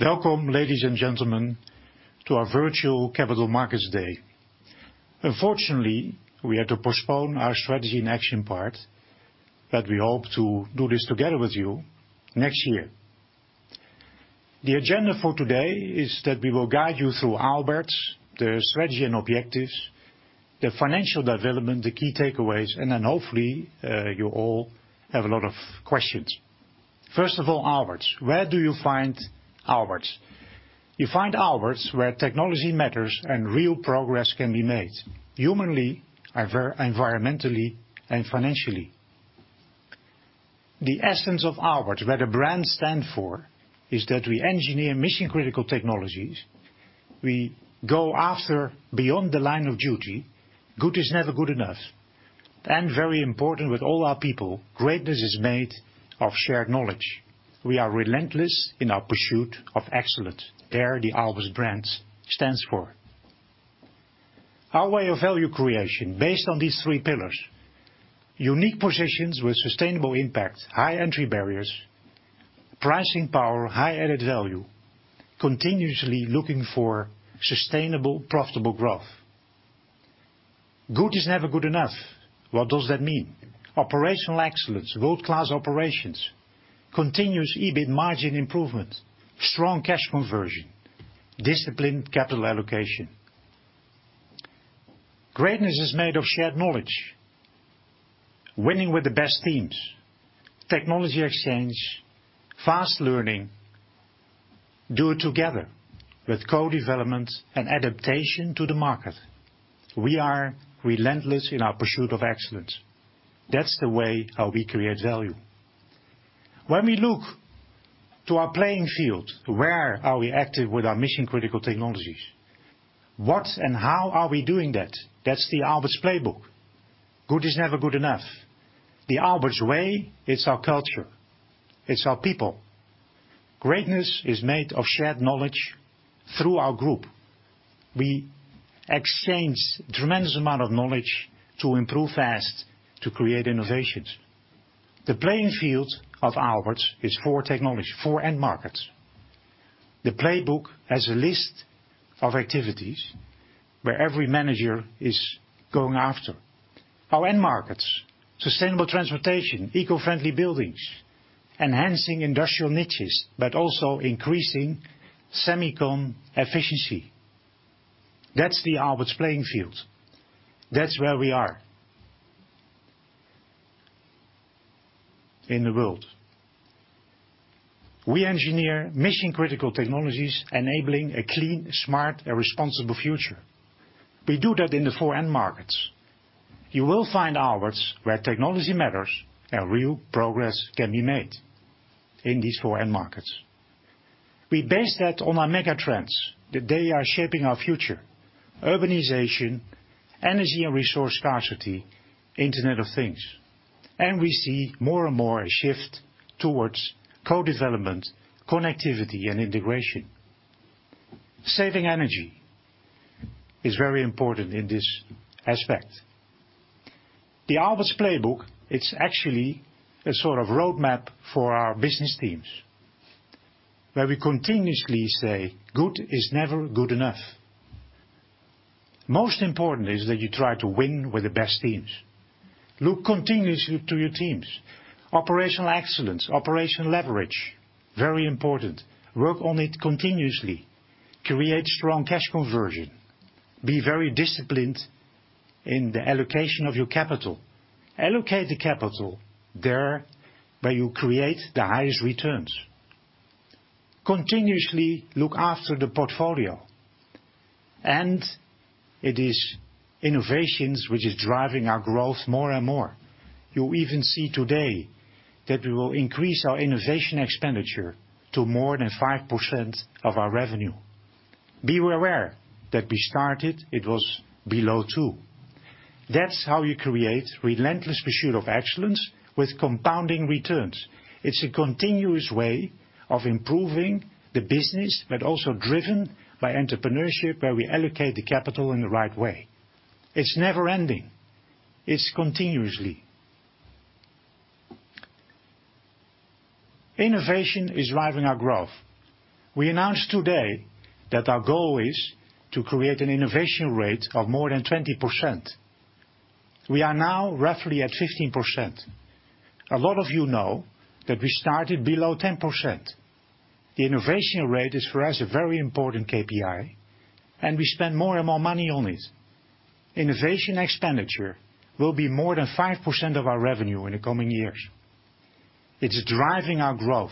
Welcome, ladies and gentlemen, to our virtual Capital Markets Day. Unfortunately, we had to postpone our strategy in action part, but we hope to do this together with you next year. The agenda for today is that we will guide you through Aalberts, the strategy and objectives, the financial development, the key takeaways, and then hopefully you all have a lot of questions. First of all, Aalberts. Where do you find Aalberts? You find Aalberts where technology matters and real progress can be made, humanly, environmentally, and financially. The essence of Aalberts, what the brand stands for, is that we engineer mission-critical technologies. We go above and beyond the line of duty. Good is never good enough. Very important with all our people, greatness is made of shared knowledge. We are relentless in our pursuit of excellence. That’s what the Aalberts brand stands for. Our way of value creation based on these three pillars, unique positions with sustainable impact, high entry barriers, pricing power, high added value, continuously looking for sustainable, profitable growth. Good is never good enough. What does that mean? Operational excellence, world-class operations, continuous EBIT margin improvement, strong cash conversion, disciplined capital allocation. Greatness is made of shared knowledge. Winning with the best teams. Technology exchange, fast learning, do it together with co-development and adaptation to the market. We are relentless in our pursuit of excellence. That's the way how we create value. When we look to our playing field, where are we active with our mission-critical technologies? What and how are we doing that? That's the Aalberts playbook. Good is never good enough. The Aalberts way, it's our culture, it's our people. Greatness is made of shared knowledge through our group. We exchange tremendous amount of knowledge to improve fast, to create innovations. The playing field of Aalberts is four technologies, four end markets. The playbook has a list of activities where every manager is going after. Our end markets, sustainable transportation, eco-friendly buildings, enhancing industrial niches, but also increasing semicon efficiency. That's the Aalberts playing field. That's where we are in the world. We engineer mission-critical technologies enabling a clean, smart, and responsible future. We do that in the four end markets. You will find Aalberts where technology matters and real progress can be made in these four end markets. We base that on our mega trends, that they are shaping our future: urbanization, energy and resource scarcity, Internet of Things. We see more and more a shift towards co-development, connectivity, and integration. Saving energy is very important in this aspect. The Aalberts playbook, it's actually a sort of roadmap for our business teams, where we continuously say, "Good is never good enough." Most important is that you try to win with the best teams. Look continuously to your teams. Operational excellence, operational leverage, very important. Work on it continuously. Create strong cash conversion. Be very disciplined in the allocation of your capital. Allocate the capital there where you create the highest returns. Continuously look after the portfolio. It is innovations which is driving our growth more and more. You even see today that we will increase our innovation expenditure to more than 5% of our revenue. Be aware that we started, it was below 2%. That's how you create relentless pursuit of excellence with compounding returns. It's a continuous way of improving the business, but also driven by entrepreneurship, where we allocate the capital in the right way. It's never ending. It's continuously. Innovation is driving our growth. We announced today that our goal is to create an innovation rate of more than 20%. We are now roughly at 15%. A lot of you know that we started below 10%. The innovation rate is, for us, a very important KPI, and we spend more and more money on it. Innovation expenditure will be more than 5% of our revenue in the coming years. It's driving our growth,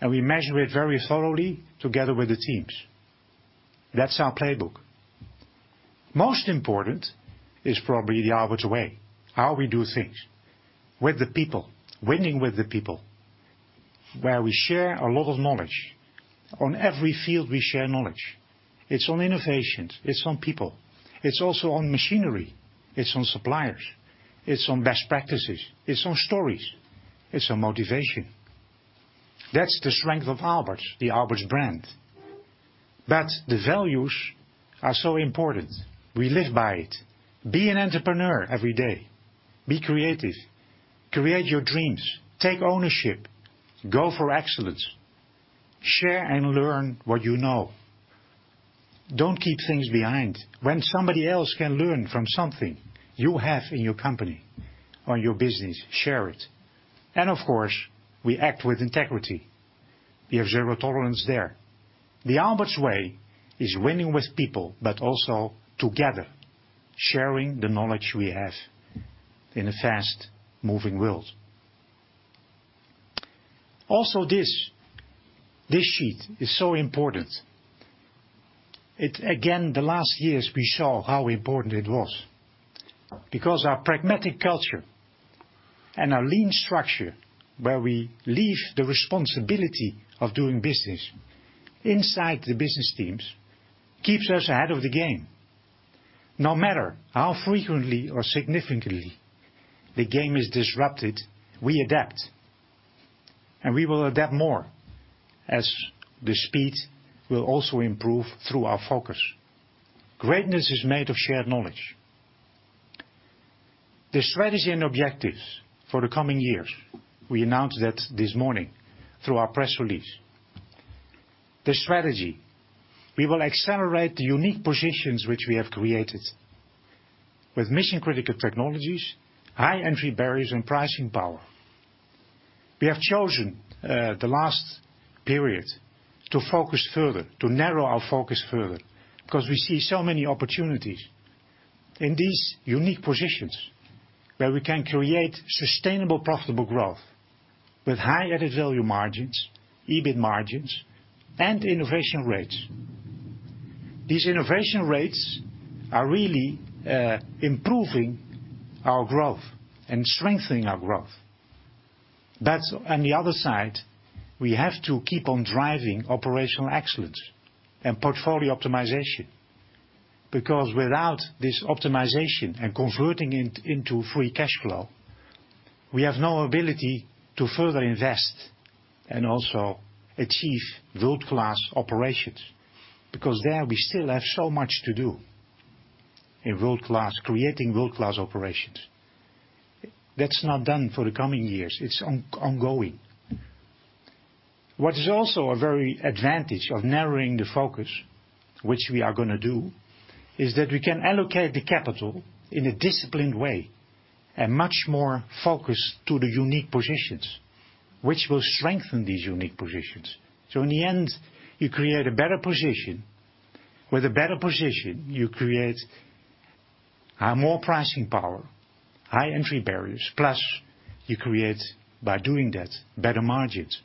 and we measure it very thoroughly together with the teams. That's our playbook. Most important is probably the Aalberts way, how we do things. With the people, winning with the people, where we share a lot of knowledge. On every field, we share knowledge. It's on innovations, it's on people, it's also on machinery, it's on suppliers, it's on best practices, it's on stories, it's on motivation. That's the strength of Aalberts, the Aalberts brand. The values are so important. We live by it. Be an entrepreneur every day. Be creative. Create your dreams. Take ownership. Go for excellence. Share and learn what you know. Don't keep things behind. When somebody else can learn from something you have in your company or your business, share it. Of course, we act with integrity. We have zero tolerance there. The Aalberts way is winning with people, but also together, sharing the knowledge we have in a fast-moving world. Also, this sheet is so important. Again, the last years we saw how important it was because our pragmatic culture and our lean structure, where we leave the responsibility of doing business inside the business teams, keeps us ahead of the game. No matter how frequently or significantly the game is disrupted, we adapt, and we will adapt more as the speed will also improve through our focus. Greatness is made of shared knowledge. The strategy and objectives for the coming years, we announced that this morning through our press release. The strategy, we will accelerate the unique positions which we have created with mission-critical technologies, high entry barriers, and pricing power. We have chosen the last period to focus further, to narrow our focus further because we see so many opportunities in these unique positions where we can create sustainable, profitable growth with high added value margins, EBIT margins, and innovation rates. These innovation rates are really improving our growth and strengthening our growth. On the other side, we have to keep on driving operational excellence and portfolio optimization because without this optimization and converting it into free cash flow, we have no ability to further invest and also achieve world-class operations. Because there we still have so much to do in world-class, creating world-class operations. That's not done for the coming years. It's ongoing. What is also a very advantage of narrowing the focus, which we are gonna do, is that we can allocate the capital in a disciplined way and much more focus to the unique positions, which will strengthen these unique positions. In the end, you create a better position. With a better position, you create a more pricing power, high entry barriers, plus you create, by doing that, better margins.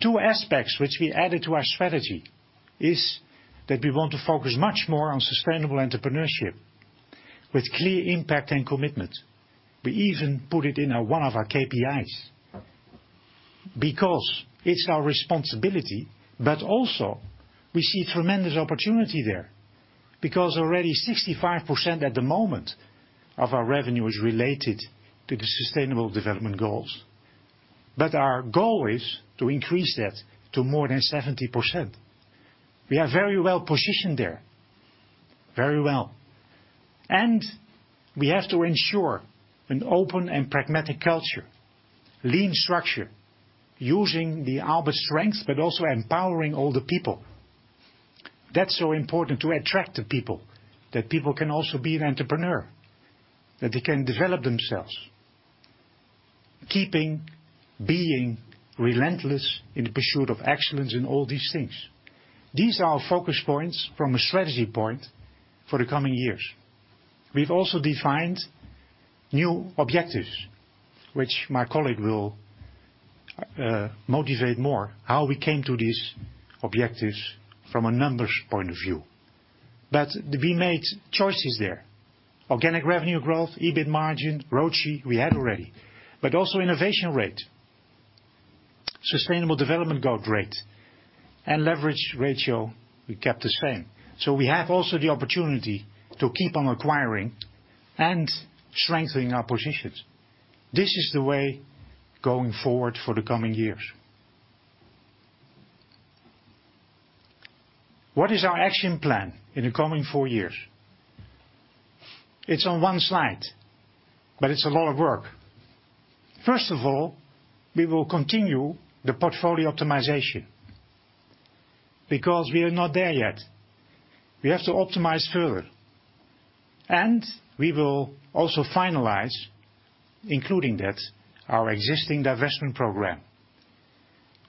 Two aspects which we added to our strategy is that we want to focus much more on sustainable entrepreneurship with clear impact and commitment. We even put it in one of our KPIs because it's our responsibility, but also we see tremendous opportunity there. Because already 65% at the moment of our revenue is related to the Sustainable Development Goals. Our goal is to increase that to more than 70%. We are very well-positioned there. Very well. We have to ensure an open and pragmatic culture, lean structure, using the Aalberts strength, but also empowering all the people. That's so important to attract the people, that people can also be an entrepreneur, that they can develop themselves, keeping being relentless in the pursuit of excellence in all these things. These are our focus points from a strategy point for the coming years. We've also defined new objectives, which my colleague will motivate more how we came to these objectives from a numbers point of view. But we made choices there. Organic revenue growth, EBIT margin, ROCE, we had already, but also innovation rate, sustainable development goal rate, and leverage ratio we kept the same. We have also the opportunity to keep on acquiring and strengthening our positions. This is the way going forward for the coming years. What is our action plan in the coming four years? It's on one slide, but it's a lot of work. First of all, we will continue the portfolio optimization because we are not there yet. We have to optimize further. We will also finalize, including that, our existing divestment program.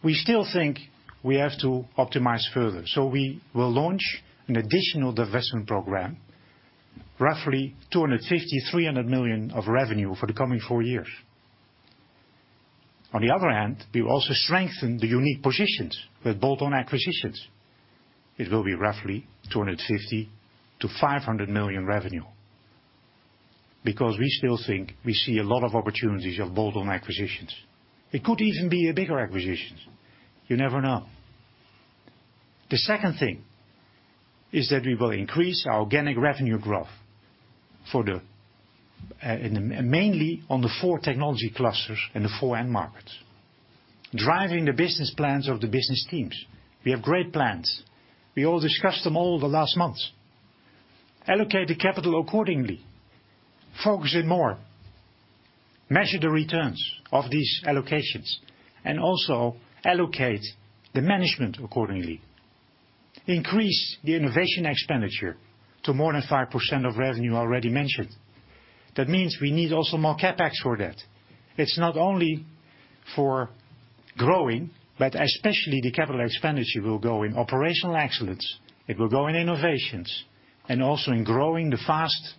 We still think we have to optimize further, so we will launch an additional divestment program, roughly 250 million-300 million of revenue for the coming four years. On the other hand, we will also strengthen the unique positions with bolt-on acquisitions. It will be roughly 250 million-500 million revenue because we still think we see a lot of opportunities of bolt-on acquisitions. It could even be a bigger acquisitions. You never know. The second thing is that we will increase our organic revenue growth mainly on the four technology clusters in the four end markets, driving the business plans of the business teams. We have great plans. We all discussed them all the last months. Allocate the capital accordingly, focus it more, measure the returns of these allocations, and also allocate the management accordingly. Increase the innovation expenditure to more than 5% of revenue already mentioned. That means we need also more CapEx for that. It's not only for growing, but especially the capital expenditure will go in operational excellence, it will go in innovations, and also in growing the fast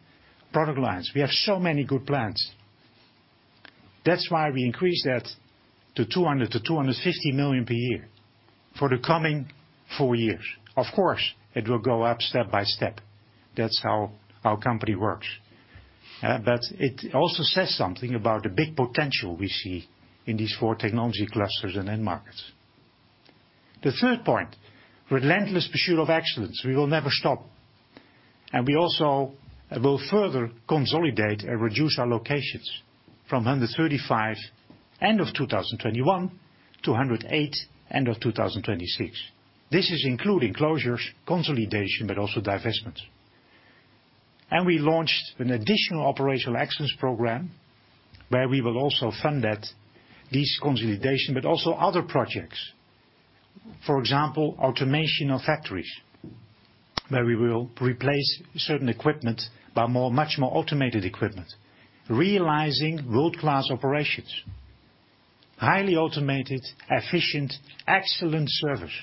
product lines. We have so many good plans. That's why we increased that to 200 million to 250 million per year for the coming four years. Of course, it will go up step by step. That's how our company works. But it also says something about the big potential we see in these four technology clusters and end markets. The third point, relentless pursuit of excellence. We will never stop, and we also will further consolidate and reduce our locations from 135 end of 2021 to 108 end of 2026. This is including closures, consolidation, but also divestments. We launched an additional operational excellence program where we will also fund that, this consolidation, but also other projects. For example, automation of factories, where we will replace certain equipment by more, much more automated equipment, realizing world-class operations, highly automated, efficient, excellent service.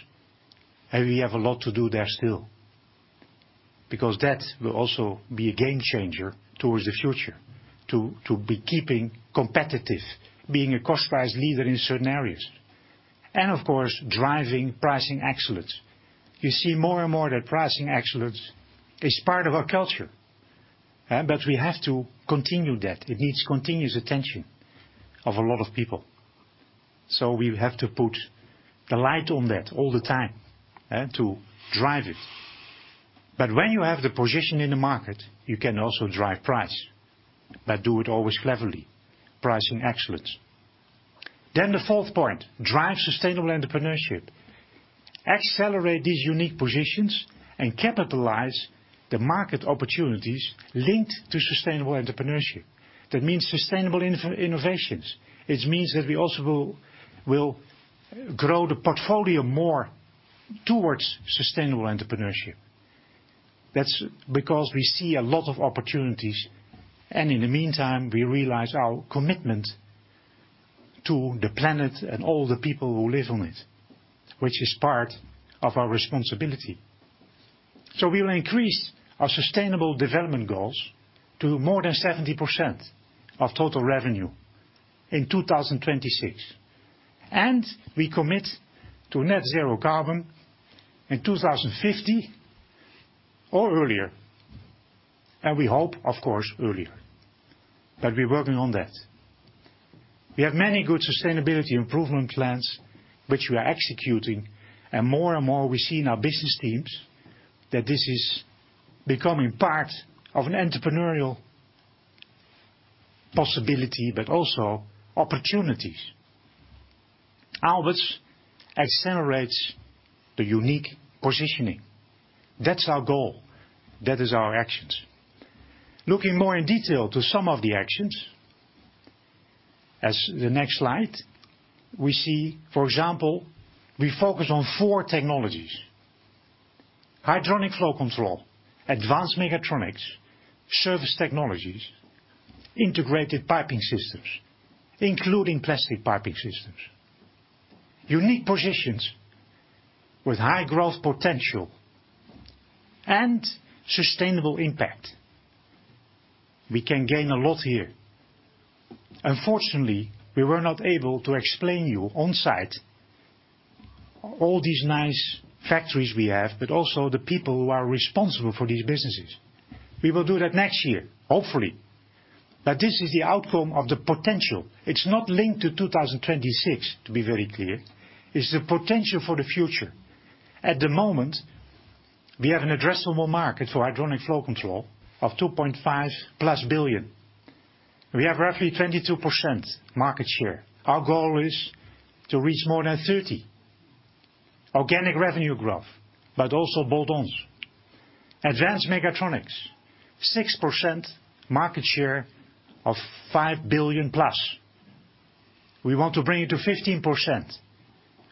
We have a lot to do there still, because that will also be a game changer towards the future to be keeping competitive, being a cost price leader in certain areas, and of course, driving pricing excellence. You see more and more that pricing excellence is part of our culture, but we have to continue that. It needs continuous attention of a lot of people. We have to put the light on that all the time to drive it. When you have the position in the market, you can also drive price, but do it always cleverly. Pricing excellence. The fourth point, drive sustainable entrepreneurship. Accelerate these unique positions and capitalize the market opportunities linked to sustainable entrepreneurship. That means sustainable innovations. It means that we also will grow the portfolio more towards sustainable entrepreneurship. That's because we see a lot of opportunities, and in the meantime, we realize our commitment to the planet and all the people who live on it, which is part of our responsibility. We will increase our Sustainable Development Goals to more than 70% of total revenue in 2026. We commit to net-zero carbon in 2050 or earlier, and we hope, of course, earlier. But we're working on that. We have many good sustainability improvement plans which we are executing, and more and more we see in our business teams that this is becoming part of an entrepreneurial possibility, but also opportunities. Aalberts accelerates the unique positioning. That's our goal. That is our actions. Looking more in detail to some of the actions, as the next slide, we see, for example, we focus on four technologies. Hydronic flow control, advanced mechatronics, surface technologies, integrated piping systems, including plastic piping systems. Unique positions with high growth potential and sustainable impact. We can gain a lot here. Unfortunately, we were not able to explain you on-site all these nice factories we have, but also the people who are responsible for these businesses. We will do that next year, hopefully. This is the outcome of the potential. It's not linked to 2026, to be very clear. It's the potential for the future. At the moment, we have an addressable market for hydronic flow control of 2.5+ billion. We have roughly 22% market share. Our goal is to reach more than 30% organic revenue growth, but also bolt-ons. Advanced mechatronics, 6% market share of 5 billion+. We want to bring it to 15%.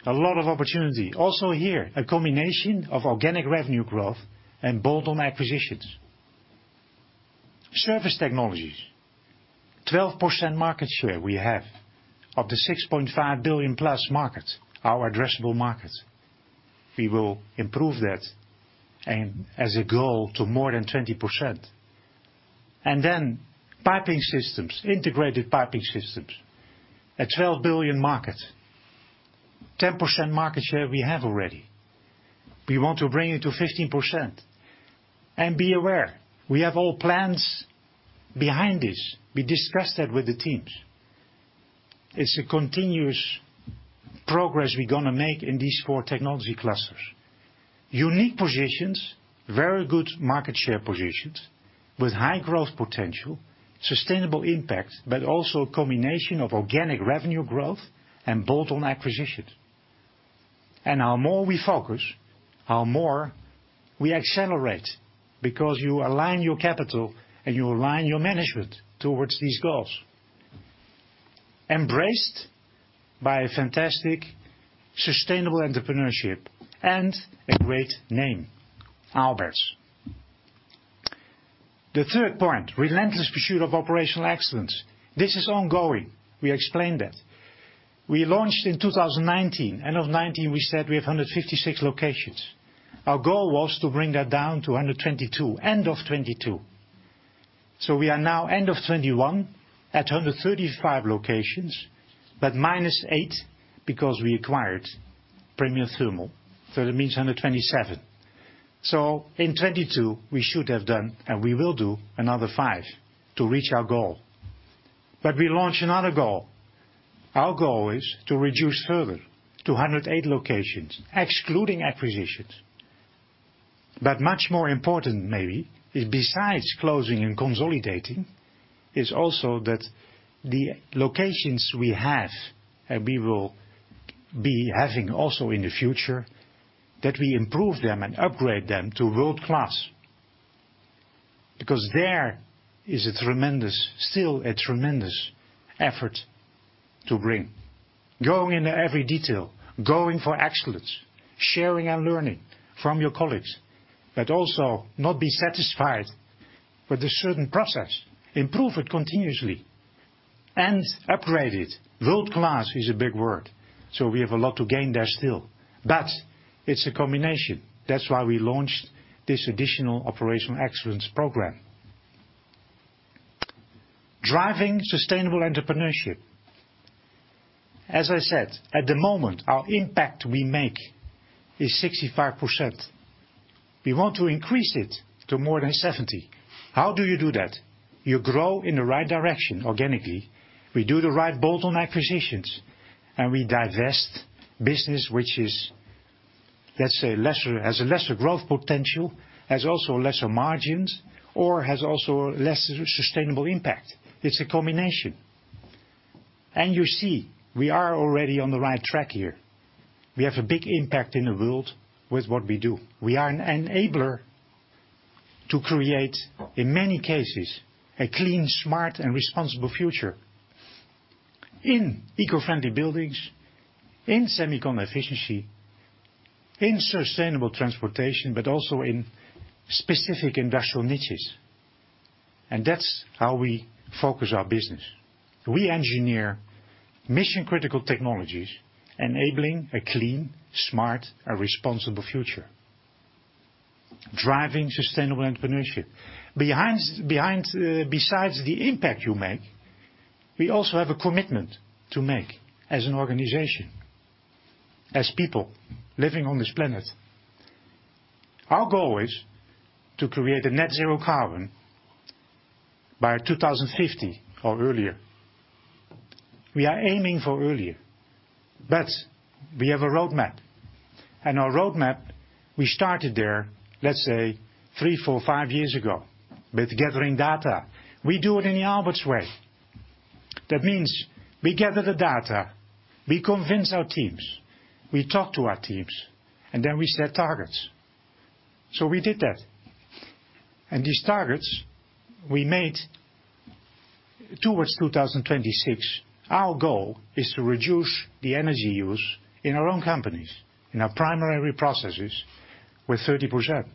A lot of opportunity. Also here, a combination of organic revenue growth and bolt-on acquisitions. Surface technologies, 12% market share we have of the 6.5 billion+ market, our addressable market. We will improve that and as a goal to more than 20%. Piping systems, integrated piping systems, a 12 billion market. 10% market share we have already. We want to bring it to 15%. Be aware, we have all plans behind this. We discussed that with the teams. It's a continuous progress we're gonna make in these four technology clusters. Unique positions, very good market share positions with high growth potential, sustainable impact, but also a combination of organic revenue growth and bolt-on acquisitions. The more we focus, the more we accelerate, because you align your capital and you align your management towards these goals. Embraced by a fantastic sustainable entrepreneurship and a great name, Aalberts. The third point, relentless pursuit of operational excellence. This is ongoing. We explained that. We launched in 2019. End of 2019, we said we have 156 locations. Our goal was to bring that down to 122, end of 2022. We are now end of 2021 at 135 locations, but -8 because we acquired Premier Thermal. That means 127. In 2022 we should have done, and we will do another five to reach our goal. We launch another goal. Our goal is to reduce further to 108 locations, excluding acquisitions. Much more important maybe is besides closing and consolidating, is also that the locations we have, and we will be having also in the future, that we improve them and upgrade them to world-class. Because there is a tremendous effort to bring. Going into every detail, going for excellence, sharing and learning from your colleagues, but also not be satisfied with a certain process. Improve it continuously and upgrade it. World-class is a big word, so we have a lot to gain there still. It's a combination. That's why we launched this additional operational excellence program driving sustainable entrepreneurship. As I said, at the moment, our impact we make is 65%. We want to increase it to more than 70%. How do you do that? You grow in the right direction organically. We do the right bolt-on acquisitions, and we divest business which is, let's say, lesser, has a lesser growth potential, has also lesser margins, or has also less sustainable impact. It's a combination. You see we are already on the right track here. We have a big impact in the world with what we do. We are an enabler to create, in many cases, a clean, smart, and responsible future in eco-friendly buildings, in semicon efficiency, in sustainable transportation, but also in specific industrial niches. That's how we focus our business. We engineer mission-critical technologies, enabling a clean, smart, and responsible future. Driving sustainable entrepreneurship. Besides the impact you make, we also have a commitment to make as an organization, as people living on this planet. Our goal is to create a net-zero carbon by 2050 or earlier. We are aiming for earlier, but we have a roadmap. Our roadmap, we started there, let's say three, four, five years ago with gathering data. We do it in the Aalberts way. That means we gather the data, we convince our teams, we talk to our teams, and then we set targets. We did that. These targets we made towards 2026. Our goal is to reduce the energy use in our own companies, in our primary processes with 30%.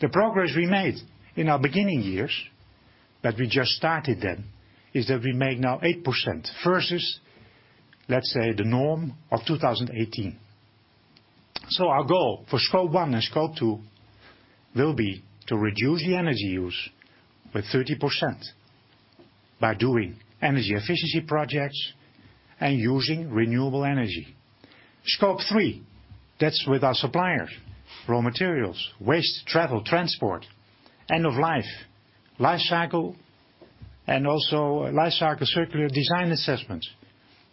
The progress we made in our beginning years that we just started then is that we make now 8% versus, let's say, the norm of 2018. Our goal for Scope 1 and Scope 2 will be to reduce the energy use with 30% by doing energy efficiency projects and using renewable energy. Scope 3, that's with our suppliers, raw materials, waste, travel, transport, end of life cycle, and also life cycle circular design assessments.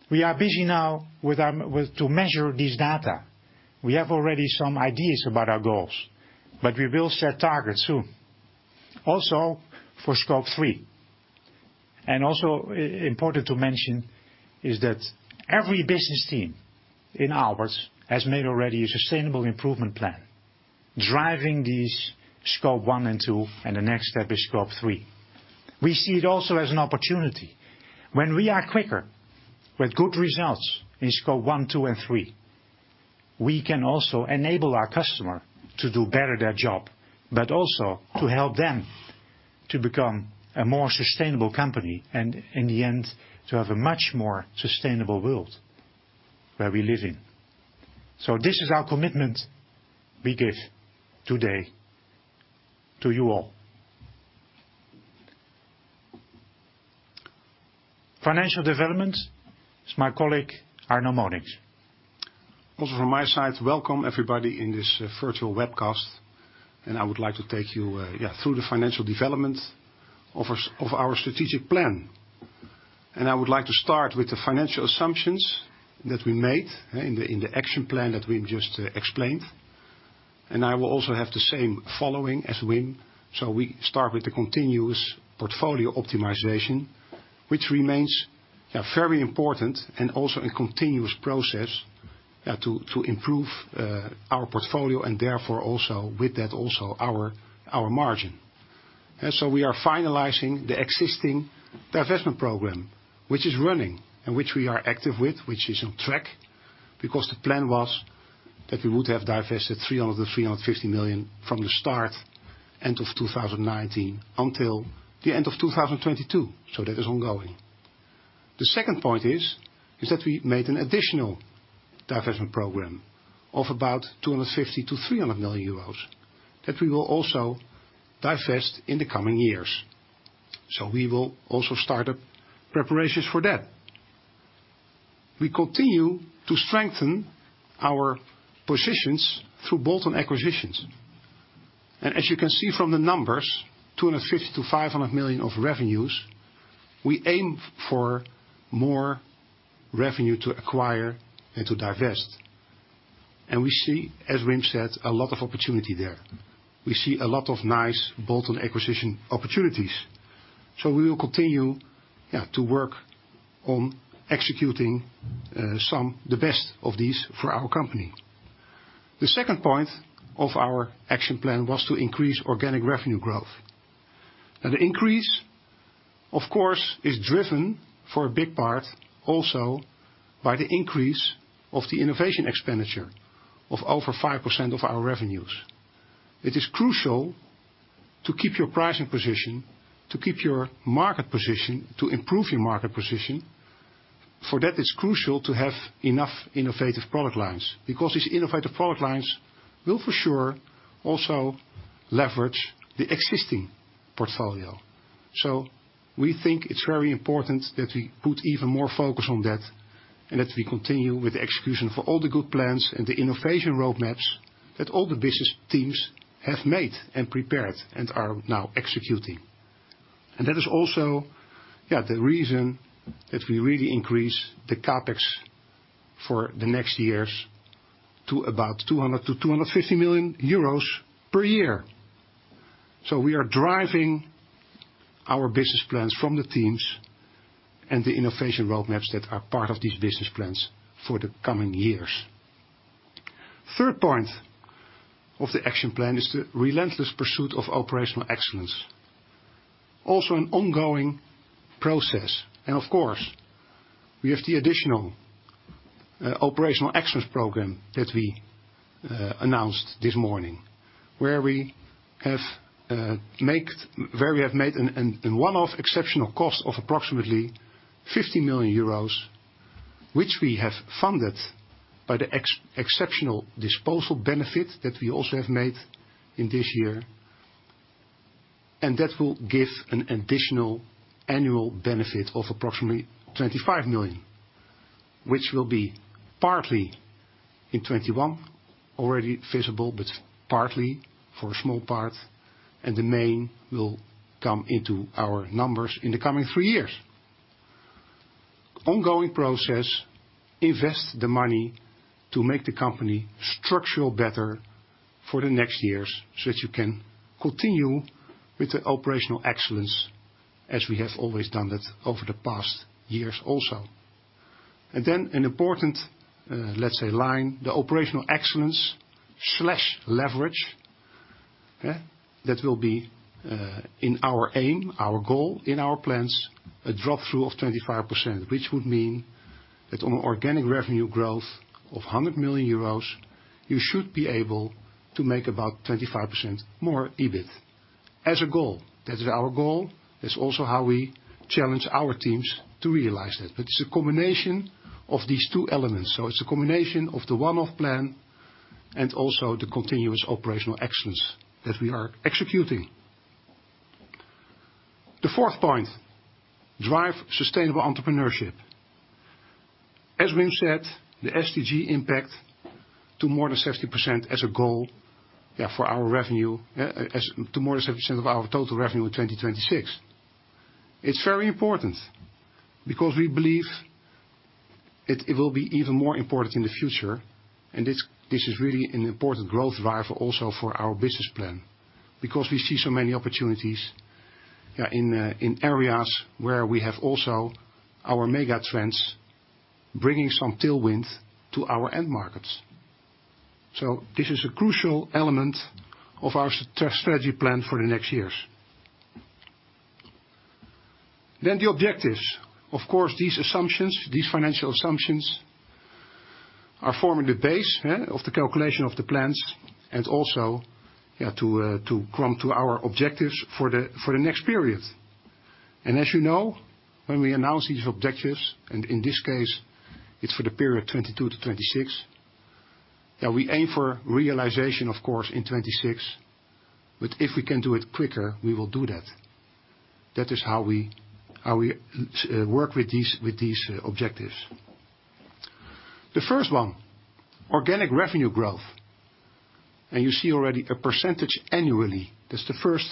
We are busy now with how to measure this data. We have already some ideas about our goals, but we will set targets soon also for Scope 3. Important to mention is that every business team in Aalberts has made already a sustainable improvement plan driving these Scope 1 and 2, and the next step is Scope 3. We see it also as an opportunity. When we are quicker with good results in Scope 1, 2, and 3, we can also enable our customer to do better their job, but also to help them to become a more sustainable company and in the end, to have a much more sustainable world where we live in. This is our commitment we give today to you all. Financial development is my colleague, Arno Monincx. From my side, welcome everybody in this virtual webcast, and I would like to take you through the financial development of our strategic plan. I would like to start with the financial assumptions that we made in the action plan that Wim just explained. I will also have the same following as Wim. We start with the continuous portfolio optimization, which remains very important and also a continuous process to improve our portfolio and therefore also with that also our margin. We are finalizing the existing divestment program, which is running and which we are active with, which is on track. Because the plan was that we would have divested 300 million - 350 million from the start end of 2019 until the end of 2022. That is ongoing. The second point is that we made an additional divestment program of about 250 million-300 million euros that we will also divest in the coming years. We will also start up preparations for that. We continue to strengthen our positions through bolt-on acquisitions. As you can see from the numbers, 250 millon-EUR 500 million of revenues, we aim for more revenue to acquire and to divest. We see, as Wim said, a lot of opportunity there. We see a lot of nice bolt-on acquisition opportunities. We will continue to work on executing the best of these for our company. The second point of our action plan was to increase organic revenue growth. The increase, of course, is driven for a big part also by the increase of the innovation expenditure of over 5% of our revenues. It is crucial to keep your pricing position, to keep your market position, to improve your market position. For that, it's crucial to have enough innovative product lines, because these innovative product lines will, for sure, also leverage the existing portfolio. We think it's very important that we put even more focus on that and that we continue with the execution for all the good plans and the innovation roadmaps that all the business teams have made and prepared and are now executing. That is also, yeah, the reason that we really increase the CapEx for the next years to about 200 million-250 million euros per year. We are driving our business plans from the teams and the innovation roadmaps that are part of these business plans for the coming years. Third point of the action plan is the relentless pursuit of operational excellence. Also an ongoing process. Of course, we have the additional operational excellence program that we announced this morning. Where we have made an one-off exceptional cost of approximately 50 million euros, which we have funded by the exceptional disposal benefit that we also have made in this year. That will give an additional annual benefit of approximately 25 million, which will be partly in 2021 already visible, but partly for a small part, and the main will come into our numbers in the coming three years. Ongoing process, invest the money to make the company structural better for the next years, so that you can continue with the operational excellence as we have always done that over the past years also. An important, let's say, line, the operational excellence leverage. That will be, in our aim, our goal, in our plans, a drop-through of 25%, which would mean that on organic revenue growth of 100 million euros, you should be able to make about 25% more EBIT as a goal. That is our goal. That's also how we challenge our teams to realize that. It's a combination of these two elements. It's a combination of the one-off plan and also the continuous operational excellence that we are executing. The fourth point, drive sustainable entrepreneurship. As Wim said, the SDG impact to more than 60% as a goal for our revenue to more than 60% of our total revenue in 2026. It's very important because we believe it will be even more important in the future. This is really an important growth driver also for our business plan because we see so many opportunities in areas where we have also our mega trends bringing some tailwind to our end markets. This is a crucial element of our strategy plan for the next years. The objectives. Of course, these assumptions, these financial assumptions are forming the base of the calculation of the plans and also to come to our objectives for the next period. As you know, when we announce these objectives, and in this case it's for the period 2022-2026, we aim for realization of course in 2026, but if we can do it quicker, we will do that. That is how we work with these objectives. The first one, organic revenue growth. You see already a percentage annually. That's the first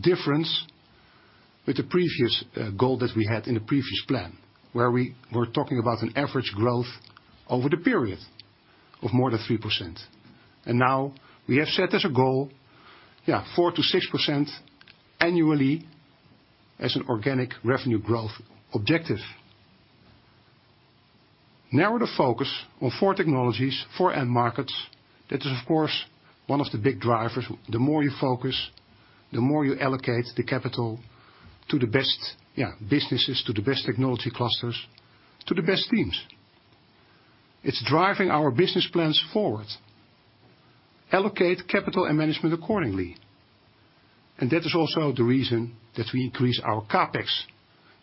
difference with the previous goal that we had in the previous plan, where we were talking about an average growth over the period of more than 3%. Now we have set as a goal, 4%-6% annually as an organic revenue growth objective. Narrow the focus on four technologies, four end markets. That is, of course, one of the big drivers. The more you focus, the more you allocate the capital to the best, businesses, to the best technology clusters, to the best teams. It's driving our business plans forward. Allocate capital and management accordingly. That is also the reason that we increase our CapEx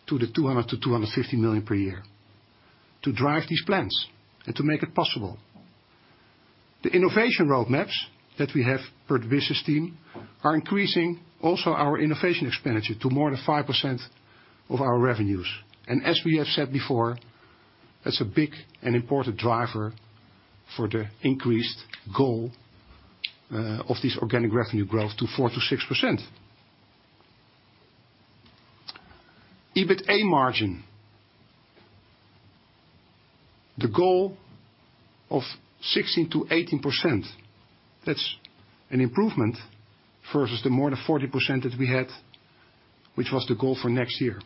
to 200 million-250 million per year to drive these plans and to make it possible. The innovation roadmaps that we have per business team are increasing also our innovation expenditure to more than 5% of our revenues. As we have said before, that's a big and important driver for the increased goal of this organic revenue growth to 4%-6%. EBITDA margin. The goal of 16%-18%, that's an improvement versus the more than 40% that we had, which was the goal for next year.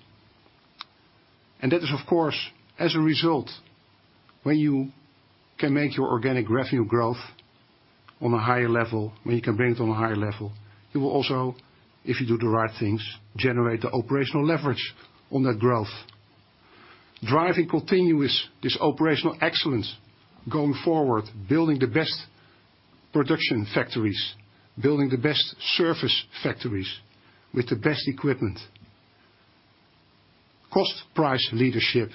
That is, of course, as a result, when you can make your organic revenue growth on a higher level, when you can bring it on a higher level, you will also, if you do the right things, generate the operational leverage on that growth. Driving continuous this operational excellence going forward, building the best production factories, building the best surface factories with the best equipment. Cost price leadership.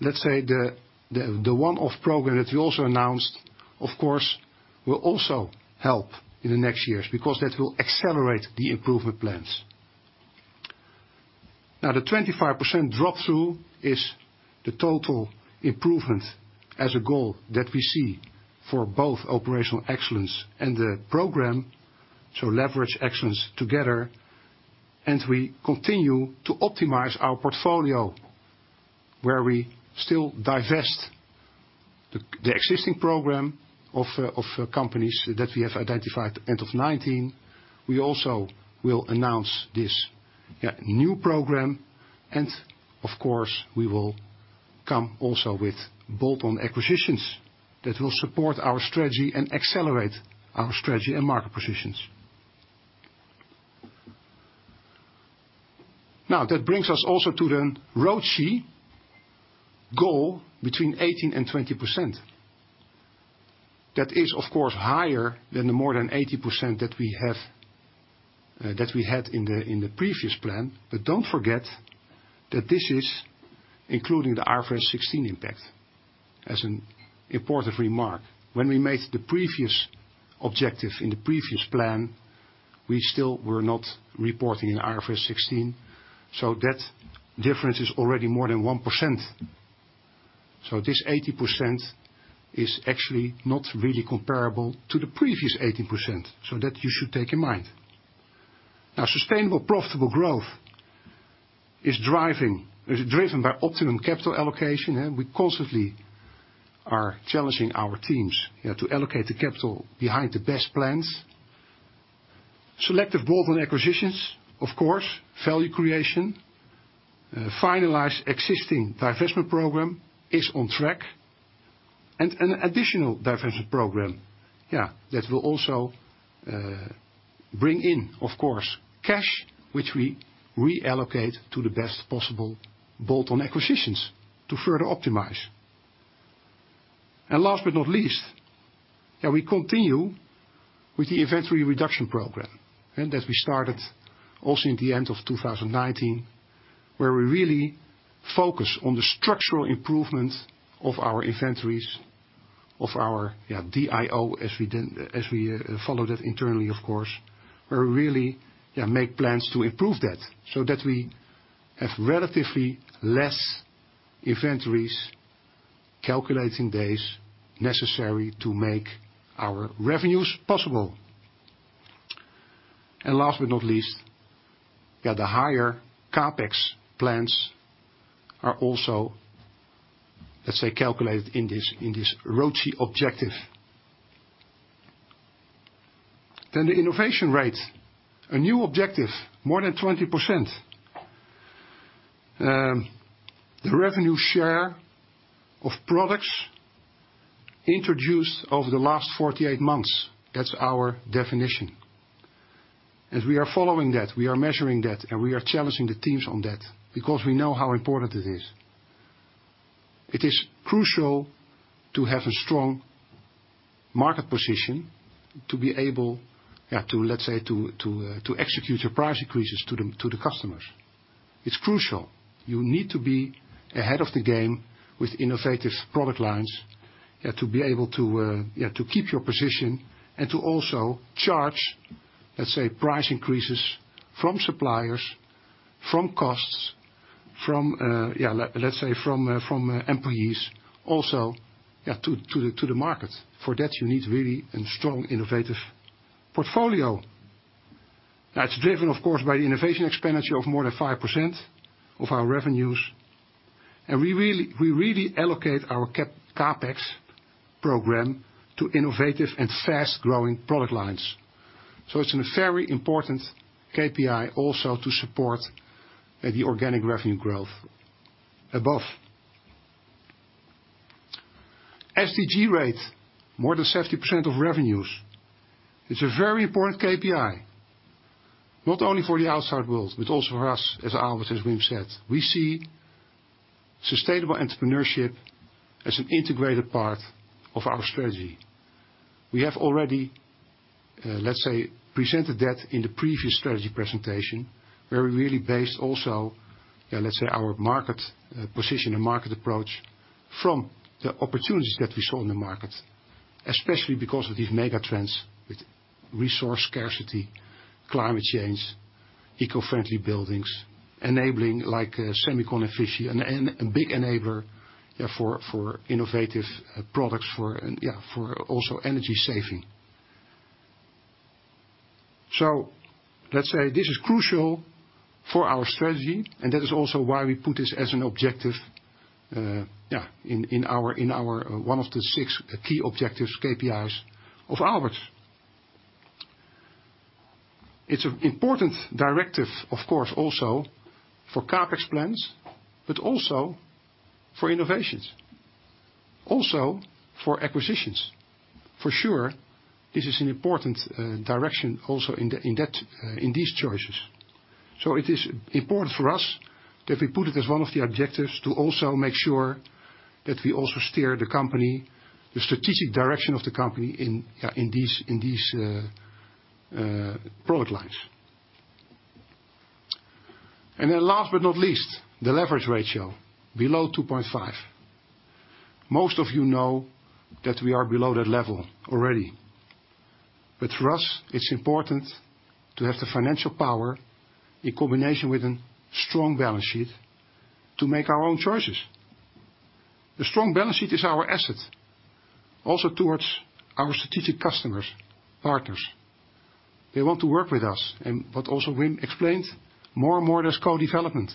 Let's say the one-off program that we also announced, of course, will also help in the next years because that will accelerate the improvement plans. Now, the 25% drop-through is the total improvement as a goal that we see for both operational excellence and the program, so leverage excellence together. We continue to optimize our portfolio where we still divest the existing program of companies that we have identified end of 2019. We also will announce this, yeah, new program. Of course, we will come also with bolt-on acquisitions that will support our strategy and accelerate our strategy and market positions. Now, that brings us also to the ROCE goal between 18% and 20%. That is, of course, higher than the more than 80% that we had in the previous plan. Don't forget that this is including the IFRS 16 impact as an important remark. When we made the previous objective in the previous plan, we still were not reporting in IFRS 16. That difference is already more than 1%. This 80% is actually not really comparable to the previous 18%. That you should take in mind. Sustainable profitable growth is driven by optimum capital allocation, and we constantly are challenging our teams to allocate the capital behind the best plans. Selective bolt-on acquisitions, of course, value creation, finalize existing divestment program is on track, and an additional divestment program that will also bring in, of course, cash which we reallocate to the best possible bolt-on acquisitions to further optimize. Last but not least, we continue with the inventory-reduction program, and that we started also in the end of 2019, where we really focus on the structural improvement of our inventories, of our DIO as we follow that internally, of course, where we really make plans to improve that so that we have relatively less inventories calculating days necessary to make our revenues possible. Last but not least, the higher CapEx plans are also, let's say, calculated in this ROCE objective. The innovation rate, a new objective, more than 20%. The revenue share of products introduced over the last 48 months, that's our definition. As we are following that, we are measuring that, and we are challenging the teams on that because we know how important it is. It is crucial to have a strong market position to be able to execute your price increases to the customers. It's crucial. You need to be ahead of the game with innovative product lines, you have to be able to keep your position and to also charge price increases from suppliers, from costs, from employees also to the market. For that, you need really a strong innovative portfolio. That's driven, of course, by the innovation expenditure of more than 5% of our revenues. We really allocate our CapEx program to innovative and fast-growing product lines. It's a very important KPI also to support the organic revenue growth above SDG rate, more than 70% of revenues. It's a very important KPI, not only for the outside world, but also for us, as Albert and Wim said. We see sustainable entrepreneurship as an integrated part of our strategy. We have already, let's say, presented that in the previous strategy presentation, where we really based also, let's say, our market position and market approach from the opportunities that we saw in the market, especially because of these mega trends with resource scarcity, climate change, eco-friendly buildings, enabling like semicon efficiency and big enabler for innovative products for also energy saving. Let's say this is crucial for our strategy, and that is also why we put this as an objective in our one of the six key objectives KPIs of Aalberts. It's an important directive, of course, also for CapEx plans, but also for innovations, also for acquisitions. For sure, this is an important direction also in these choices. It is important for us that we put it as one of the objectives to also make sure that we also steer the company, the strategic direction of the company in these product lines. Last but not least, the leverage ratio below 2.5. Most of you know that we are below that level already. For us, it's important to have the financial power in combination with a strong balance sheet to make our own choices. The strong balance sheet is our asset, also towards our strategic customers, partners. They want to work with us. What also Wim explained, more and more there's co-development,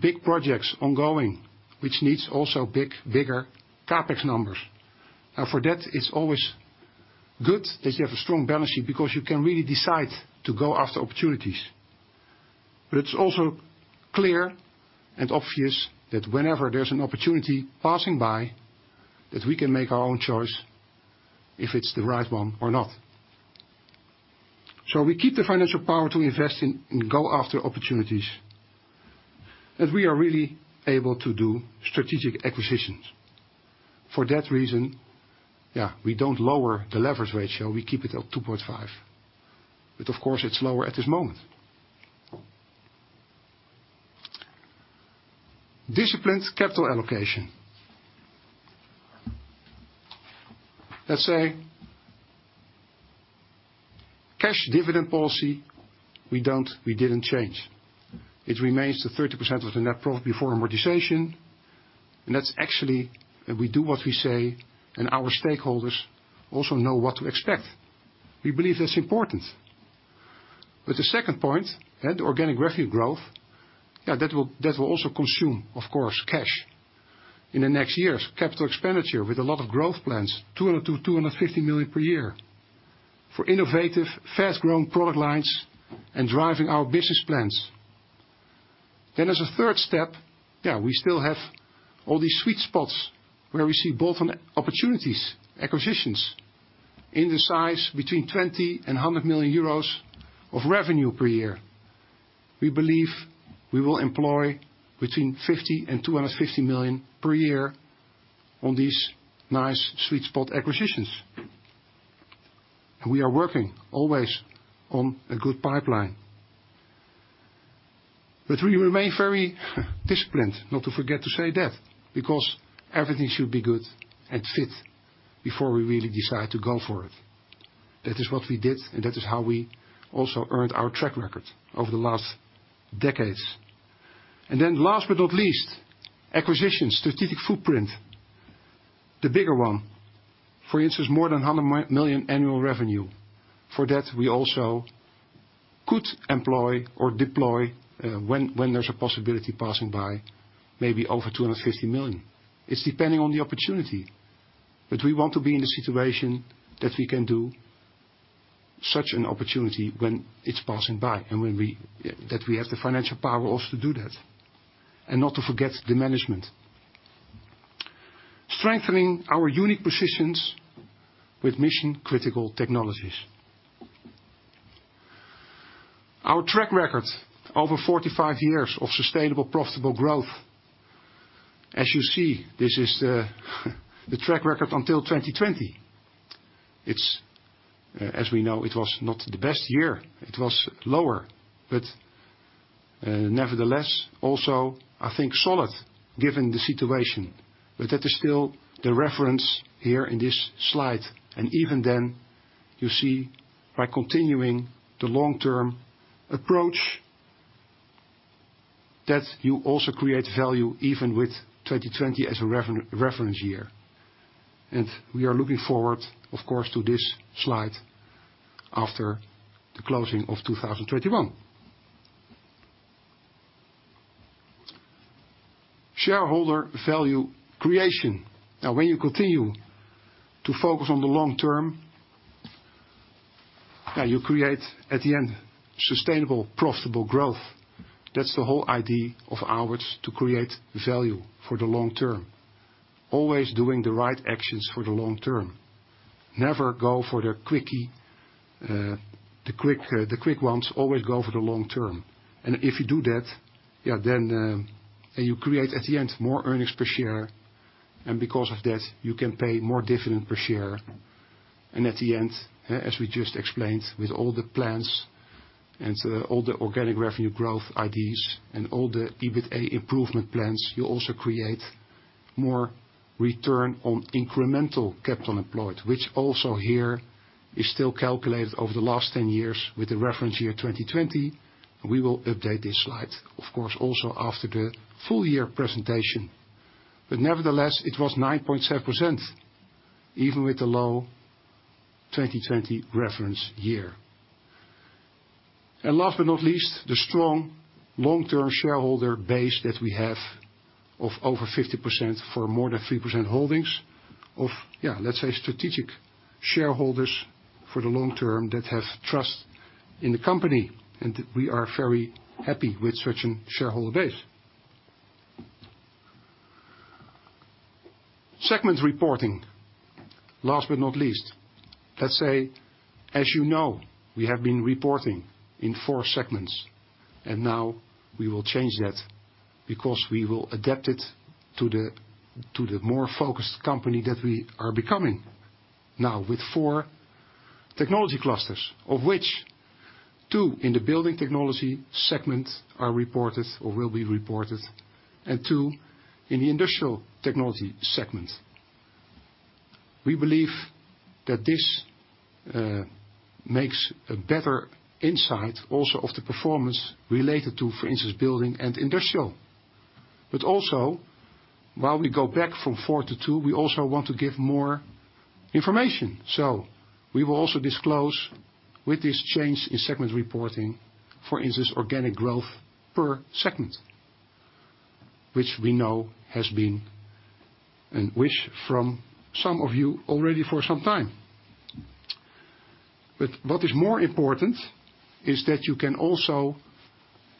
big projects ongoing, which needs also big, bigger CapEx numbers. Now, for that, it's always good that you have a strong balance sheet because you can really decide to go after opportunities. It's also clear and obvious that whenever there's an opportunity passing by, that we can make our own choice if it's the right one or not. We keep the financial power to invest and go after opportunities, and we are really able to do strategic acquisitions. For that reason, yeah, we don't lower the leverage ratio, we keep it at 2.5. Of course, it's lower at this moment. Disciplined capital allocation. Let's say, cash dividend policy, we didn't change. It remains the 30% of the net profit before amortization. That's actually, we do what we say, and our stakeholders also know what to expect. We believe that's important. The second point, the organic revenue growth, yeah, that will also consume, of course, cash in the next years. Capital expenditure with a lot of growth plans, 200 million-250 million per year for innovative, fast-growing product lines and driving our business plans. As a third step, yeah, we still have all these sweet spots where we see bolt-on opportunities, acquisitions in the size between 20 million euros and 100 million euros of revenue per year. We believe we will deploy between 50 million and 250 million per year on these nice sweet spot acquisitions. We are working always on a good pipeline. We remain very disciplined, not to forget to say that, because everything should be good and fit before we really decide to go for it. That is what we did, and that is how we also earned our track record over the last decades. Then last but not least, acquisitions, strategic footprint, the bigger one, for instance, more than 100 million annual revenue. For that, we also could employ or deploy, when there's a possibility passing by maybe over 250 million. It's depending on the opportunity, but we want to be in a situation that we can do such an opportunity when it's passing by and that we have the financial power also to do that, and not to forget the management. Strengthening our unique positions with mission-critical technologies. Our track record over 45 years of sustainable, profitable growth. As you see, this is the track record until 2020. It's, as we know, it was not the best year, it was lower, but, nevertheless also, I think, solid given the situation. That is still the reference here in this slide. Even then, you see by continuing the long-term approach that you also create value even with 2020 as a reference year. We are looking forward, of course, to this slide after the closing of 2021. Shareholder value creation. Now when you continue to focus on the long-term, yeah, you create at the end, sustainable, profitable growth. That's the whole idea of Aalberts, to create value for the long-term. Always doing the right actions for the long-term. Never go for the quickie, the quick ones, always go for the long-term. If you do that, then you create at the end more earnings per share. Because of that, you can pay more dividend per share. At the end, as we just explained, with all the plans and all the organic revenue growth ideas and all the EBITA improvement plans, you also create more return on incremental capital employed, which also here is still calculated over the last 10 years with the reference year 2020. We will update this slide, of course, also after the full year presentation. Nevertheless, it was 9.7%, even with the low 2020 reference year. Last but not least, the strong long-term shareholder base that we have of over 50% for more than 3% holdings of, let's say strategic shareholders for the long-term that have trust in the company. We are very happy with such a shareholder base. Segment reporting. Last but not least. Let's say, as you know, we have been reporting in four segments, and now we will change that because we will adapt it to the more focused company that we are becoming now with four technology clusters, of which two in the Building Technology segment are reported or will be reported, and two in the Industrial Technology segment. We believe that this makes a better insight also of the performance related to, for instance, Building and Industrial. But also, while we go back from four to two, we also want to give more information. We will also disclose with this change in segment reporting, for instance, organic growth per segment, which we know has been a wish from some of you already for some time. What is more important is that you can also,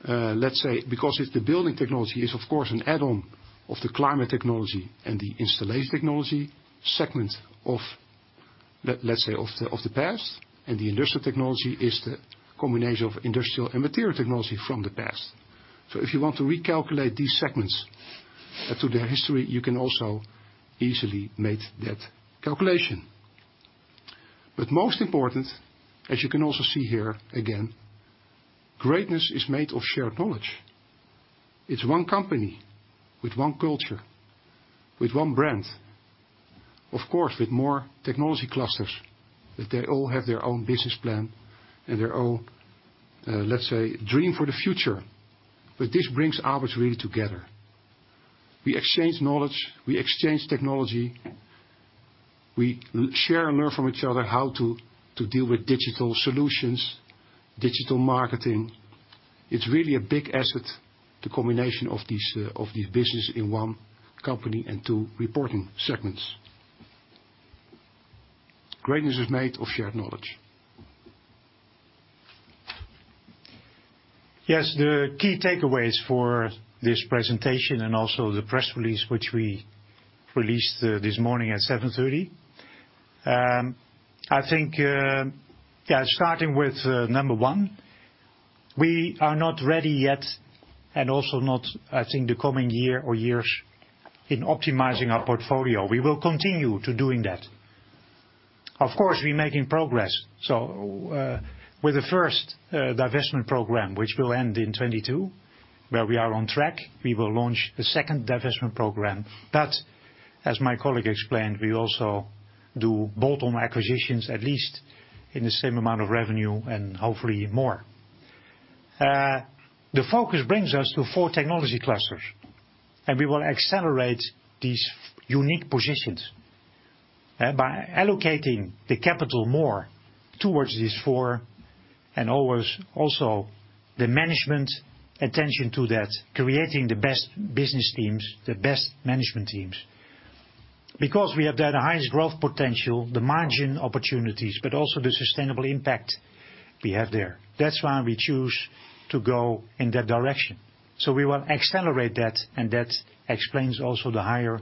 let's say, because if the building technology is of course an add-on of the climate technology and the installation technology segment of, let's say, of the past, and the industrial technology is the combination of industrial and material technology from the past. If you want to recalculate these segments, to their history, you can also easily make that calculation. Most important, as you can also see here, again, greatness is made of shared knowledge. It's one company with one culture, with one brand. Of course, with more technology clusters, that they all have their own business plan and their own, let's say, dream for the future. This brings Aalberts really together. We exchange knowledge, we exchange technology. We share and learn from each other how to deal with digital solutions, digital marketing. It's really a big asset, the combination of these businesses in one company and two reporting segments. Greatness is made of shared knowledge. Yes, the key takeaways for this presentation and also the press release, which we released, this morning at 7:30 A.M. I think, starting with one, we are not ready yet and also not, I think, the coming year or years in optimizing our portfolio. We will continue to doing that. Of course, we're making progress. With the first divestment program, which will end in 2022, where we are on track, we will launch the second divestment program. As my colleague explained, we also do bolt-on acquisitions, at least in the same amount of revenue and hopefully more. The focus brings us to four technology clusters, and we will accelerate these unique positions, by allocating the capital more towards these four and always also the management attention to that, creating the best business teams, the best management teams. Because we have the highest growth potential, the margin opportunities, but also the sustainable impact we have there. That's why we choose to go in that direction. We will accelerate that, and that explains also the higher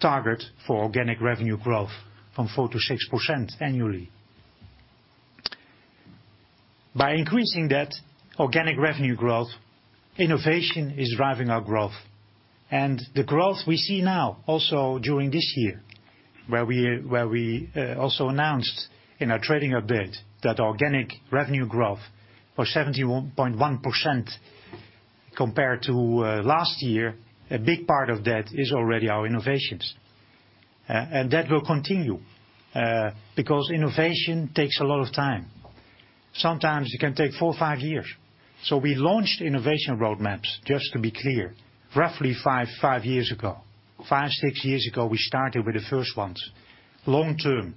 target for organic revenue growth from 4%-6% annually. By increasing that organic revenue growth, innovation is driving our growth. The growth we see now also during this year, where we also announced in our trading update that organic revenue growth was 71.1% compared to last year, a big part of that is already our innovations. That will continue, because innovation takes a lot of time. Sometimes it can take four or five years. We launched innovation roadmaps, just to be clear, roughly five years ago. five, six years ago, we started with the first ones, long-term.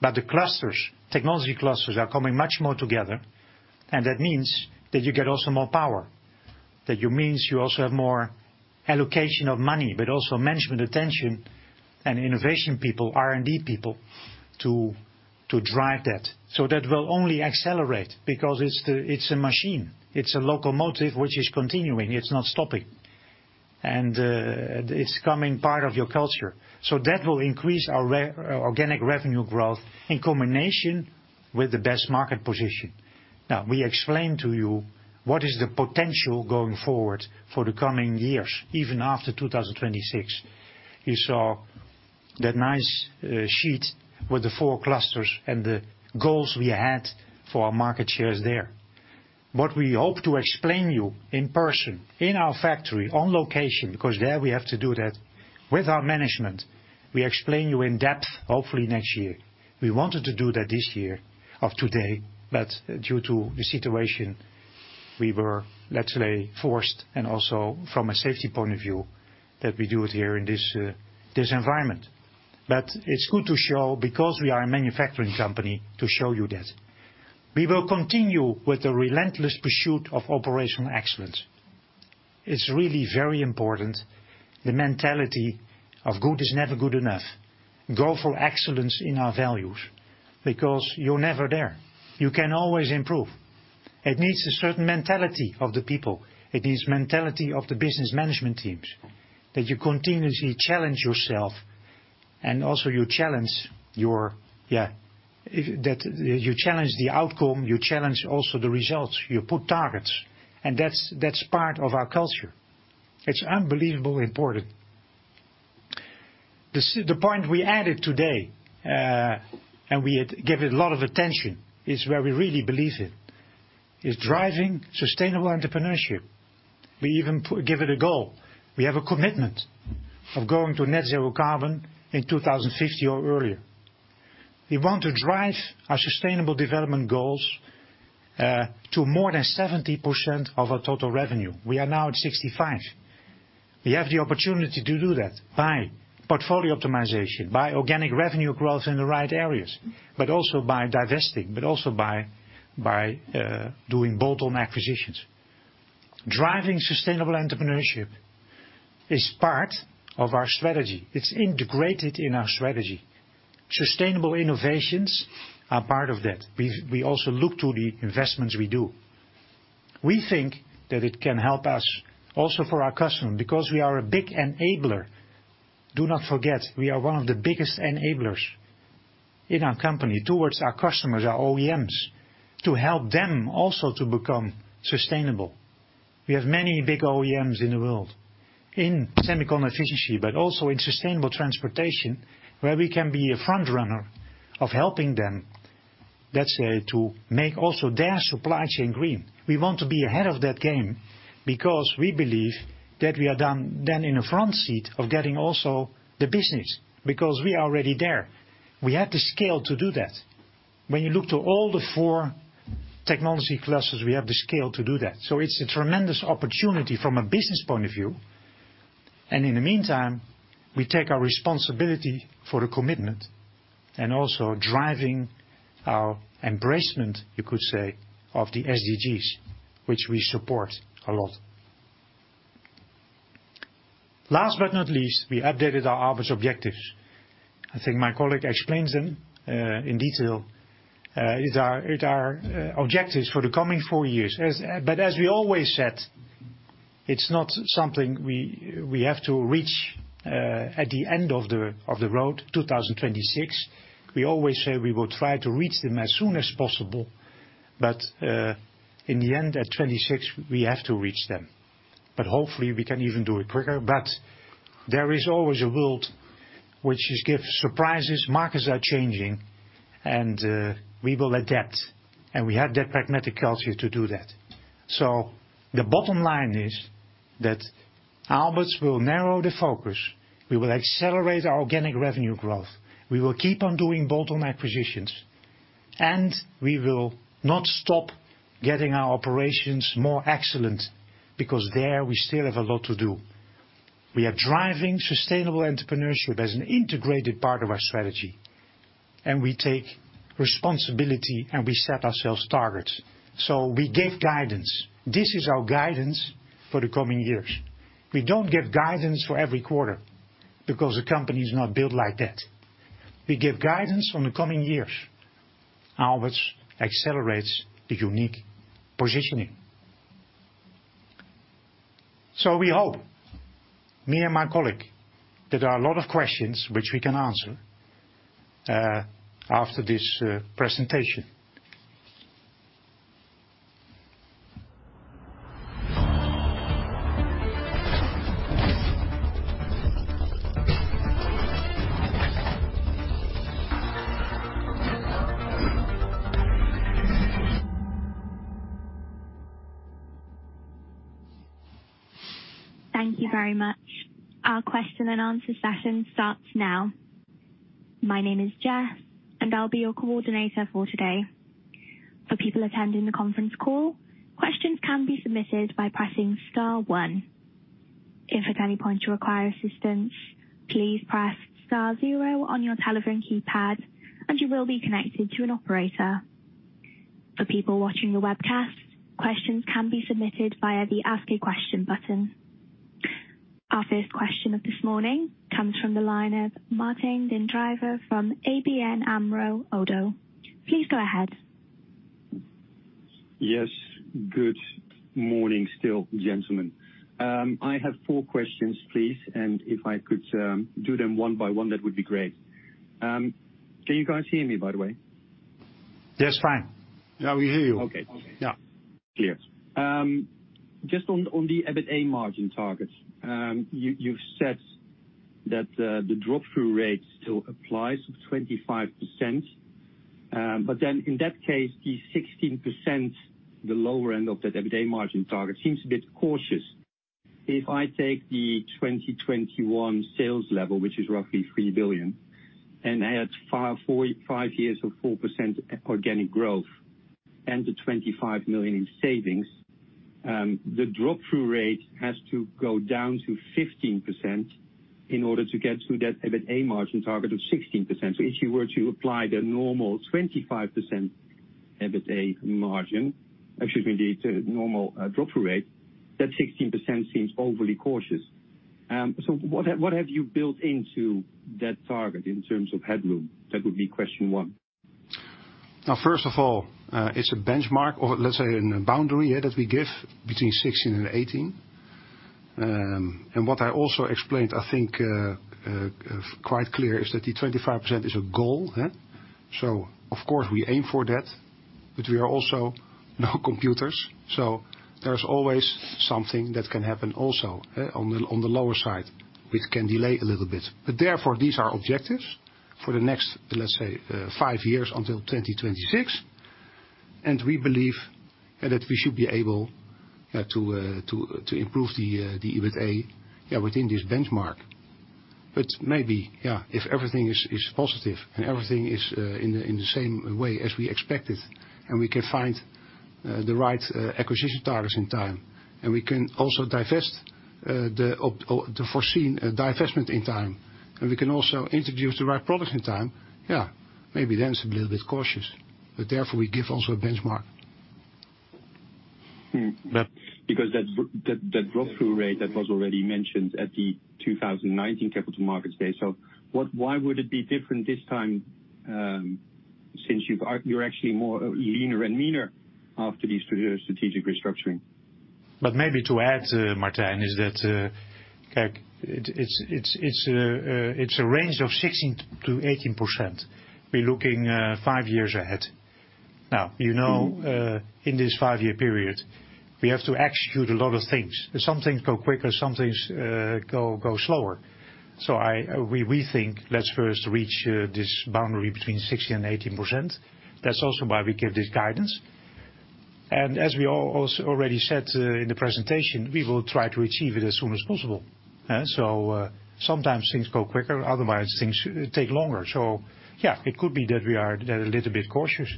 The clusters, technology clusters are coming much more together, and that means that you get also more power. That means you also have more allocation of money, but also management attention and innovation people, R&D people to drive that. That will only accelerate because it's a machine. It's a locomotive which is continuing. It's not stopping. It's becoming part of your culture. That will increase our organic revenue growth in combination with the best market position. Now, we explained to you what is the potential going forward for the coming years, even after 2026. You saw that nice sheet with the four clusters and the goals we had for our market shares there. What we hope to explain you in person, in our factory, on location, because there we have to do that with our management. We explain you in depth, hopefully next year. We wanted to do that this year of today, but due to the situation, we were, let's say, forced and also from a safety point of view that we do it here in this environment. But it's good to show because we are a manufacturing company to show you that. We will continue with the relentless pursuit of operational excellence. It's really very important, the mentality of good is never good enough. Go for excellence in our values because you're never there. You can always improve. It needs a certain mentality of the people. It needs mentality of the business management teams, that you continuously challenge yourself and also you challenge your, yeah, if that. You challenge the outcome, you challenge also the results, you put targets. That's part of our culture. It's unbelievably important. The point we added today, and we give it a lot of attention, is where we really believe in, is driving sustainable entrepreneurship. We even give it a goal. We have a commitment of going to net-zero carbon in 2050 or earlier. We want to drive our sustainable development goals to more than 70% of our total revenue. We are now at 65%. We have the opportunity to do that by portfolio optimization, by organic revenue growth in the right areas, but also by divesting, but also by doing bolt-on acquisitions. Driving sustainable entrepreneurship is part of our strategy. It's integrated in our strategy. Sustainable innovations are part of that. We also look to the investments we do. We think that it can help us also for our customer because we are a big enabler. Do not forget, we are one of the biggest enablers in our company towards our customers, our OEMs, to help them also to become sustainable. We have many big OEMs in the world in semiconductor efficiency, but also in sustainable transportation, where we can be a front-runner of helping them, let's say, to make also their supply chain green. We want to be ahead of that game because we believe that we are done then in a front seat of getting also the business, because we are already there. We have the scale to do that. When you look to all the four technology clusters, we have the scale to do that. It's a tremendous opportunity from a business point of view. In the meantime, we take our responsibility for the commitment and also driving our embracement, you could say, of the SDGs, which we support a lot. Last but not least, we updated our Aalberts objectives. I think my colleague explains them in detail. It's our objectives for the coming four years. But as we always said, it's not something we have to reach at the end of the road, 2026. We always say we will try to reach them as soon as possible, but in the end at 2026, we have to reach them. But hopefully we can even do it quicker. But there is always a world which gives surprises, markets are changing, and we will adapt, and we have that pragmatic culture to do that. The bottom line is that Aalberts will narrow the focus. We will accelerate our organic revenue growth. We will keep on doing bolt-on acquisitions, and we will not stop getting our operations more excellent because there we still have a lot to do. We are driving sustainable entrepreneurship as an integrated part of our strategy, and we take responsibility and we set ourselves targets. We gave guidance. This is our guidance for the coming years. We don't give guidance for every quarter because the company is not built like that. We give guidance on the coming years. Aalberts accelerates the unique positioning. We hope, me and my colleague, that there are a lot of questions which we can answer after this presentation. Thank you very much. Our question and answer session starts now. My name is Jess, and I'll be your coordinator for today. For people attending the conference call, questions can be submitted by pressing star one. If at any point you require assistance, please press star zero on your telephone keypad, and you will be connected to an operator. For people watching the webcast, questions can be submitted via the Ask a Question button. Our first question of this morning comes from the line of Martijn den Drijver from ABN AMRO ODDO BHF. Please go ahead. Yes, good morning still, gentlemen. I have four questions, please, and if I could do them one by one, that would be great. Can you guys hear me, by the way? Yes, fine. Yeah, we hear you. Okay. Yeah. Clear. Just on the EBITA margin targets. You've said that the drop-through rate still applies of 25%. But then in that case, the 16%, the lower end of that EBITA margin target seems a bit cautious. If I take the 2021 sales level, which is roughly 3 billion, and add five years of 4% organic growth and the 25 million in savings, the drop-through rate has to go down to 15% in order to get to that EBITA margin target of 16%. If you were to apply the normal 25% EBITA margin, excuse me, the normal drop-through rate, that 16% seems overly cautious. So what have you built into that target in terms of headroom? That would be question one. Now, first of all, it's a benchmark or let's say in a boundary that we give between 16% and 18%. What I also explained, I think, quite clear, is that the 25% is a goal. Of course, we aim for that, but we are also no computers, so there's always something that can happen also on the lower side, which can delay a little bit. Therefore, these are objectives for the next, let's say, five years until 2026. We believe that we should be able to improve the EBITA within this benchmark. Maybe, yeah, if everything is positive and everything is in the same way as we expected, and we can find the right acquisition targets in time, and we can also divest the foreseen divestment in time, and we can also introduce the right products in time, yeah, maybe then it's a little bit cautious. Therefore, we give also a benchmark. Because that drop-through rate that was already mentioned at the 2019 Capital Markets Day. Why would it be different this time, since you're actually more leaner and meaner after these strategic restructuring? Maybe to add, Martijn, is that, okay, it's a range of 16%-18%. We're looking five years ahead. Now, you know, in this five-year period, we have to execute a lot of things. Some things go quicker, some things go slower. We think, let's first reach this boundary between 16% and 18%. That's also why we give this guidance. As we already said in the presentation, we will try to achieve it as soon as possible. Sometimes things go quicker, otherwise things take longer. Yeah, it could be that we are a little bit cautious.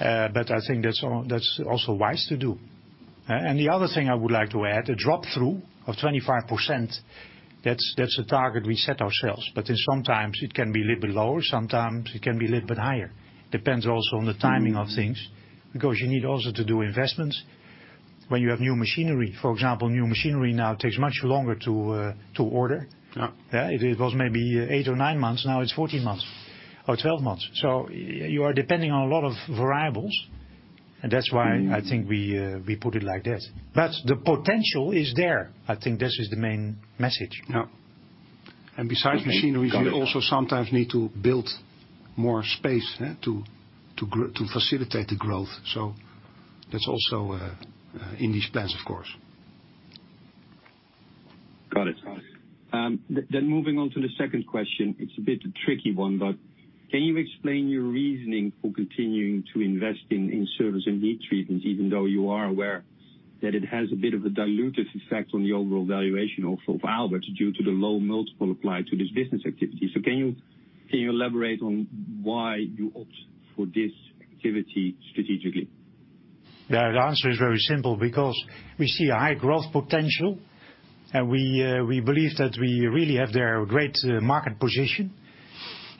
I think that's also wise to do. The other thing I would like to add, the drop-through of 25%, that's a target we set ourselves. Sometimes it can be a little bit lower, sometimes it can be a little bit higher. Depends also on the timing of things, because you need also to do investments when you have new machinery. For example, new machinery now takes much longer to order. Yeah. Yeah. It was maybe eight or nine months, now it's 14 months or 12 months. You are depending on a lot of variables, and that's why I think we put it like that. The potential is there. I think this is the main message. Besides machinery, we also sometimes need to build more space to facilitate the growth. That's also in these plans, of course. Got it. Moving on to the second question, it's a bit tricky one, but can you explain your reasoning for continuing to invest in service and heat treatment, even though you are aware that it has a bit of a dilutive effect on the overall valuation also of Aalberts due to the low multiple applied to this business activity? Can you elaborate on why you opt for this activity strategically? The answer is very simple, because we see a high growth potential, and we believe that we really have there a great market position.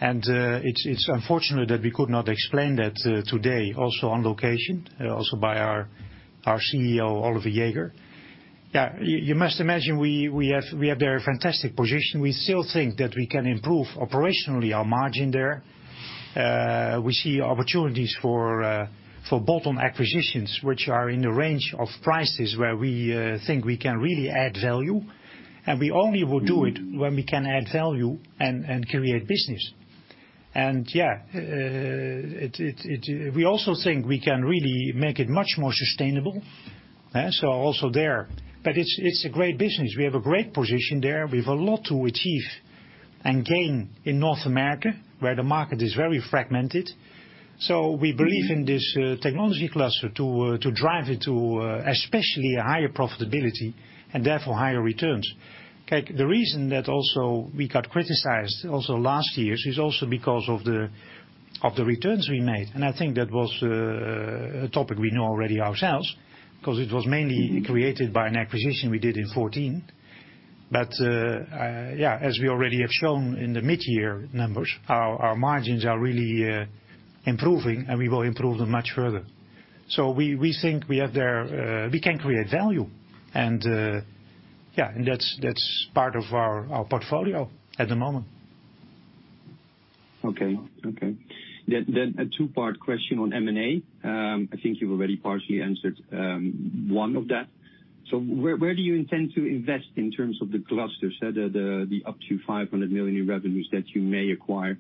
It's unfortunate that we could not explain that today also on location, also by our CEO, Oliver Jäger. You must imagine we have there a fantastic position. We still think that we can improve operationally our margin there. We see opportunities for bolt-on acquisitions, which are in the range of prices where we think we can really add value, and we only will do it when we can add value and create business. We also think we can really make it much more sustainable. Also there. But it's a great business. We have a great position there. We have a lot to achieve and gain in North America, where the market is very fragmented. We believe in this technology cluster to drive it to especially a higher profitability and therefore higher returns. The reason that also we got criticized also last years is also because of the returns we made, and I think that was a topic we know already ourselves, 'cause it was mainly created by an acquisition we did in 2014. Yeah, as we already have shown in the mid-year numbers, our margins are really improving, and we will improve them much further. We think we have there. We can create value and yeah, and that's part of our portfolio at the moment. A two-part question on M&A. I think you've already partially answered one of that. Where do you intend to invest in terms of the clusters, the up to 500 million in revenues that you may acquire?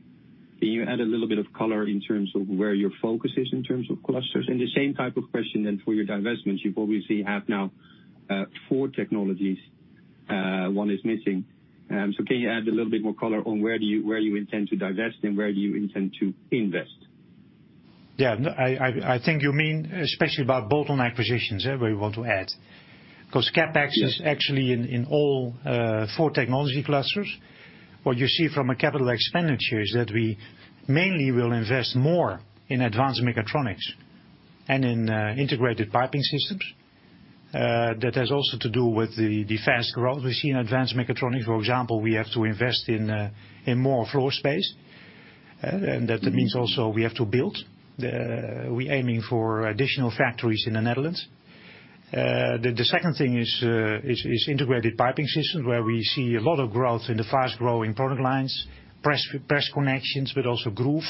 Can you add a little bit of color in terms of where your focus is in terms of clusters? The same type of question then for your divestments. You obviously have now four technologies. One is missing. Can you add a little bit more color on where you intend to divest and where you intend to invest? Yeah. No, I think you mean especially about bolt-on acquisitions, where you want to add. 'Cause CapEx is actually in all four technology clusters. What you see from a capital expenditure is that we mainly will invest more in advanced mechatronics and in integrated piping systems. That has also to do with the fast growth we see in advanced mechatronics. For example, we have to invest in more floor space, and that means also we have to build. We're aiming for additional factories in the Netherlands. The second thing is integrated piping systems, where we see a lot of growth in the fast-growing product lines, press connections, but also groove,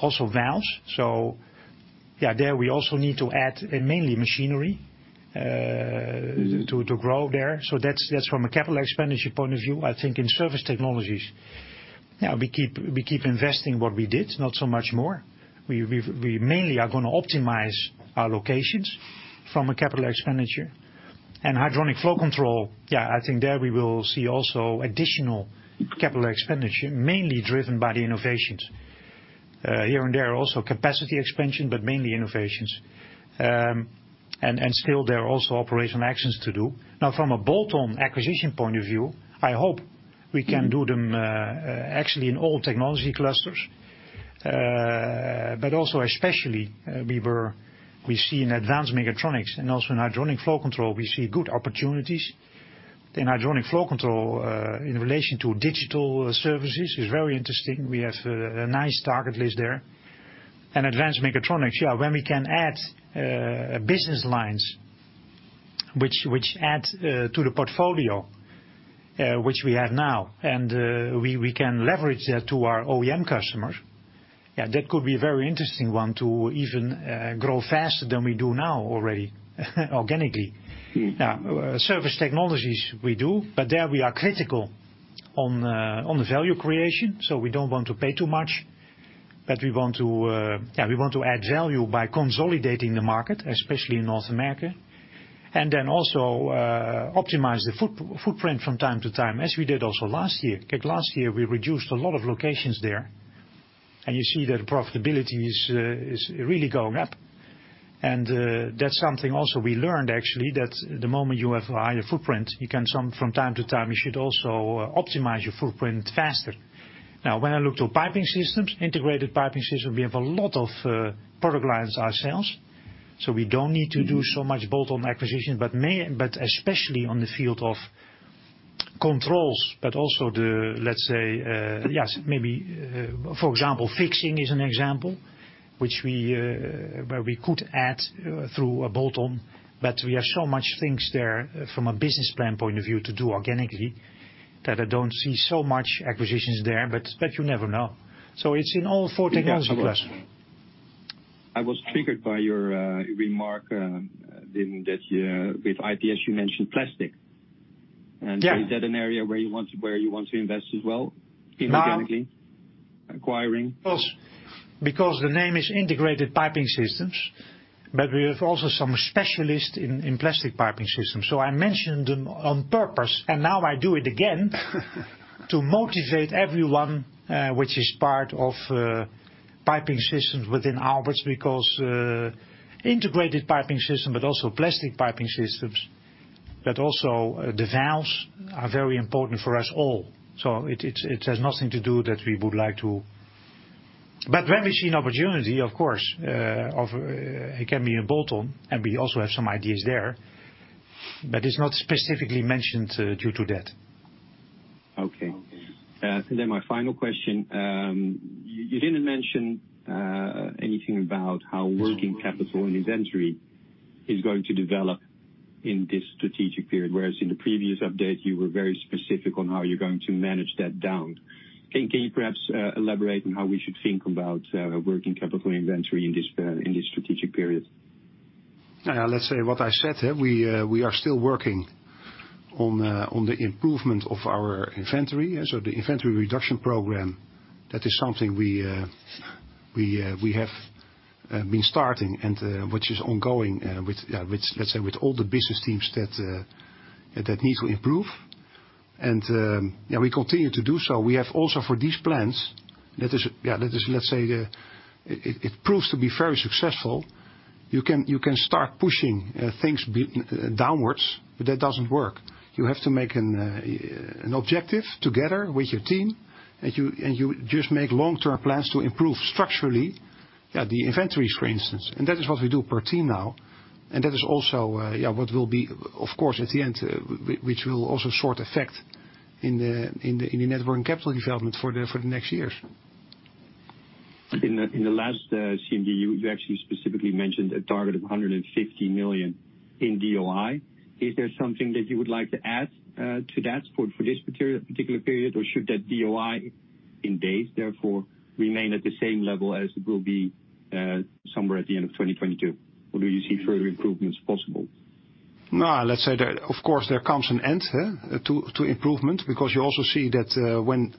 also valves. So yeah, there we also need to add mainly machinery to grow there. That's from a capital expenditure point of view. I think in surface technologies, yeah, we keep investing what we did, not so much more. We mainly are gonna optimize our locations from a capital expenditure. Hydronic flow control, yeah, I think there we will see also additional capital expenditure, mainly driven by the innovations. Here and there also capacity expansion, but mainly innovations. Still there are also operational actions to do. Now, from a bolt-on acquisition point of view, I hope we can do them, actually in all technology clusters. But also especially, we see in advanced mechatronics and also in hydronic flow control, we see good opportunities. In hydronic flow control, in relation to digital services is very interesting. We have a nice target list there. Advanced mechatronics, when we can add business lines which add to the portfolio which we have now and we can leverage that to our OEM customers, yeah, that could be a very interesting one to even grow faster than we do now already organically. Surface technologies we do, but there we are critical on the value creation, so we don't want to pay too much. We want to add value by consolidating the market, especially in North America. Optimize the footprint from time to time, as we did also last year. Last year, we reduced a lot of locations there, and you see that profitability is really going up. That's something also we learned, actually, that the moment you have a higher footprint, you can, from time to time, you should also optimize your footprint faster. Now, when I look to piping systems, integrated piping systems, we have a lot of product lines ourselves, so we don't need to do so much bolt-on acquisition. Especially on the field of controls, but also the, let's say, yes, maybe, for example, fixing is an example where we could add through a bolt-on. We have so much things there from a business plan point of view to do organically that I don't see so much acquisitions there, but you never know. It's in all four technology clusters. I was triggered by your remark, didn't get you. With IPS, you mentioned plastic. Yeah. Is that an area where you want to invest as well inorganically? Um- Acquiring? Because the name is integrated piping systems, but we have also some specialists in plastic piping systems. I mentioned them on purpose, and now I do it again to motivate everyone, which is part of piping systems within Aalberts, because integrated piping systems, but also plastic piping systems, but also the valves are very important for us all. It has nothing to do that we would like to. When we see an opportunity, of course, that it can be a bolt-on, and we also have some ideas there, but it's not specifically mentioned due to that. Okay. Then my final question. You didn't mention anything about how working capital and inventory is going to develop in this strategic period, whereas in the previous update you were very specific on how you're going to manage that down. Can you perhaps elaborate on how we should think about working capital inventory in this strategic period? Yeah, let's say what I said, we are still working on the improvement of our inventory. The inventory-reduction program, that is something we have been starting and which is ongoing with which let's say with all the business teams that need to improve. We continue to do so. We have also for these plans that is, that is, let's say, it proves to be very successful. You can start pushing things downwards, but that doesn't work. You have to make an objective together with your team, and you just make long-term plans to improve structurally, yeah, the inventories for instance. That is what we do per team now. That is also what will be of course at the end, which will also sort of affect the net working capital development for the next years. In the last CMD you actually specifically mentioned a target of 150 in DIO. Is there something that you would like to add to that for this particular period? Should that DIO in days therefore remain at the same level as it will be somewhere at the end of 2022? Do you see further improvements possible? No. Let's say that of course there comes an end to improvement because you also see that when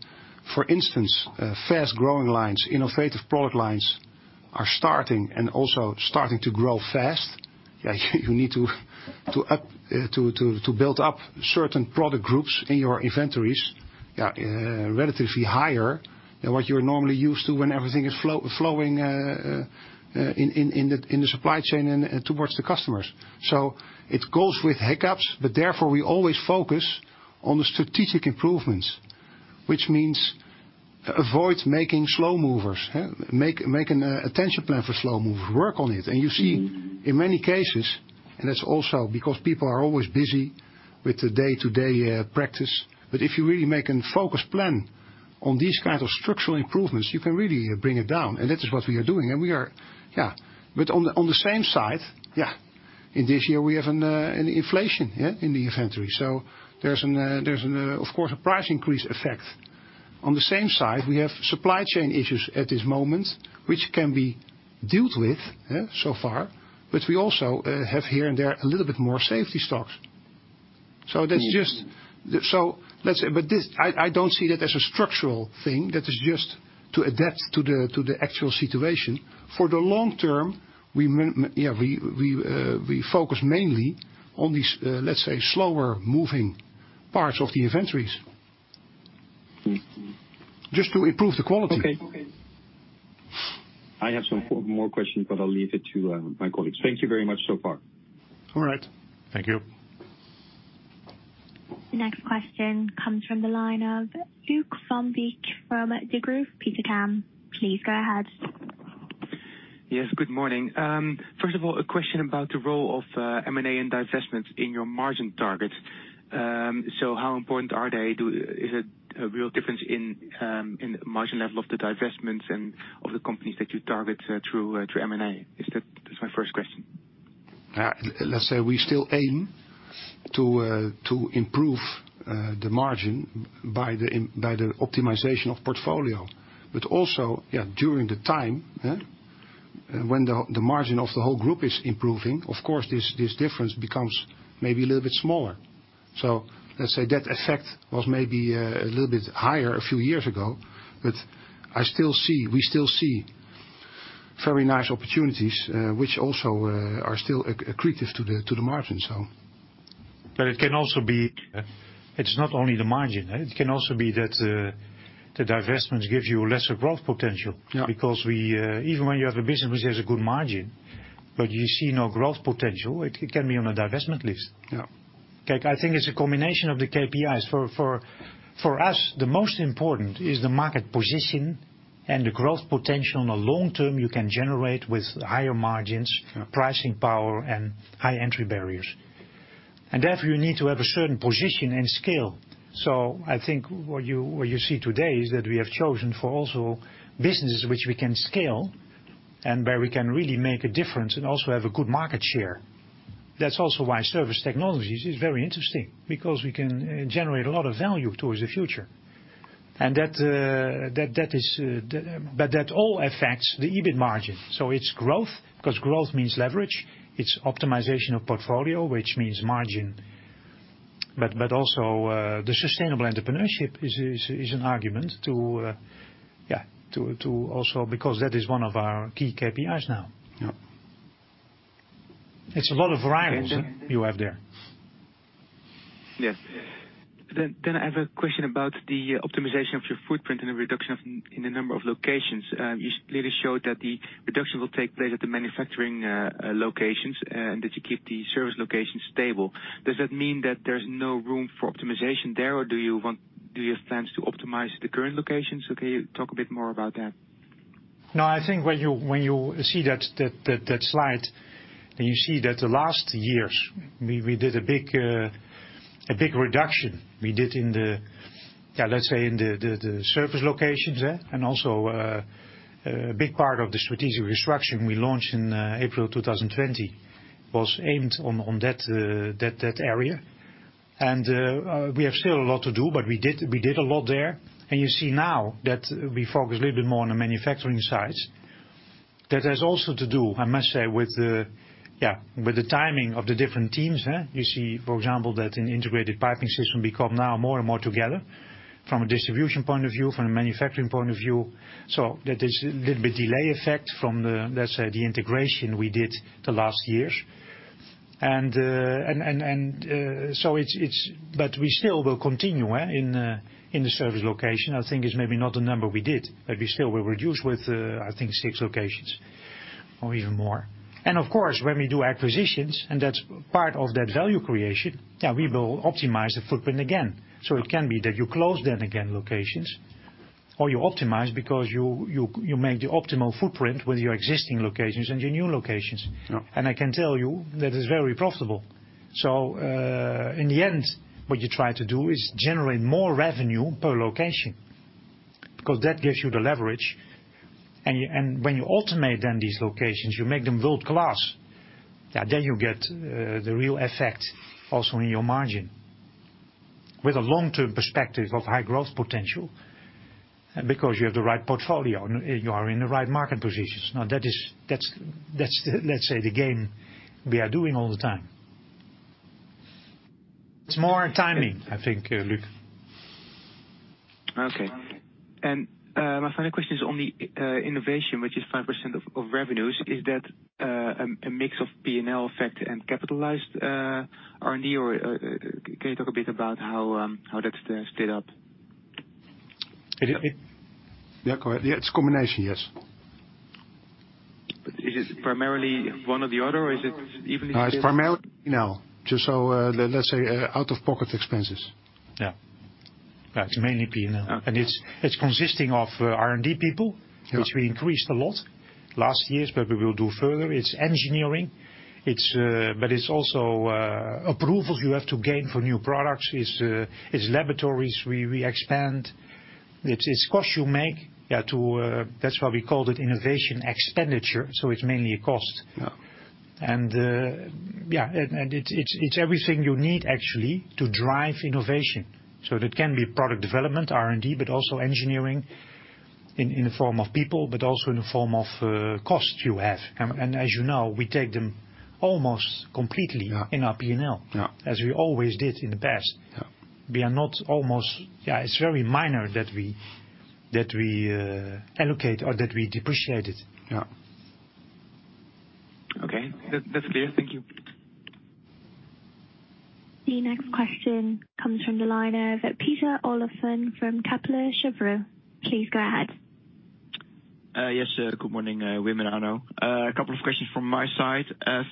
for instance fast-growing lines, innovative product lines are starting and also starting to grow fast, you need to build up certain product groups in your inventories relatively higher than what you're normally used to when everything is flowing in the supply chain and towards the customers. It goes with hiccups, but therefore we always focus on the strategic improvements, which means avoid making slow movers. Make an action plan for slow movers, work on it. You see in many cases, and that's also because people are always busy with the day-to-day practice. If you really make a focused plan on these kind of structural improvements, you can really bring it down. That is what we are doing. We are. On the same side, in this year we have an inflation in the inventory. There's, of course, a price increase effect. On the same side, we have supply chain issues at this moment, which can be dealt with so far, but we also have here and there a little bit more safety stocks. That's just- Mm-hmm. Let's say, but this, I don't see that as a structural thing. That is just to adapt to the actual situation. For the long-term, yeah, we focus mainly on these, let's say, slower moving parts of the inventories. Mm-hmm. Just to improve the quality. Okay. I have some more questions, but I'll leave it to my colleagues. Thank you very much so far. All right. Thank you. Next question comes from the line of Luuk van Beek from Degroof Petercam. Please go ahead. Yes, good morning. First of all, a question about the role of M&A and divestments in your margin targets. How important are they? Is it a real difference in margin level of the divestments and of the companies that you target through M&A? That's my first question. Let's say we still aim to improve the margin by the optimization of portfolio. During the time, when the margin of the whole group is improving, of course, this difference becomes maybe a little bit smaller. Let's say that effect was maybe a little bit higher a few years ago, but I still see, we still see very nice opportunities, which also are still accretive to the margin so. It can also be, it's not only the margin. It can also be that, the divestments gives you lesser growth potential. Yeah. Because we even when you have a business which has a good margin, but you see no growth potential, it can be on a divestment list. Yeah. Like, I think it's a combination of the KPIs. For us, the most important is the market position and the growth potential in the long-term you can generate with higher margins. Yeah. Pricing power and high entry barriers. Therefore you need to have a certain position and scale. I think what you see today is that we have chosen for also businesses which we can scale and where we can really make a difference and also have a good market share. That's also why Surface Technologies is very interesting, because we can generate a lot of value towards the future. That all affects the EBIT margin. It's growth, 'cause growth means leverage. It's optimization of portfolio, which means margin. Also, the sustainable entrepreneurship is an argument to also because that is one of our key KPIs now. Yeah. It's a lot of varieties you have there. Yes. I have a question about the optimization of your footprint and the reduction in the number of locations. You clearly showed that the reduction will take place at the manufacturing locations, and that you keep the service locations stable. Does that mean that there's no room for optimization there, or do you have plans to optimize the current locations? Can you talk a bit more about that? No, I think when you see that slide and you see that the last years we did a big reduction in the, let's say, surface locations. Also, a big part of the strategic restructuring we launched in April 2020 was aimed on that area. We have still a lot to do, but we did a lot there. You see now that we focus a little bit more on the manufacturing sides. That has also to do, I must say, with the timing of the different teams. You see, for example, that in integrated piping system, we come now more and more together from a distribution point of view, from a manufacturing point of view. That is a little bit delay effect from the, let's say, the integration we did the last years. It's. We still will continue in the service location. I think it's maybe not the number we did, but we still will reduce with I think six locations or even more. Of course, when we do acquisitions, and that's part of that value creation, yeah, we will optimize the footprint again. It can be that you close then again locations, or you optimize because you make the optimal footprint with your existing locations and your new locations. No. I can tell you that is very profitable. In the end, what you try to do is generate more revenue per location, because that gives you the leverage. When you ultimately then these locations, you make them world-class. Yeah, then you get the real effect also in your margin with a long-term perspective of high growth potential, because you have the right portfolio, and you are in the right market positions. Now, that's, let's say, the game we are doing all the time. It's more timing, I think, Luuk. Okay. My final question is on the innovation, which is 5% of revenues. Is that a mix of P&L effect and capitalized R&D? Or can you talk a bit about how that's stayed up? Is it me? Yeah, go ahead. Yeah, it's a combination, yes. Is it primarily one or the other, or is it even if it? No, it's primarily P&L. Just so, let's say, out of pocket expenses. Yeah. Yeah, it's mainly P&L. Okay. It's consisting of R&D people which we increased a lot last years, but we will do further. It's engineering. It's but it's also approvals you have to gain for new products. It's laboratories we expand. It's costs you make to that's why we called it innovation expenditure, so it's mainly a cost. It's everything you need actually to drive innovation. So that can be product development, R&D, but also engineering in the form of people, but also in the form of costs you have. As you know, we take them almost completely in our P&L. As we always did in the past. It's very minor that we allocate or that we depreciate it. Okay. That's clear. Thank you. The next question comes from the line of Peter Olofsen from Kepler Cheuvreux. Please go ahead. Yes, sir. Good morning, Wim and Arno. A couple of questions from my side.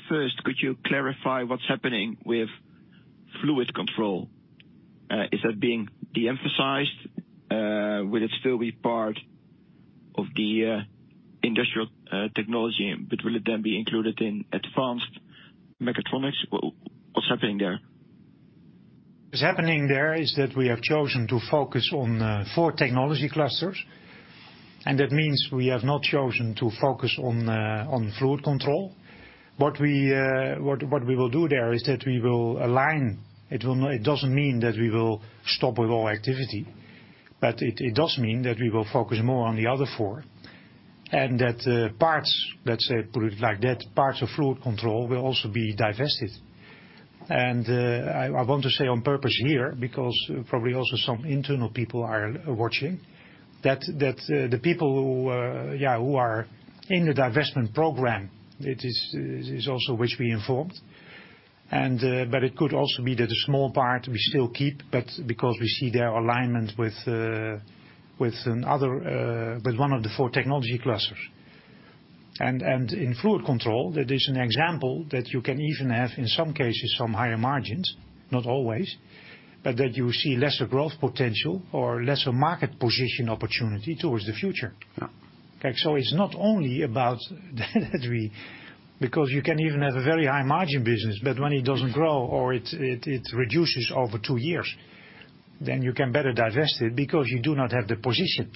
First, could you clarify what's happening with fluid control? Is that being de-emphasized? Will it still be part of the industrial technology, but will it then be included in advanced mechatronics? What's happening there? What's happening there is that we have chosen to focus on four technology clusters, and that means we have not chosen to focus on fluid control. What we will do there is that we will align. It doesn't mean that we will stop with all activity, but it does mean that we will focus more on the other four. That parts, let's say, put it like that, parts of fluid control will also be divested. I want to say on purpose here, because probably also some internal people are watching, that the people who are in the divestment program, it is also which we informed. It could also be that a small part we still keep, but because we see their alignment with another with one of the four technology clusters. In fluid control, that is an example that you can even have, in some cases, some higher margins, not always, but that you see lesser growth potential or lesser market position opportunity towards the future. Yeah. Okay. It's not only about that. Because you can even have a very high margin business, but when it doesn't grow or it reduces over two years, then you can better divest it because you do not have the position.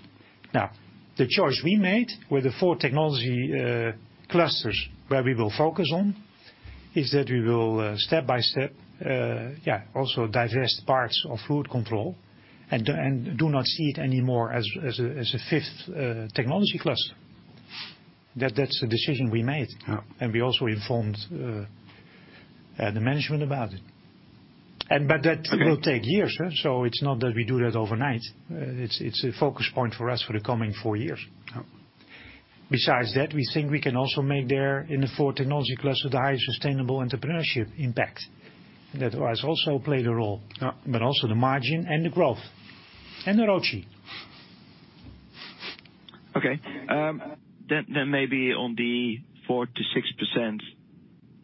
Now, the choice we made with the four technology clusters where we will focus on is that we will step by step also divest parts of fluid control and do not see it anymore as a fifth technology cluster. That's the decision we made. Yeah. We also informed the management about it. That will take years, so it's not that we do that overnight. It's a focus point for us for the coming four years. Yeah. Besides that, we think we can also make there in the four technology clusters the highest sustainable entrepreneurship impact. That also played a role. Yeah. also the margin and the growth and the ROCE. Okay. Then maybe on the 4%-6%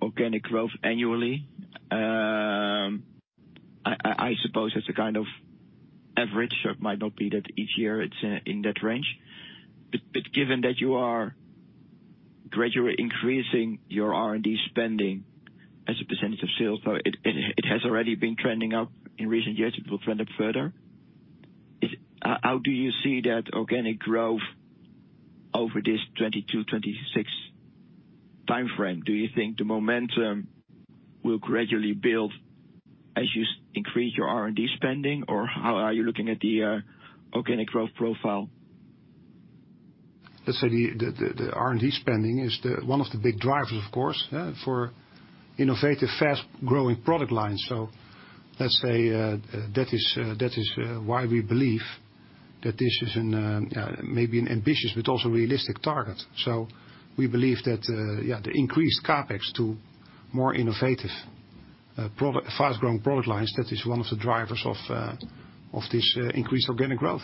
organic growth annually, I suppose that's a kind of average. It might not be that each year it's in that range. Given that you are gradually increasing your R&D spending as a percentage of sales, so it has already been trending up in recent years, it will trend up further. How do you see that organic growth over this 2022-2026 timeframe? Do you think the momentum will gradually build as you increase your R&D spending, or how are you looking at the organic growth profile? Let's say the R&D spending is one of the big drivers, of course, for innovative, fast-growing product lines. Let's say that is why we believe that this is maybe an ambitious but also realistic target. We believe that the increased CapEx to more innovative product, fast-growing product lines, that is one of the drivers of this increased organic growth.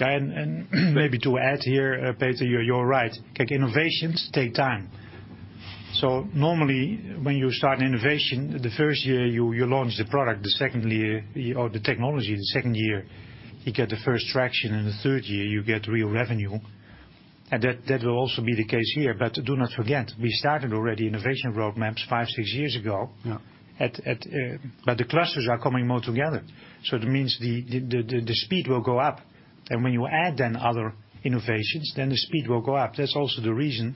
Maybe to add here, Peter, you're right. Like, innovations take time. Normally, when you start an innovation, the first year you launch the product. The second year, or the technology, you get the first traction, and the third year you get real revenue. That will also be the case here. Do not forget, we started already innovation roadmaps five, six years ago. Yeah. The clusters are coming more together. It means the speed will go up. When you add then other innovations, then the speed will go up. That's also the reason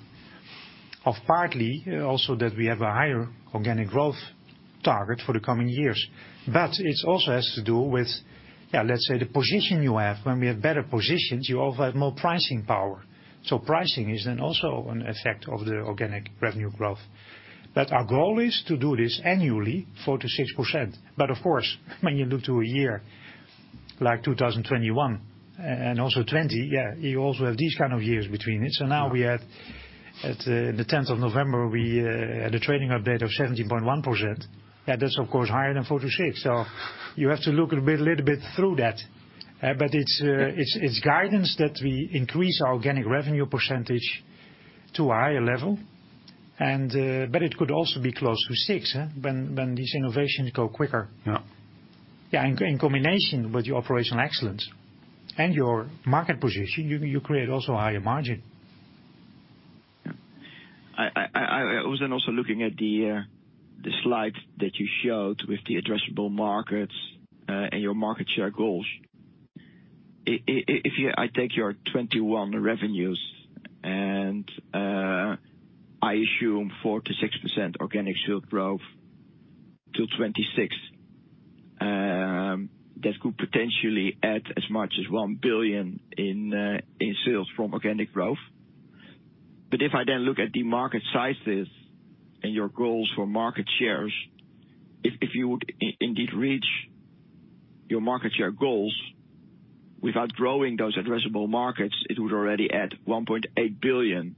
of partly also that we have a higher organic growth target for the coming years. It also has to do with, yeah, let's say the position you have. When we have better positions, you also have more pricing power. Pricing is then also an effect of the organic revenue growth. Our goal is to do this annually 4%-6%. Of course, when you look to a year like 2021 and also 2020, yeah, you also have these kind of years between it. Now we had the 10th of November, we had a trading update of 17.1%. That is of course higher than 4%-6%. You have to look a little bit through that. It's guidance that we increase our organic revenue percentage to a higher level, and but it could also be close to 6%, huh, when these innovations go quicker. Yeah. Yeah, in combination with your operational excellence and your market position, you create also a higher margin. I was then also looking at the slide that you showed with the addressable markets and your market share goals. I take your 2021 revenues and I assume 4%-6% organic sales growth till 2026, that could potentially add as much as 1 billion in sales from organic growth. If I then look at the market sizes and your goals for market shares, if you would indeed reach your market share goals without growing those addressable markets, it would already add 1.8 billion.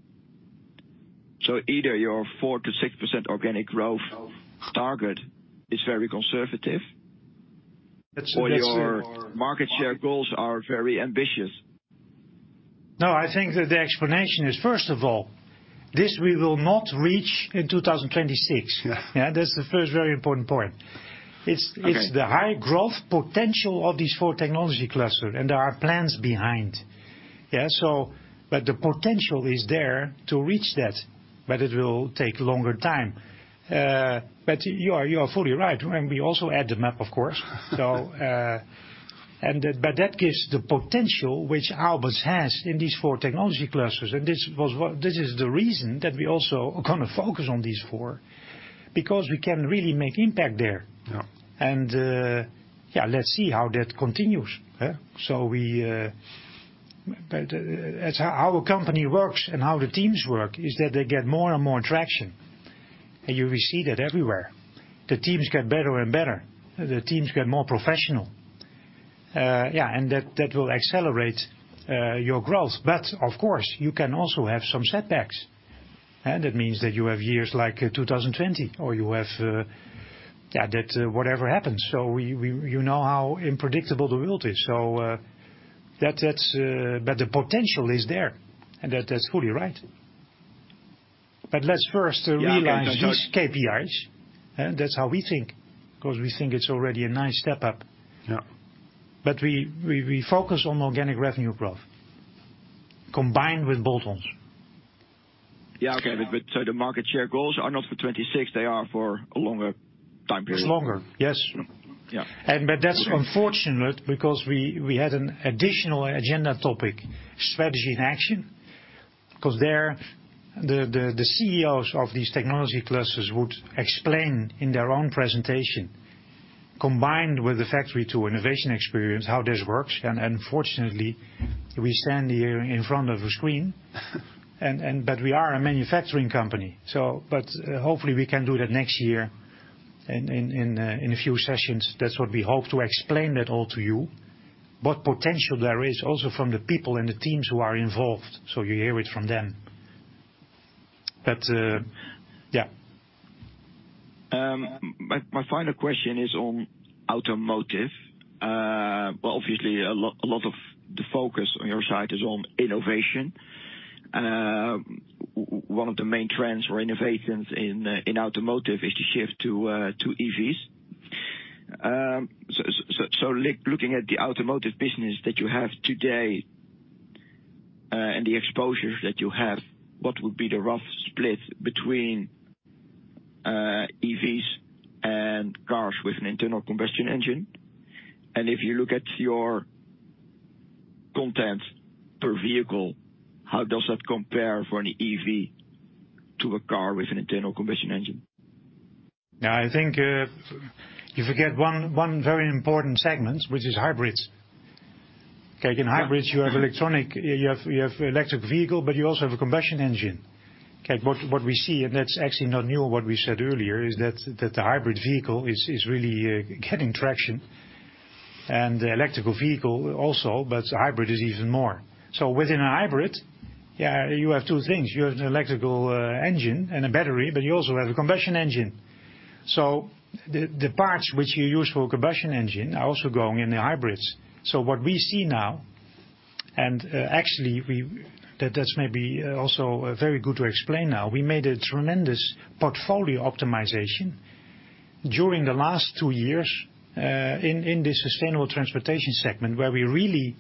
Either your 4%-6% organic growth target is very conservative. That's our Your market share goals are very ambitious. No, I think that the explanation is, first of all, that we will not reach in 2026. Yeah. Yeah. That's the first very important point. Okay. It's the high growth potential of these four technology clusters, and there are plans behind. The potential is there to reach that, but it will take longer time. You are fully right. We also add the M&A, of course. That gives the potential which Aalberts has in these four technology clusters. This is the reason that we also are gonna focus on these four, because we can really make impact there. Yeah. Let's see how that continues. We but as how our company works and how the teams work is that they get more and more traction. You will see that everywhere. The teams get better and better. The teams get more professional. That will accelerate your growth. Of course, you can also have some setbacks. That means that you have years like 2020, or you have that whatever happens. We you know how unpredictable the world is. That's. The potential is there, and that is fully right. Let's first realize these KPIs. That's how we think, because we think it's already a nice step up. Yeah. We focus on organic revenue growth combined with bolt-ons. Yeah, okay. The market share goals are not for 2026, they are for a longer time period. It's longer, yes. Yeah. That's unfortunate because we had an additional agenda topic, Strategy in Action, because the CEOs of these technology clusters would explain in their own presentation, combined with the Factory to Innovation experience, how this works. Unfortunately, we stand here in front of a screen. We are a manufacturing company. Hopefully we can do that next year in a few sessions. That's what we hope to explain all to you. What potential there is also from the people and the teams who are involved. You hear it from them. Yeah. My final question is on automotive. Well, obviously a lot of the focus on your side is on innovation. One of the main trends for innovations in automotive is to shift to EVs. Looking at the automotive business that you have today, and the exposures that you have, what would be the rough split between EVs and cars with an internal combustion engine? And if you look at your content per vehicle, how does that compare for an EV to a car with an internal combustion engine? Yeah, I think you forget one very important segment, which is hybrids. Okay. In hybrids, you have electric vehicle, but you also have a combustion engine. Okay. What we see, and that's actually not new, what we said earlier, is that the hybrid vehicle is really getting traction. The electric vehicle also, but hybrid is even more. Within a hybrid, yeah, you have two things. You have an electric engine and a battery, but you also have a combustion engine. The parts which you use for combustion engine are also going in the hybrids. What we see now, actually that's maybe also very good to explain now. We made a tremendous portfolio optimization during the last two years in the sustainable transportation segment, where we really,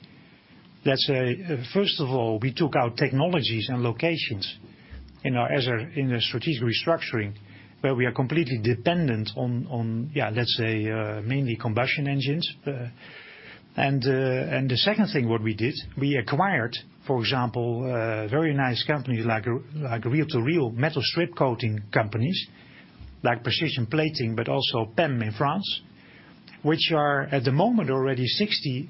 let's say, first of all, we took our technologies and locations, you know, in a strategic restructuring, where we are completely dependent on mainly combustion engines. The second thing what we did, we acquired, for example, a very nice company like reel-to-reel metal strip coating companies, like Precision Plating Company, but also PEM in France, which are at the moment already 60%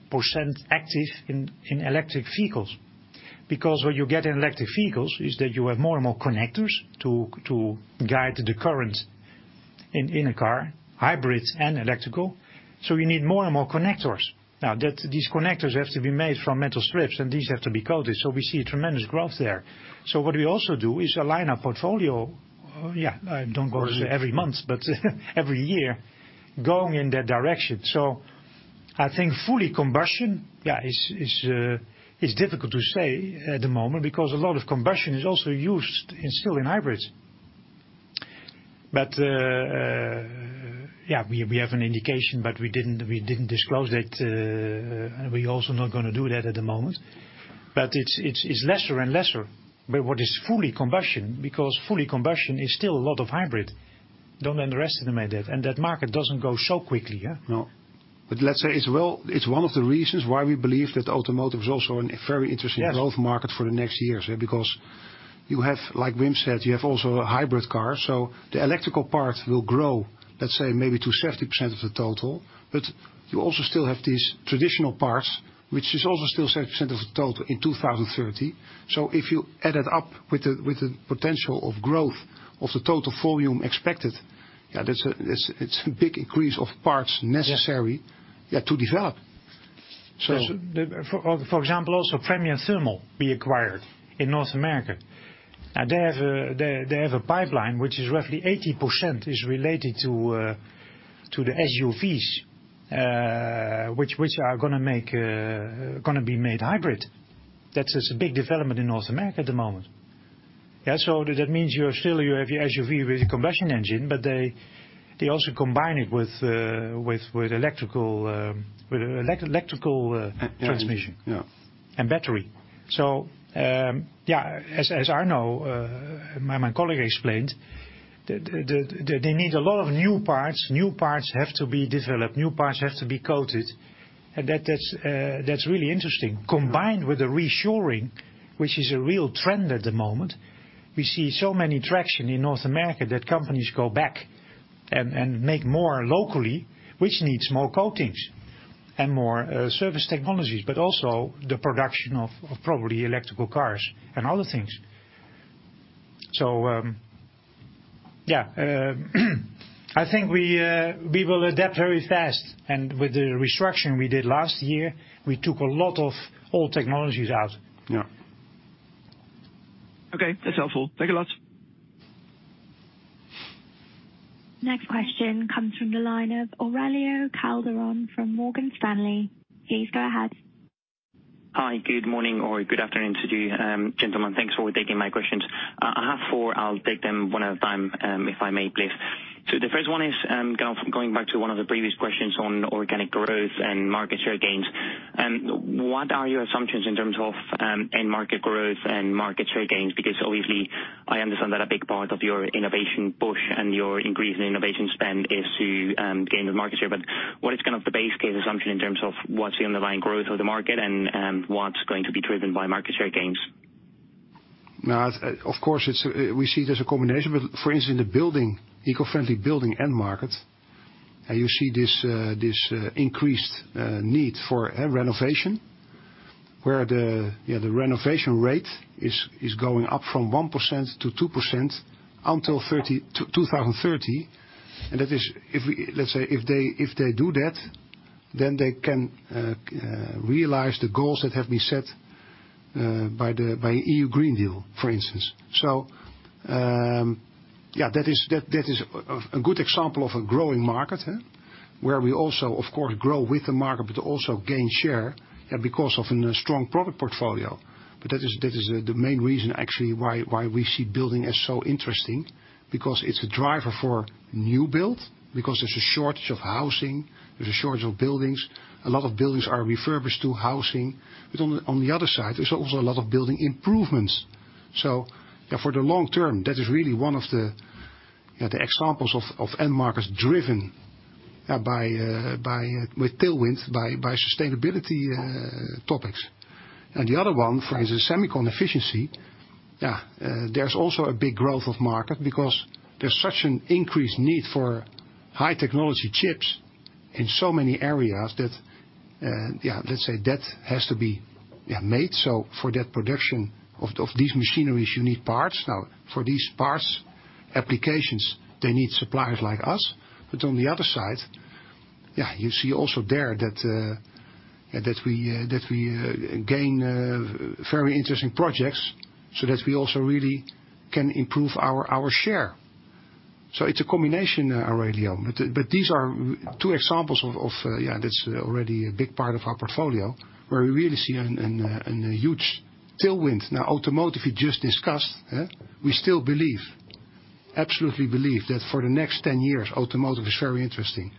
active in electric vehicles. Because what you get in electric vehicles is that you have more and more connectors to guide the current in a car, hybrids and electrical. So you need more and more connectors. Now, that These connectors have to be made from metal strips, and these have to be coated. We see a tremendous growth there. What we also do is align our portfolio, don't go every month, but every year, going in that direction. I think fully combustion, it's difficult to say at the moment because a lot of combustion is also used in still in hybrids. We have an indication, but we didn't disclose it, and we're also not gonna do that at the moment. It's lesser and lesser. What is fully combustion, because fully combustion is still a lot of hybrid. Don't underestimate that. That market doesn't go so quickly. No. Let's say it's well... It's one of the reasons why we believe that automotive is also a very interesting growth market for the next years, yeah. You have, like Wim said, you have also hybrid cars, so the electrical part will grow, let's say, maybe to 70% of the total. You also still have these traditional parts, which is also still 70% of the total in 2030. If you add it up with the potential of growth of the total volume expected, yeah, that's a, it's a big increase of parts necessary. Yeah. Yeah, to develop. For example, also Premier Thermal we acquired in North America. Now they have a pipeline which is roughly 80% related to the SUVs, which are gonna be made hybrid. That is a big development in North America at the moment. Yeah. That means you still have your SUV with a combustion engine, but they also combine it with electrical transmission. Yeah. Battery. As Arno, my colleague explained, they need a lot of new parts. New parts have to be developed. New parts have to be coated. That's really interesting. Combined with the reshoring, which is a real trend at the moment, we see so much traction in North America that companies go back and make more locally, which needs more coatings and more Surface Technologies, but also the production of probably electric cars and other things. I think we will adapt very fast. With the restructuring we did last year, we took a lot of old technologies out. Yeah. Okay. That's helpful. Thank you much. Next question comes from the line of Aurelio Calderon Tejedor from Morgan Stanley. Please go ahead. Hi. Good morning or good afternoon to you, gentlemen. Thanks for taking my questions. I have four. I'll take them one at a time, if I may, please. The first one is, kind of going back to one of the previous questions on organic growth and market share gains. What are your assumptions in terms of, end market growth and market share gains? Because obviously I understand that a big part of your innovation push and your increase in innovation spend is to, gain the market share. But what is kind of the base case assumption in terms of what's the underlying growth of the market and what's going to be driven by market share gains? Now, of course, it's we see it as a combination. For instance, in the building eco-friendly building end market, you see this increased need for a renovation. Where the renovation rate is going up from 1%-2% until 2030. That is if we. Let's say, if they do that, then they can realize the goals that have been set by the European Green Deal, for instance. That is a good example of a growing market, where we also, of course, grow with the market but also gain share because of a strong product portfolio. That is the main reason actually why we see building as so interesting because it is a driver for new build, because there is a shortage of housing, there is a shortage of buildings. A lot of buildings are refurbished to housing. On the other side, there is also a lot of building improvements. For the long-term, that is really one of the examples of end markets with tailwind by sustainability topics. The other one, for instance, semicon efficiency. There's also a big growth of market because there's such an increased need for high technology chips in so many areas that, let's say that has to be made. For that production of these machineries, you need parts. Now, for these parts applications, they need suppliers like us. On the other side, you see also there that we gain very interesting projects, so that we also really can improve our share. It's a combination, Aurelio. These are two examples of, that's already a big part of our portfolio, where we really see a huge tailwind. Now, automotive you just discussed. We still believe, absolutely believe that for the next 10 years, automotive is very interesting.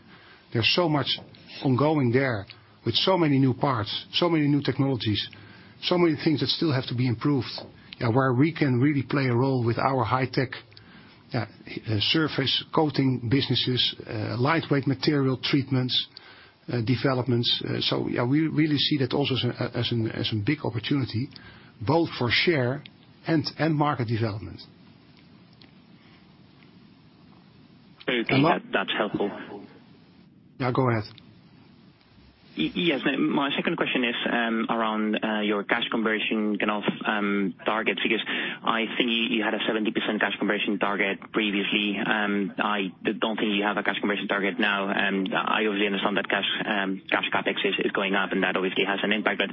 There's so much ongoing there with so many new parts, so many new technologies, so many things that still have to be improved, yeah, where we can really play a role with our high tech, yeah, surface coating businesses, lightweight material treatments, developments. Yeah, we really see that also as a big opportunity, both for share and market development. Okay. That's helpful. Yeah, go ahead. Yes. My second question is around your cash conversion kind of targets, because I think you had a 70% cash conversion target previously, and I don't think you have a cash conversion target now. I obviously understand that cash CapEx is going up, and that obviously has an impact. But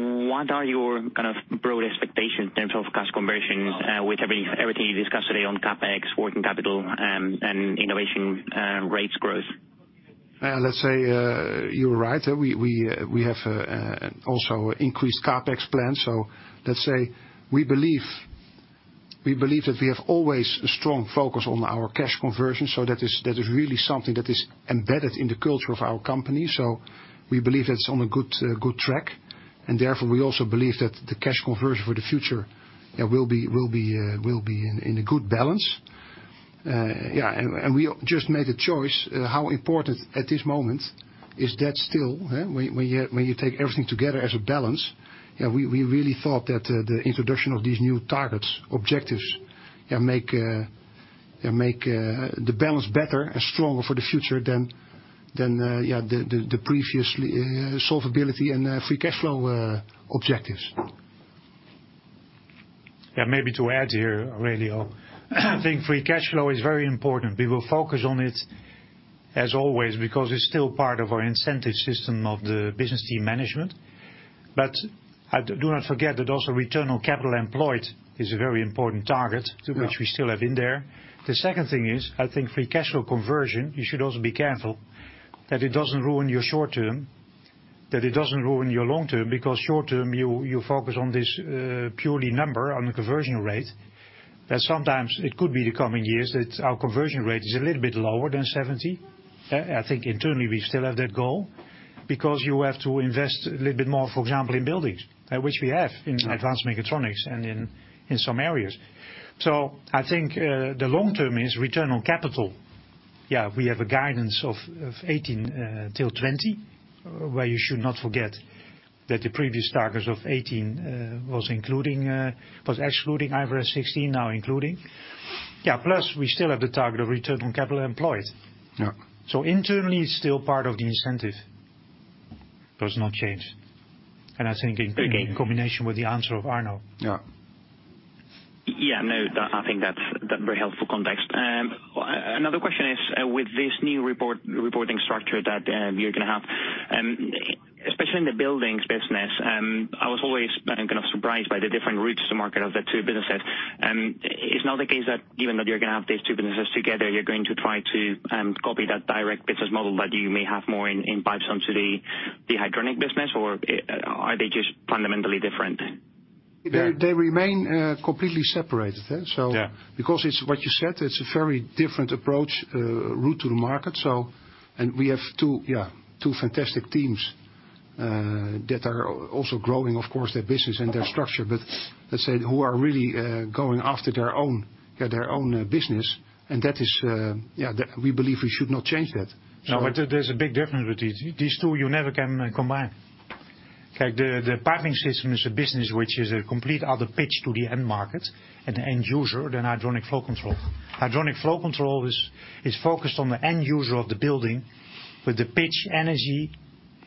what are your kind of broad expectations in terms of cash conversions with everything you discussed today on CapEx, working capital, and innovation rates growth? Well, let's say you're right. We have also increased CapEx plans. Let's say we believe that we have always a strong focus on our cash conversion. That is really something that is embedded in the culture of our company. We believe it's on a good track, and therefore we also believe that the cash conversion for the future will be in a good balance. We just made a choice how important at this moment is that still, when you take everything together as a balance, we really thought that the introduction of these new targets, objectives, make the balance better and stronger for the future than the previous solvency and free cash flow objectives. Yeah, maybe to add here, Aurelio, I think free cash flow is very important. We will focus on it as always because it's still part of our incentive system of the business team management. I do not forget that also return on capital employed is a very important target, which we still have in there. The second thing is, I think free cash flow conversion, you should also be careful that it doesn't ruin your short-term, that it doesn't ruin your long-term, because short-term, you focus on this, purely number on the conversion rate, that sometimes it could be the coming years that our conversion rate is a little bit lower than 70%. I think internally we still have that goal. Because you have to invest a little bit more, for example, in buildings, which we have in Advanced Mechatronics and in some areas. I think the long-term is return on capital. Yeah, we have guidance of 18%-20%, where you should not forget that the previous targets of 18 was excluding IFRS 16, now including. Yeah. Plus, we still have the target of return on capital employed. Yeah. Internally, it's still part of the incentive. Does not change. I think in combination with the answer of Arno. Yeah. Yeah. No, I think that's very helpful context. Another question is, with this new reporting structure that you're gonna have, especially in the buildings business, I was always kind of surprised by the different routes to market of the two businesses. It's not the case that even though you're gonna have these two businesses together, you're going to try to copy that direct business model that you may have more in pipes onto the hydronic business, or are they just fundamentally different? They remain completely separated. Yeah. Because it's what you said, it's a very different approach, route to the market. We have two fantastic teams that are also growing, of course, their business and their structure, but let's say who are really going after their own business. That is, we believe we should not change that. No, there's a big difference with these. These two you never can combine. Like the piping system is a business which is a complete other pitch to the end market and the end user than hydronic flow control. Hydronic flow control is focused on the end user of the building with the pitch energy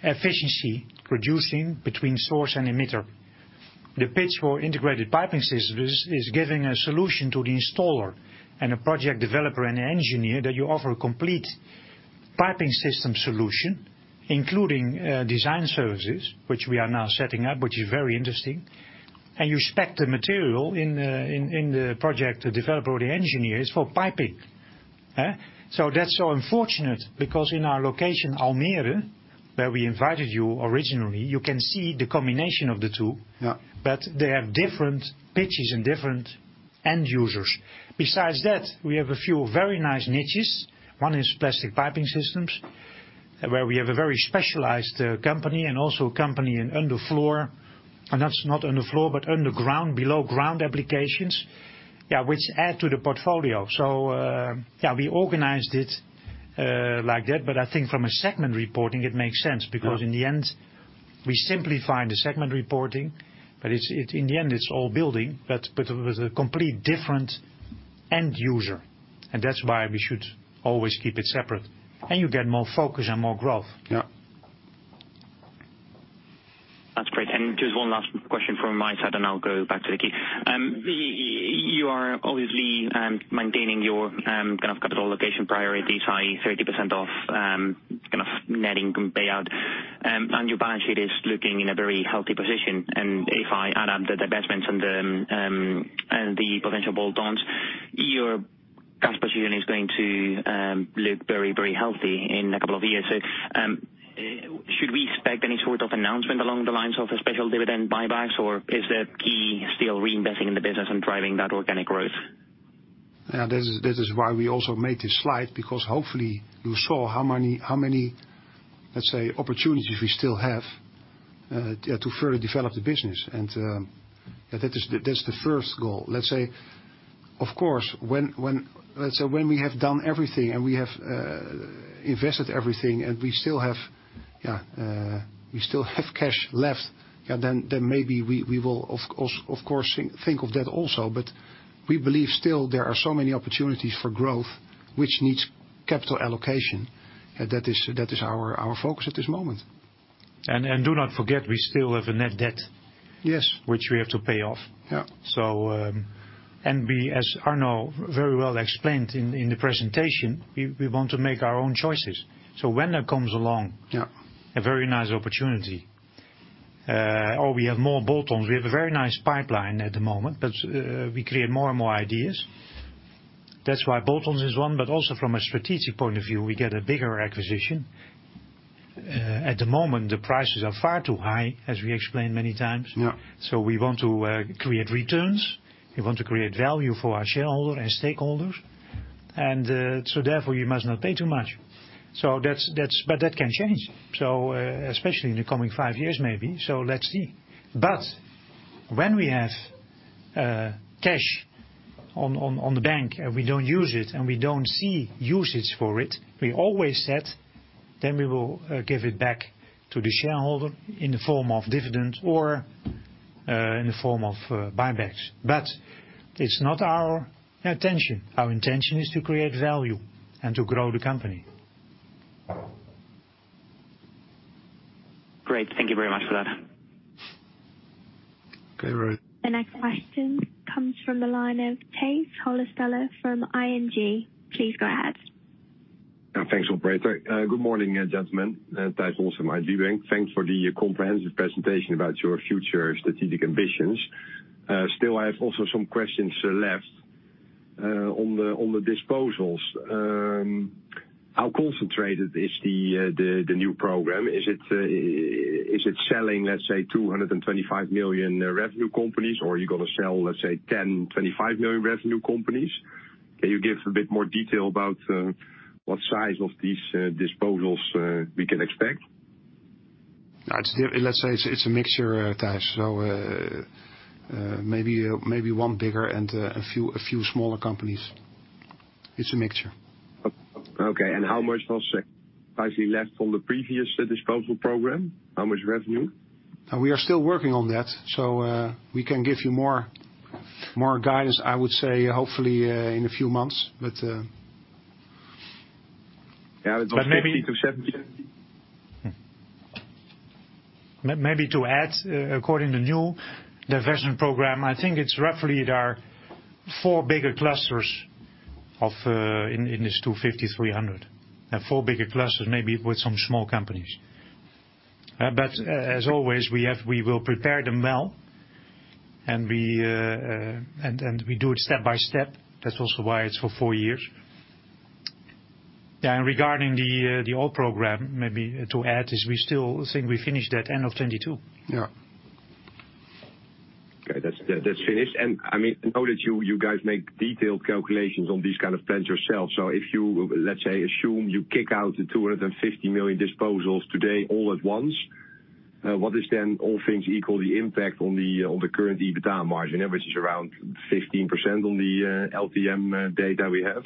efficiency producing between source and emitter. The pitch for integrated piping systems is giving a solution to the installer and a project developer and engineer that you offer complete piping system solution, including design services, which we are now setting up, which is very interesting. You spec the material in the project, the developer or the engineers for piping. That's so unfortunate because in our location, Almere, where we invited you originally, you can see the combination of the two. Yeah. They have different pitches and different end users. Besides that, we have a few very nice niches. One is plastic piping systems, where we have a very specialized company and also a company in underground, below ground applications. Which add to the portfolio. We organized it like that, but I think from a segment reporting, it makes sense. Yeah. Because in the end, we simply find the segment reporting, but it's in the end, it's all building, but it was a complete different end user. That's why we should always keep it separate. You get more focus and more growth. Yeah. That's great. Just one last question from my side, and I'll go back to Ricky. You are obviously maintaining your kind of capital allocation priorities, high 30% of kind of net income payout. Your balance sheet is looking in a very healthy position. If I add up the divestments and the potential bolt-ons, your cash per share is going to look very, very healthy in a couple of years. Should we expect any sort of announcement along the lines of a special dividend, buybacks, or is the key still reinvesting in the business and driving that organic growth? Yeah, that is why we also made this slide, because hopefully you saw how many, let's say, opportunities we still have to further develop the business. That is, that's the first goal. Let's say, of course, when we have done everything and we have invested everything, and we still have cash left, then maybe we will of course think of that also. We believe still there are so many opportunities for growth which needs capital allocation. That is our focus at this moment. Do not forget we still have a net debt. Yes. Which we have to pay off. Yeah. We, as Arno Monincx very well explained in the presentation, want to make our own choices. When that comes along- Yeah a very nice opportunity, or we have more bolt-ons. We have a very nice pipeline at the moment, but, we create more and more ideas. That's why bolt-ons is one, but also from a strategic point of view, we get a bigger acquisition. At the moment, the prices are far too high, as we explained many times. Yeah. We want to create returns. We want to create value for our shareholder and stakeholders. Therefore, you must not pay too much. That can change. Especially in the coming five years, maybe. Let's see. When we have cash in the bank and we don't use it and we don't see usage for it, we always said then we will give it back to the shareholder in the form of dividends or in the form of buybacks. It's not our intention. Our intention is to create value and to grow the company. Great. Thank you very much for that. Okay, Roy. The next question comes from the line of Tijs Hollestelle from ING. Please go ahead. Yeah, thanks, operator. Good morning, gentlemen. Tijs Hollestelle, ING Bank. Thanks for the comprehensive presentation about your future strategic ambitions. Still, I have some questions left on the disposals. How concentrated is the new program? Is it selling, let's say, 225 million revenue companies, or are you gonna sell, let's say, 10 million-25 million revenue companies? Can you give a bit more detail about what size of these disposals we can expect? Let's say it's a mixture, Tijs. Maybe one bigger and a few smaller companies. It's a mixture. Okay. How much roughly left on the previous disposal program? How much revenue? We are still working on that, so, we can give you more guidance, I would say, hopefully, in a few months. Yeah, but 14-17- Maybe to add, according to new diversification program, I think it's roughly there are four bigger clusters in this 250 million-300 million. Four bigger clusters, maybe with some small companies. But as always, we will prepare them well, and we do it step by step. That's also why it's for four years. Yeah, and regarding the old program, maybe to add is we still think we finish that end of 2022. Yeah. Okay, that's finished. I mean, I know that you guys make detailed calculations on these kind of plans yourselves. If you, let's say, assume you kick out the 250 million disposals today all at once, what is then all things equal the impact on the current EBITDA margin, which is around 15% on the LTM data we have?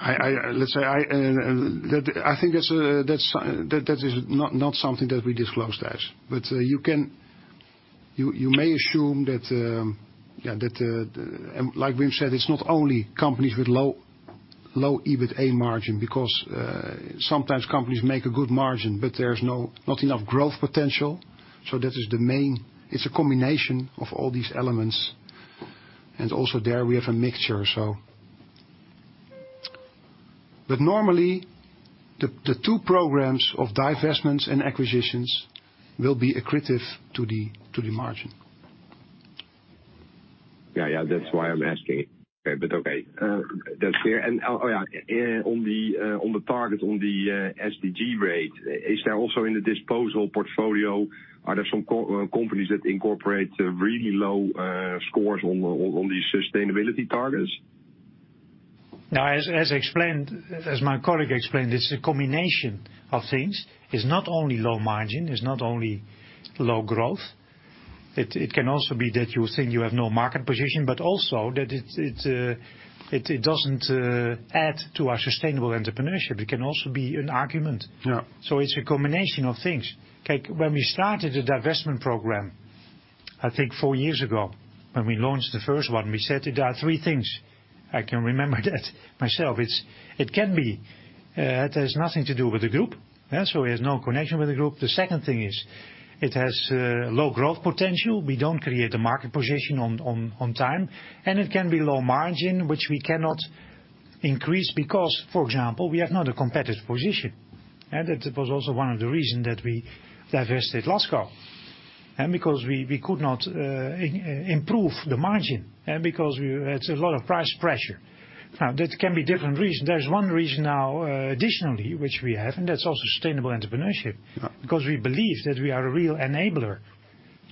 I think that is not something that we disclose, Tijs. You may assume that, like Wim said, it's not only companies with low EBITA margin because sometimes companies make a good margin, but there's not enough growth potential. That is the main. It's a combination of all these elements. Also, there we have a mixture. Normally, the two programs of divestments and acquisitions will be accretive to the margin. Yeah, yeah. That's why I'm asking. But okay. That's clear. Oh, yeah. On the target on the SDG rate, is there also in the disposal portfolio, are there some companies that incorporate really low scores on these sustainability targets? Now, as I explained, as my colleague explained, it's a combination of things. It's not only low margin, it's not only low growth. It can also be that you think you have no market position, but also that it doesn't add to our sustainable entrepreneurship. It can also be an argument. Yeah. It's a combination of things. Okay. When we started a divestment program, I think four years ago, when we launched the first one, we said there are three things. I can remember that myself. It can be, it has nothing to do with the group, so it has no connection with the group. The second thing is it has low growth potential. We don't create a market position on time, and it can be low margin, which we cannot increase because, for example, we have not a competitive position. That was also one of the reason that we divested Lasco. Because we could not improve the margin because we had a lot of price pressure. Now, that can be different reason. There's one reason now additionally, which we have, and that's also sustainable entrepreneurship. Yeah. Because we believe that we are a real enabler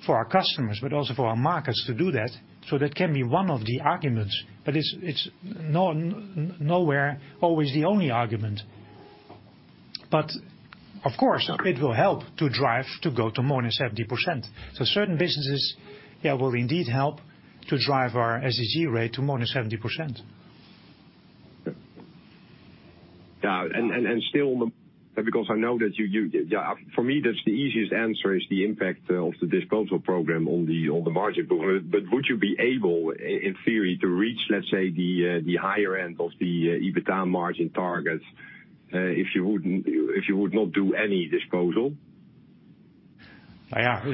for our customers, but also for our markets to do that. That can be one of the arguments. It's nowhere near always the only argument. Of course, it will help to drive to go to more than 70%. Certain businesses, yeah, will indeed help to drive our SDG rate to more than 70%. For me, that's the easiest answer, is the impact of the disposal program on the margin. But would you be able in theory to reach, let's say, the higher end of the EBITDA margin targets, if you would not do any disposal? Yeah.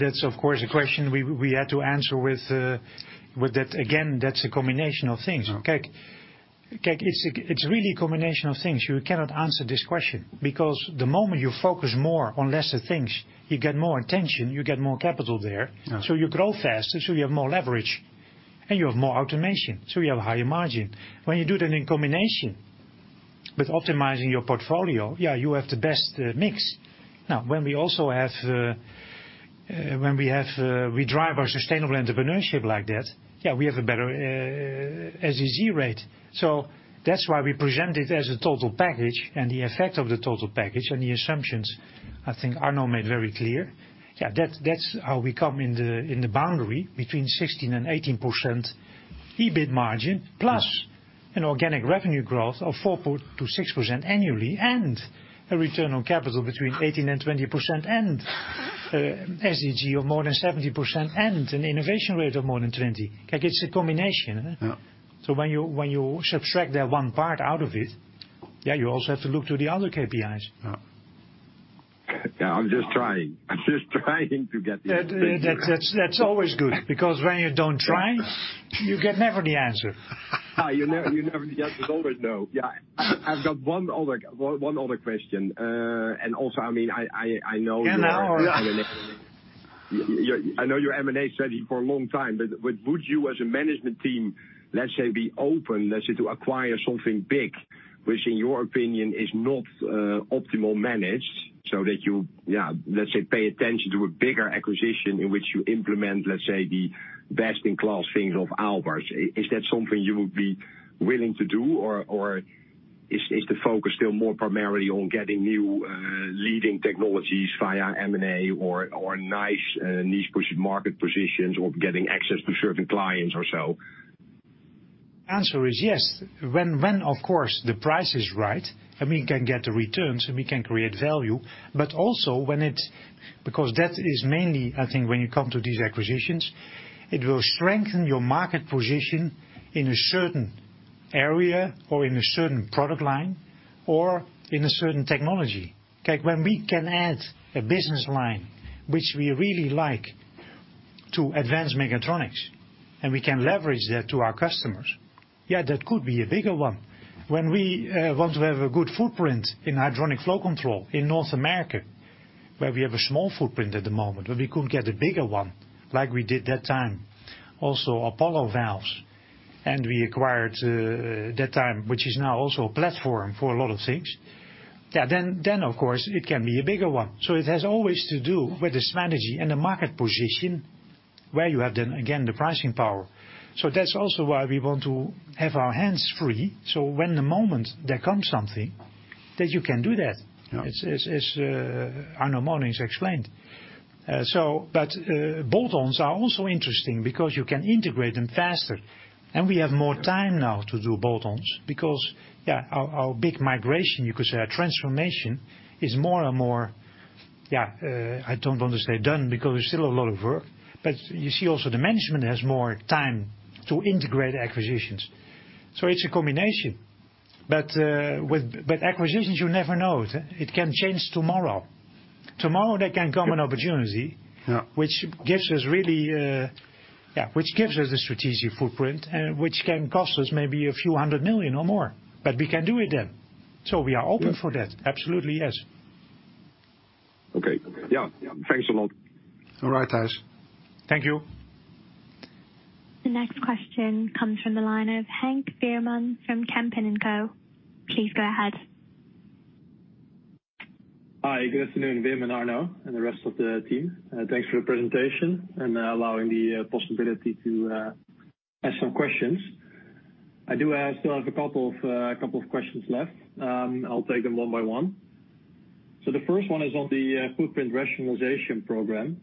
That's of course a question we had to answer with that. Again, that's a combination of things. Okay. Look, it's really a combination of things. You cannot answer this question because the moment you focus more on lesser things, you get more attention, you get more capital there. Yeah. You grow faster, so you have more leverage and you have more automation, so you have a higher margin. When you do that in combination with optimizing your portfolio, yeah, you have the best mix. Now, we drive our sustainable entrepreneurship like that, yeah, we have a better SDG rate. That's why we present it as a total package and the effect of the total package and the assumptions, I think Arno made very clear. Yeah, that's how we come in the boundary between 16%-18% EBIT margin, plus an organic revenue growth of 4%-6% annually, and a return on capital between 18%-20%, and SDG of more than 70%, and an innovation rate of more than %20. Like, it's a combination. Yeah. When you subtract that one part out of it, yeah, you also have to look to the other KPIs. Yeah. Yeah, I'm just trying to get the whole picture. That's always good because when you don't try, you get never the answer. You never. Yes, it's always no. Yeah. I've got one other question. Also, I mean, I know you're- Yeah. I know your M&A strategy for a long time, but would you as a management team, let's say, be open, let's say, to acquire something big, which in your opinion is not optimal managed, so that you, yeah, let's say, pay attention to a bigger acquisition in which you implement, let's say, the best-in-class things of Aalberts? Is that something you would be willing to do, or is the focus still more primarily on getting new leading technologies via M&A or nice niche market positions or getting access to certain clients or so? Answer is yes. When of course the price is right, and we can get the returns, and we can create value, but also when it's, because that is mainly, I think, when you come to these acquisitions, it will strengthen your market position in a certain area or in a certain product line or in a certain technology. Okay. When we can add a business line which we really like to advanced mechatronics, and we can leverage that to our customers, yeah, that could be a bigger one. When we want to have a good footprint in hydronic flow control in North America, where we have a small footprint at the moment, but we could get a bigger one, like we did that time. Also, Apollo Valves, which we acquired that time, which is now also a platform for a lot of things. Yeah. Of course it can be a bigger one. It has always to do with the strategy and the market position where you have then again, the pricing power. That's also why we want to have our hands free, so when the moment there comes something, that you can do that. Yeah. As Arno Monincx explained, bolt-ons are also interesting because you can integrate them faster, and we have more time now to do bolt-ons because our big migration, you could say our transformation is more and more. I don't want to say done because there's still a lot of work, but you see also the management has more time to integrate acquisitions. It's a combination. Acquisitions, you never know, huh? It can change tomorrow. Tomorrow, there can come an opportunity. Yeah. which gives us a strategic footprint and which can cost us maybe EUR a few hundred million or more. But we can do it then. We are open for that. Yeah. Absolutely, yes. Okay. Yeah. Thanks a lot. All right, Tijs. Thank you. The next question comes from the line of Henk Veerman from Kempen & Co. Please go ahead. Hi. Good afternoon, Wim and Arno, and the rest of the team. Thanks for the presentation and allowing the possibility to ask some questions. I have a couple of questions left. I'll take them one by one. The first one is on the footprint rationalization program.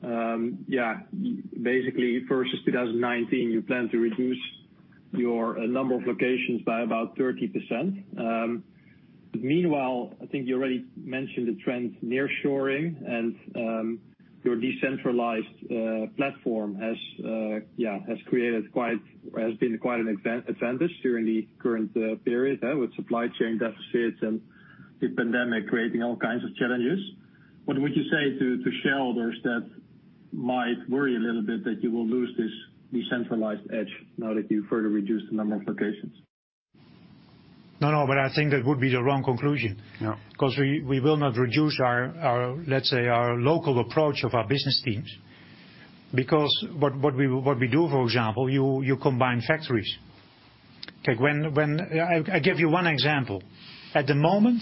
Basically versus 2019, you plan to reduce your number of locations by about 30%. Meanwhile, I think you already mentioned the trend nearshoring and your decentralized platform has been quite an advantage during the current period with supply chain deficits and the pandemic creating all kinds of challenges. What would you say to shareholders that might worry a little bit that you will lose this decentralized edge now that you further reduce the number of locations? No, no, I think that would be the wrong conclusion. Yeah. Because we will not reduce our, let's say, our local approach of our business teams. Because what we do, for example, you combine factories. Okay, I give you one example. At the moment,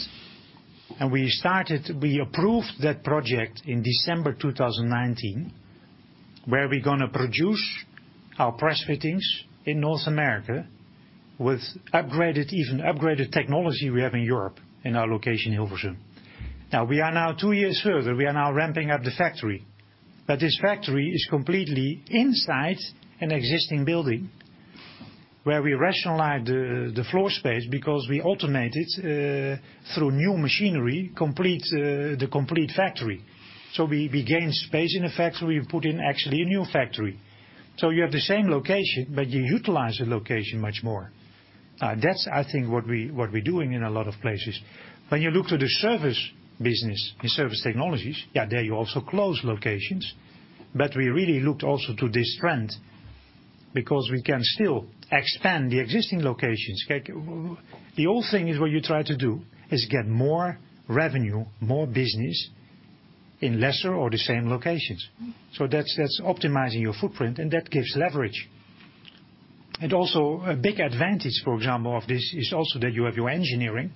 we approved that project in December 2019, where we're gonna produce our press fittings in North America with upgraded, even upgraded technology we have in Europe, in our location in Hilversum. Now, we are two years further. We are now ramping up the factory. This factory is completely inside an existing building where we rationalize the floor space because we automate it through new machinery, the complete factory. We gain space in the factory. We put in actually a new factory. You have the same location, but you utilize the location much more. That's, I think, what we're doing in a lot of places. When you look to the service business, the Surface Technologies, yeah, there you also close locations. We really looked also to this trend because we can still expand the existing locations. The whole thing is what you try to do is get more revenue, more business in lesser or the same locations. That's optimizing your footprint, and that gives leverage. Also a big advantage, for example, of this is also that you have your engineering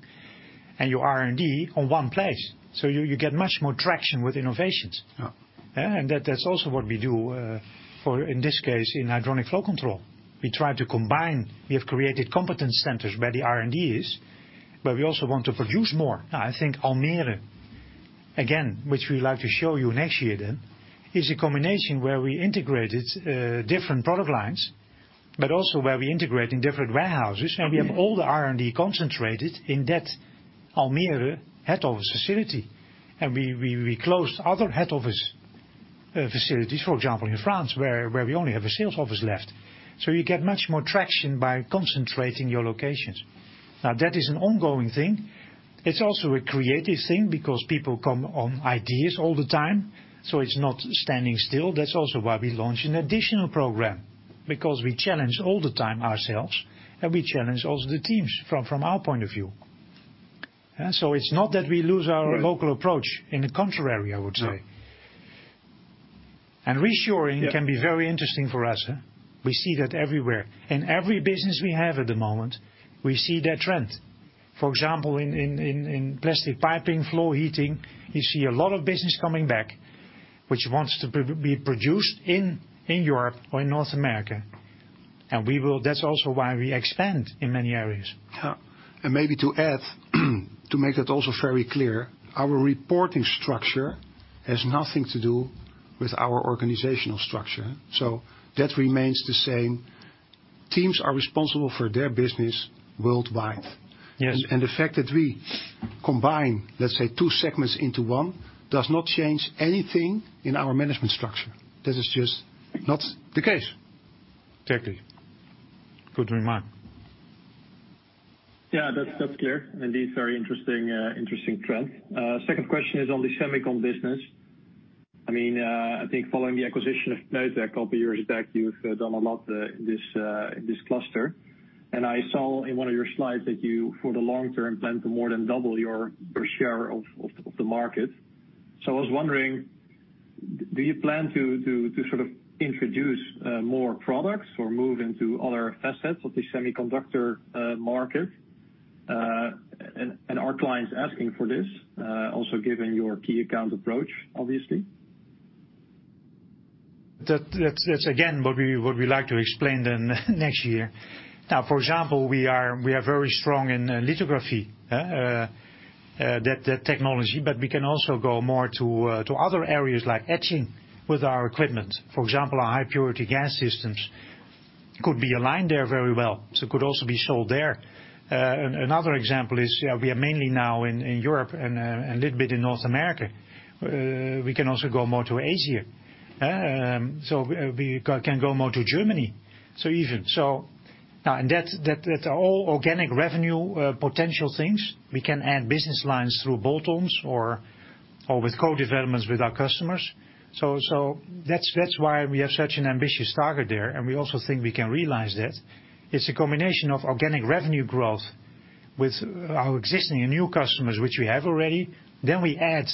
and your R&D on one place. You get much more traction with innovations. Yeah. Yeah, that's also what we do for, in this case, in hydronic flow control. We try to combine. We have created competence centers where the R&D is, but we also want to produce more. Now, I think Almere, again, which we'd like to show you next year then, is a combination where we integrated different product lines, but also where we integrate in different warehouses. Mm-hmm. We have all the R&D concentrated in that Almere head office facility. We closed other head office facilities, for example, in France, where we only have a sales office left. You get much more traction by concentrating your locations. Now, that is an ongoing thing. It's also a creative thing because people come up with ideas all the time, so it's not standing still. That's also why we launched an additional program, because we challenge all the time ourselves, and we challenge also the teams from our point of view. Yeah, it's not that we lose our local approach. On the contrary, I would say. No. Reshoring can be very interesting for us, huh? We see that everywhere. In every business we have at the moment, we see that trend. For example, in plastic piping, floor heating, you see a lot of business coming back which wants to be produced in Europe or in North America. That's also why we expand in many areas. Yeah. Maybe to add, to make that also very clear, our reporting structure has nothing to do with our organizational structure. That remains the same. Teams are responsible for their business worldwide. Yes. The fact that we combine, let's say, two segments into one does not change anything in our management structure. That is just not the case. Exactly. Good remark. Yeah, that's clear. Indeed, very interesting trend. Second question is on the semicon business. I mean, I think following the acquisition of Nuytec a couple years back, you've done a lot in this cluster. I saw in one of your slides that you, for the long-term, plan to more than double your share of the market. I was wondering, do you plan to sort of introduce more products or move into other assets of the semiconductor market? Are clients asking for this also given your key account approach, obviously? That's again what we like to explain then next year. For example, we are very strong in lithography. That technology, but we can also go more to other areas like etching with our equipment. For example, our high purity gas systems could be aligned there very well, so could also be sold there. Another example is, we are mainly now in Europe and a little bit in North America. We can also go more to Asia. We can go more to Germany, so even now. That's all organic revenue potential things. We can add business lines through bolt-ons or with co-developments with our customers. That's why we have such an ambitious target there, and we also think we can realize that. It's a combination of organic revenue growth with our existing and new customers which we have already. We add,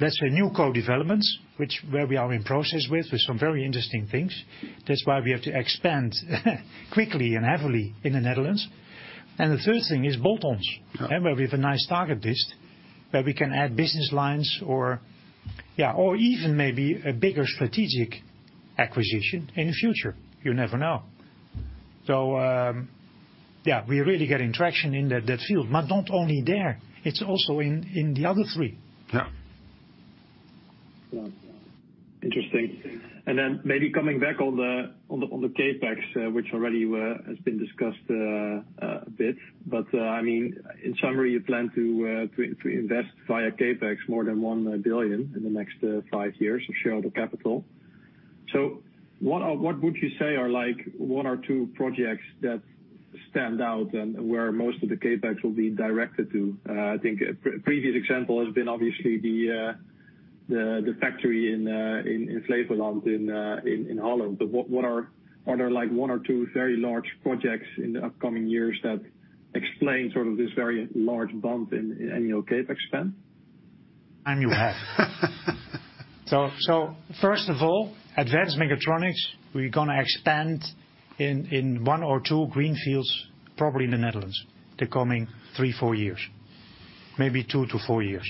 let's say, new co-developments which where we are in process with some very interesting things. That's why we have to expand quickly and heavily in the Netherlands. The third thing is bolt-ons. Yeah. Where we have a nice target list, where we can add business lines or, yeah, or even maybe a bigger strategic acquisition in the future. You never know. Yeah, we're really getting traction in that field. Not only there, it's also in the other three. Yeah. Interesting. Maybe coming back on the CapEx, which already has been discussed a bit. I mean, in summary, you plan to invest via CapEx more than 1 billion in the next five years of shareholder capital. What would you say are like one or two projects that stand out and where most of the CapEx will be directed to? I think a previous example has been obviously the factory in Flevoland in Holland. What are? Are there like one or two very large projects in the upcoming years that explain sort of this very large bump in annual CapEx spend? You have. First of all, advanced mechatronics, we're gonna expand in one or two greenfields, probably in the Netherlands, the coming three or four years. Maybe two to four years,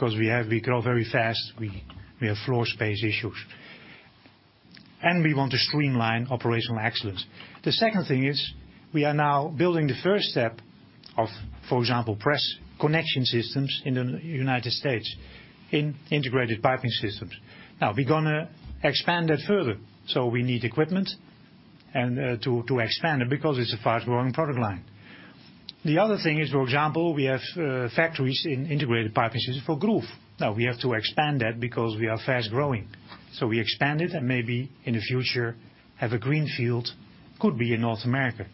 'cause we grow very fast, we have floor space issues. We want to streamline operational excellence. The second thing is we are now building the first step of, for example, press connection systems in the United States, in integrated piping systems. Now, we're gonna expand that further. We need equipment and to expand it because it's a fast-growing product line. The other thing is, for example, we have factories in integrated piping systems for groove. Now, we have to expand that because we are fast-growing. We expand it and maybe in the future have a greenfield, could be in North America.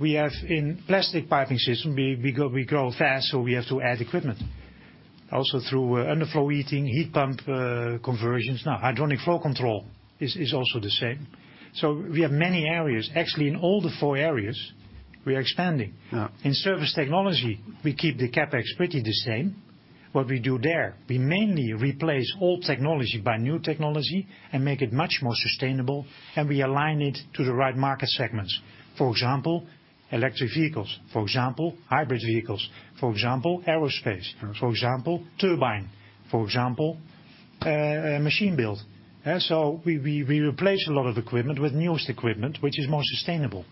We have in plastic piping system, we grow fast, so we have to add equipment. Also through underfloor heating, heat pump, conversions. Now, hydronic flow control is also the same. We have many areas. Actually, in all the four areas we are expanding. Yeah. In Surface Technologies, we keep the CapEx pretty the same. What we do there, we mainly replace old technology by new technology and make it much more sustainable, and we align it to the right market segments. For example, electric vehicles. For example, hybrid vehicles. For example, aerospace. For example, turbine. For example, machine build. We replace a lot of equipment with newest equipment, which is more sustainable,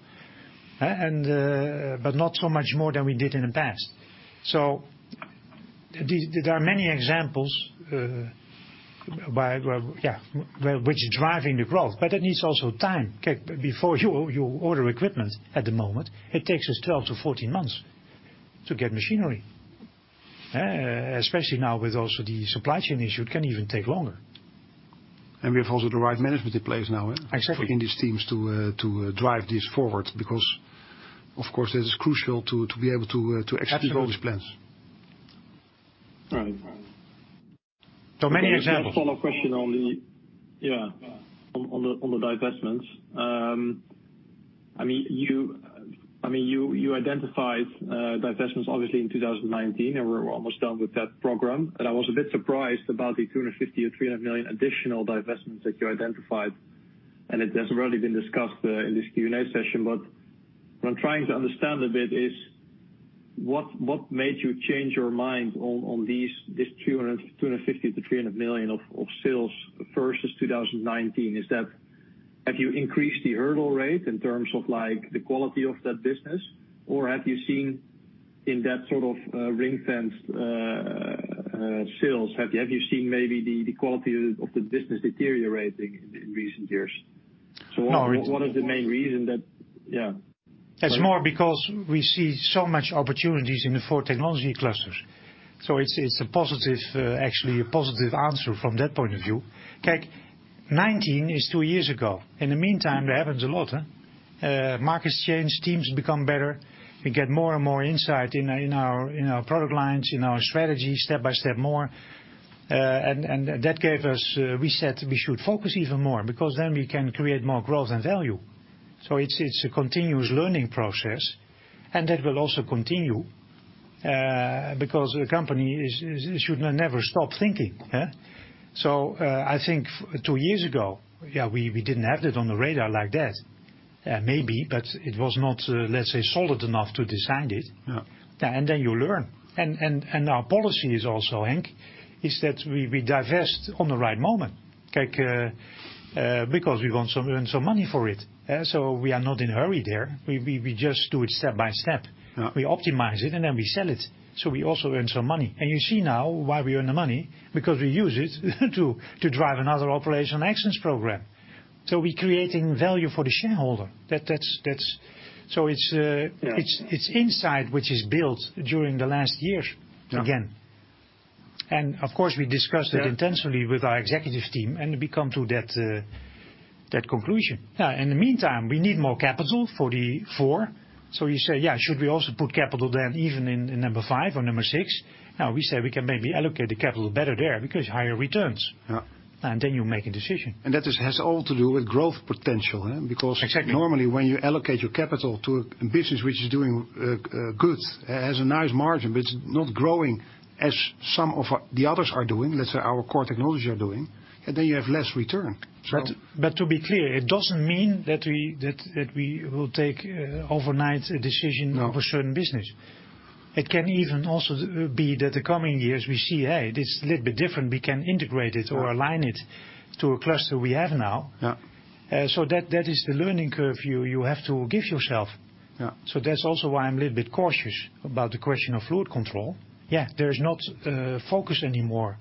but not so much more than we did in the past. There are many examples which is driving the growth, but it needs also time. Before you order equipment at the moment, it takes us 12-14 months to get machinery. Especially now with also the supply chain issue, it can even take longer. We have also the right management in place now. Exactly. In these teams to drive this forward because, of course, that is crucial to be able to execute all these plans. Absolutely. Right. Many examples. Follow-up question on the divestments. I mean, you identified divestments obviously in 2019, and we're almost done with that program. I was a bit surprised about the 250 million-300 million additional divestments that you identified, and it hasn't really been discussed in this Q&A session. What I'm trying to understand a bit is what made you change your mind on this 250 million-300 million of sales versus 2019? Is that have you increased the hurdle rate in terms of, like, the quality of that business? Or have you seen in that sort of ring-fence sales maybe the quality of the business deteriorating in recent years? No. What is the main reason that, yeah? It's more because we see so much opportunities in the four technology clusters. It's a positive, actually a positive answer from that point of view. Okay, 19 is two years ago. In the meantime, there happens a lot, huh? Markets change, teams become better, we get more and more insight in our product lines, in our strategy, step by step more. We said we should focus even more because then we can create more growth and value. It's a continuous learning process, and that will also continue because the company should never stop thinking, yeah? I think two years ago, yeah, we didn't have it on the radar like that. Maybe, but it was not, let's say, solid enough to decide it. Yeah. You learn. Our policy is also, Henk, that we divest on the right moment. Okay, because we want to earn some money for it. We are not in a hurry there. We just do it step by step. Yeah. We optimize it, and then we sell it, so we also earn some money. You see now why we earn the money, because we use it to drive another operational excellence program. We creating value for the shareholder. That's. It's insight which is built during the last years again. Of course, we discussed it intensely with our executive team, and we come to that conclusion. Yeah, in the meantime, we need more capital for the four. You say, "Yeah, should we also put capital then even in number five or number six?" Now we say, we can maybe allocate the capital better there because higher returns. Yeah. You make a decision. has all to do with growth potential, huh? Exactly. Because normally when you allocate your capital to a business which is doing good, has a nice margin but it's not growing as some of the others are doing, let's say our core technologies are doing, and then you have less return, so. to be clear, it doesn't mean that we will take overnight a decision- No. of a certain business. It can even also be that the coming years we see, hey, this is a little bit different. We can integrate it or align it to a cluster we have now. Yeah. That is the learning curve you have to give yourself. Yeah. That's also why I'm a little bit cautious about the question of fluid control. Yeah, there's not focus anymore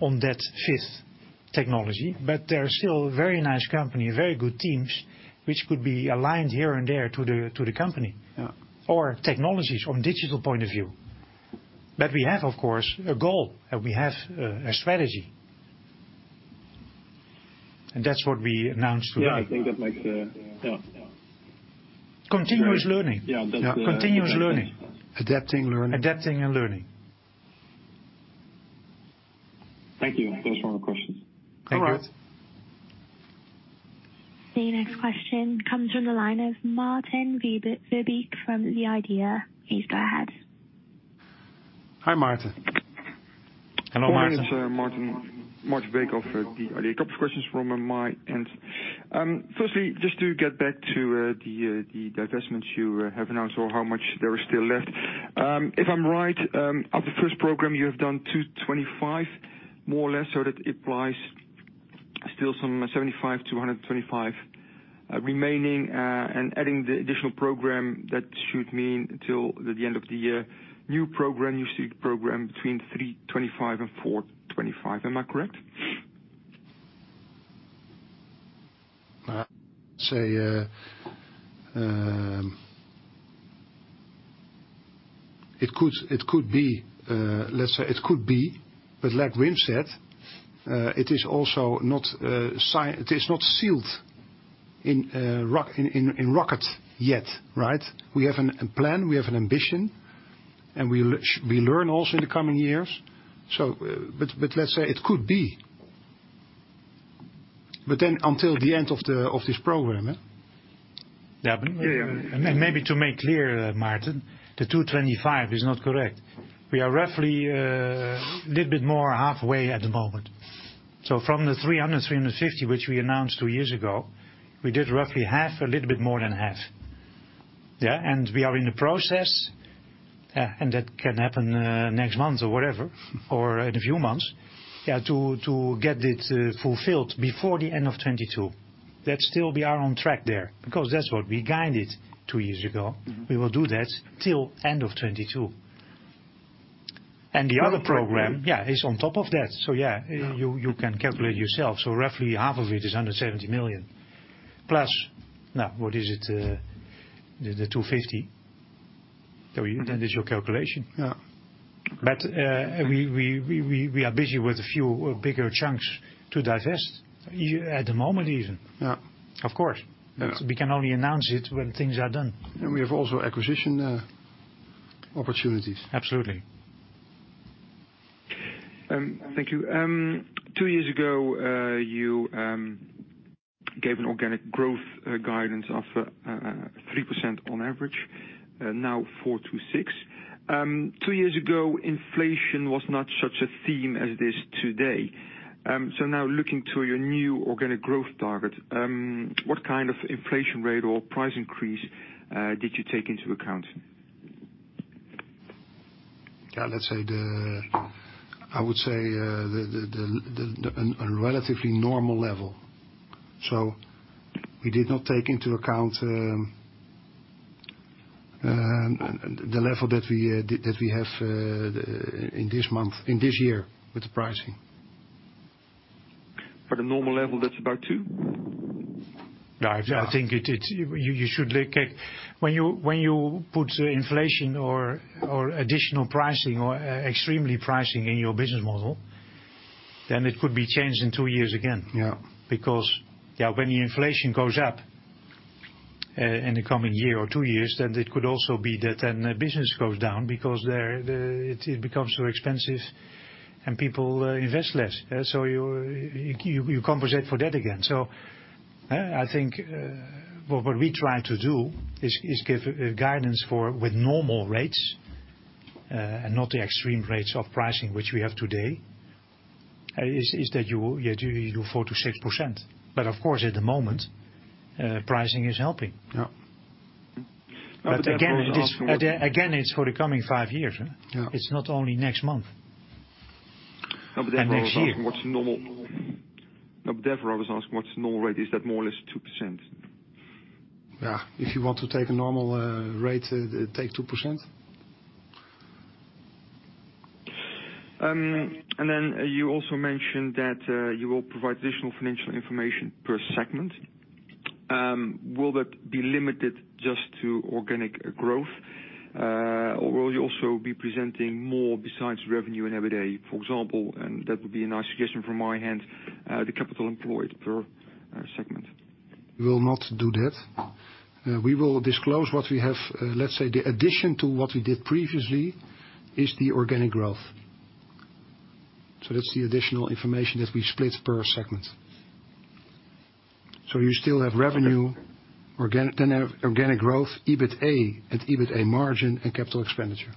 on that fifth technology, but there are still very nice company, very good teams, which could be aligned here and there to the company. Yeah. Technologies from digital point of view. We have, of course, a goal, and we have a strategy. That's what we announced today. Yeah, I think that makes the. Yeah. Continuous learning. Yeah. Continuous learning. Adapting, learning. Adapting and learning. Thank you. Those are all the questions. All right. Thank you. The next question comes from the line of Maarten Verbeek from the IDEA. Please go ahead. Hi, Maarten. Hello, Maarten. My name is Maarten Verbeek of the IDEA. A couple of questions from my end. Firstly, just to get back to the divestments you have announced or how much there is still left. If I'm right, of the first program you have done 225 million, more or less, so that implies still some 75 million-125 million remaining, and adding the additional program, that should mean until the end of the year. New program you seek program between 325 million-425 million. Am I correct? It could be, let's say it could be. Like Wim said, it is also not set in stone yet, right? We have a plan, we have an ambition, and we learn also in the coming years. Let's say it could be until the end of this program. Yeah. Yeah, yeah. Maybe to make clear, Maarten, the 225 million is not correct. We are roughly a little bit more halfway at the moment. From the 300 million-350 million which we announced two years ago, we did roughly half, a little bit more than half. We are in the process and that can happen next month or whatever, or in a few months to get it fulfilled before the end of 2022. That still we are on track there because that's what we guided two years ago. We will do that till end of 2022. The other program is on top of that. You can calculate yourself. Roughly half of it is under 70 million. Plus, now, what is it? The 250 million. So then there's your calculation. Yeah. We are busy with a few bigger chunks to divest at the moment even. Yeah. Of course. Yeah. We can only announce it when things are done. We have also acquisition opportunities. Absolutely. Thank you. Two years ago, you gave an organic growth guidance of 3% on average, now 4%-6%. Two years ago, inflation was not such a theme as it is today. Now looking to your new organic growth target, what kind of inflation rate or price increase did you take into account? Yeah, let's say I would say a relatively normal level. We did not take into account the level that we have in this month, in this year with the pricing. For the normal level, that's about two? Yeah, I think it. You should look at when you put inflation or additional pricing or extreme pricing in your business model. Then it could be changed in two years again. Yeah. Yeah, when the inflation goes up in the coming year or two years, then it could also be that the business goes down because it becomes so expensive and people invest less. You compensate for that again. I think what we try to do is give guidance for with normal rates and not the extreme rates of pricing which we have today, is that you do your 4%-6%. Of course, at the moment, pricing is helping. Yeah. Again, it's. I was asking what- Again, it's for the coming five years, huh? Yeah. It's not only next month. I was asking. Next year. What's normal? Therefore I was asking what's normal rate? Is that more or less 2%? Yeah. If you want to take a normal rate, take 2%. You also mentioned that you will provide additional financial information per segment. Will that be limited just to organic growth? Will you also be presenting more besides revenue and EBITDA, for example, and that would be a nice suggestion from my end, the capital employed per segment. We will not do that. We will disclose what we have. Let's say the addition to what we did previously is the organic growth. That's the additional information that we split per segment. You still have revenue, organic growth, EBITA, and EBITA margin and capital expenditure.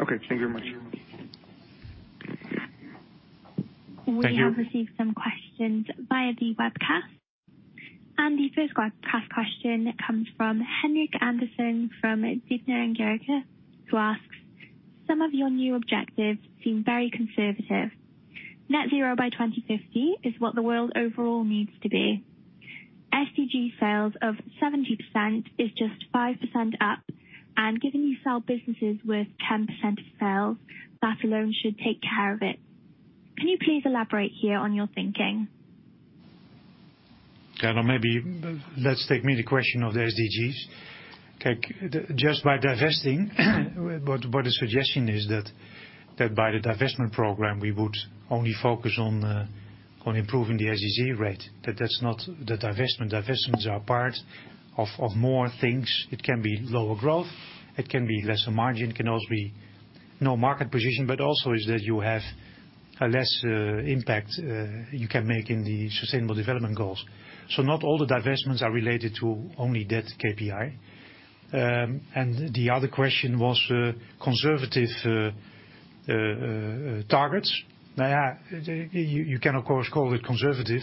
Okay. Thank you very much. Thank you. We have received some questions via the webcast. The first webcast question comes from Henrik Andersson from DNB who asks: Some of your new objectives seem very conservative. Net-zero by 2050 is what the world overall needs to be. SDG sales of 70% is just 5% up. Given you sell businesses with 10% sales, that alone should take care of it. Can you please elaborate here on your thinking? Yeah. No, maybe let's take the question of the SDGs. Okay. Just by divesting, the suggestion is that by the divestment program, we would only focus on improving the SDG rate. That's not the divestment. Divestments are part of more things. It can be lower growth, it can be lesser margin, it can also be no market position, but also that you have a less impact you can make in the sustainable development goals. So not all the divestments are related to only that KPI. The other question was conservative targets. Yeah. You can, of course, call it conservative.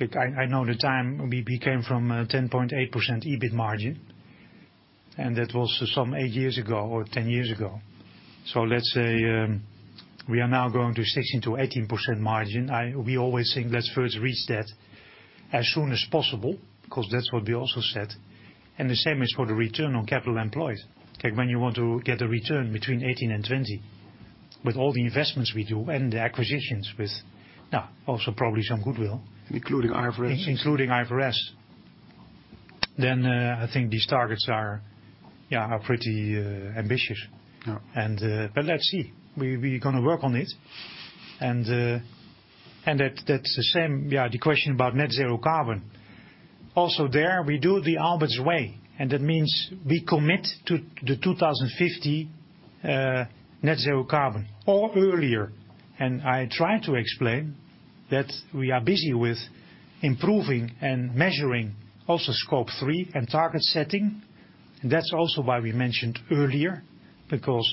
I know the time we came from 10.8% EBIT margin, and that was some eight years ago or 10 years ago. Let's say we are now going to 16%-18% margin. We always think let's first reach that as soon as possible 'cause that's what we also said. The same is for the return on capital employed. When you want to get a return between 18%-20%, with all the investments we do and the acquisitions with also probably some goodwill. Including IFRS. Including IFRS, I think these targets are pretty ambitious. Yeah. Let's see. We're gonna work on it. That's the same, yeah, the question about net-zero carbon. Also there, we do it the Aalberts way, and that means we commit to the 2050 net-zero carbon or earlier. I tried to explain that we are busy with improving and measuring also Scope 3 and target setting. That's also why we mentioned earlier, because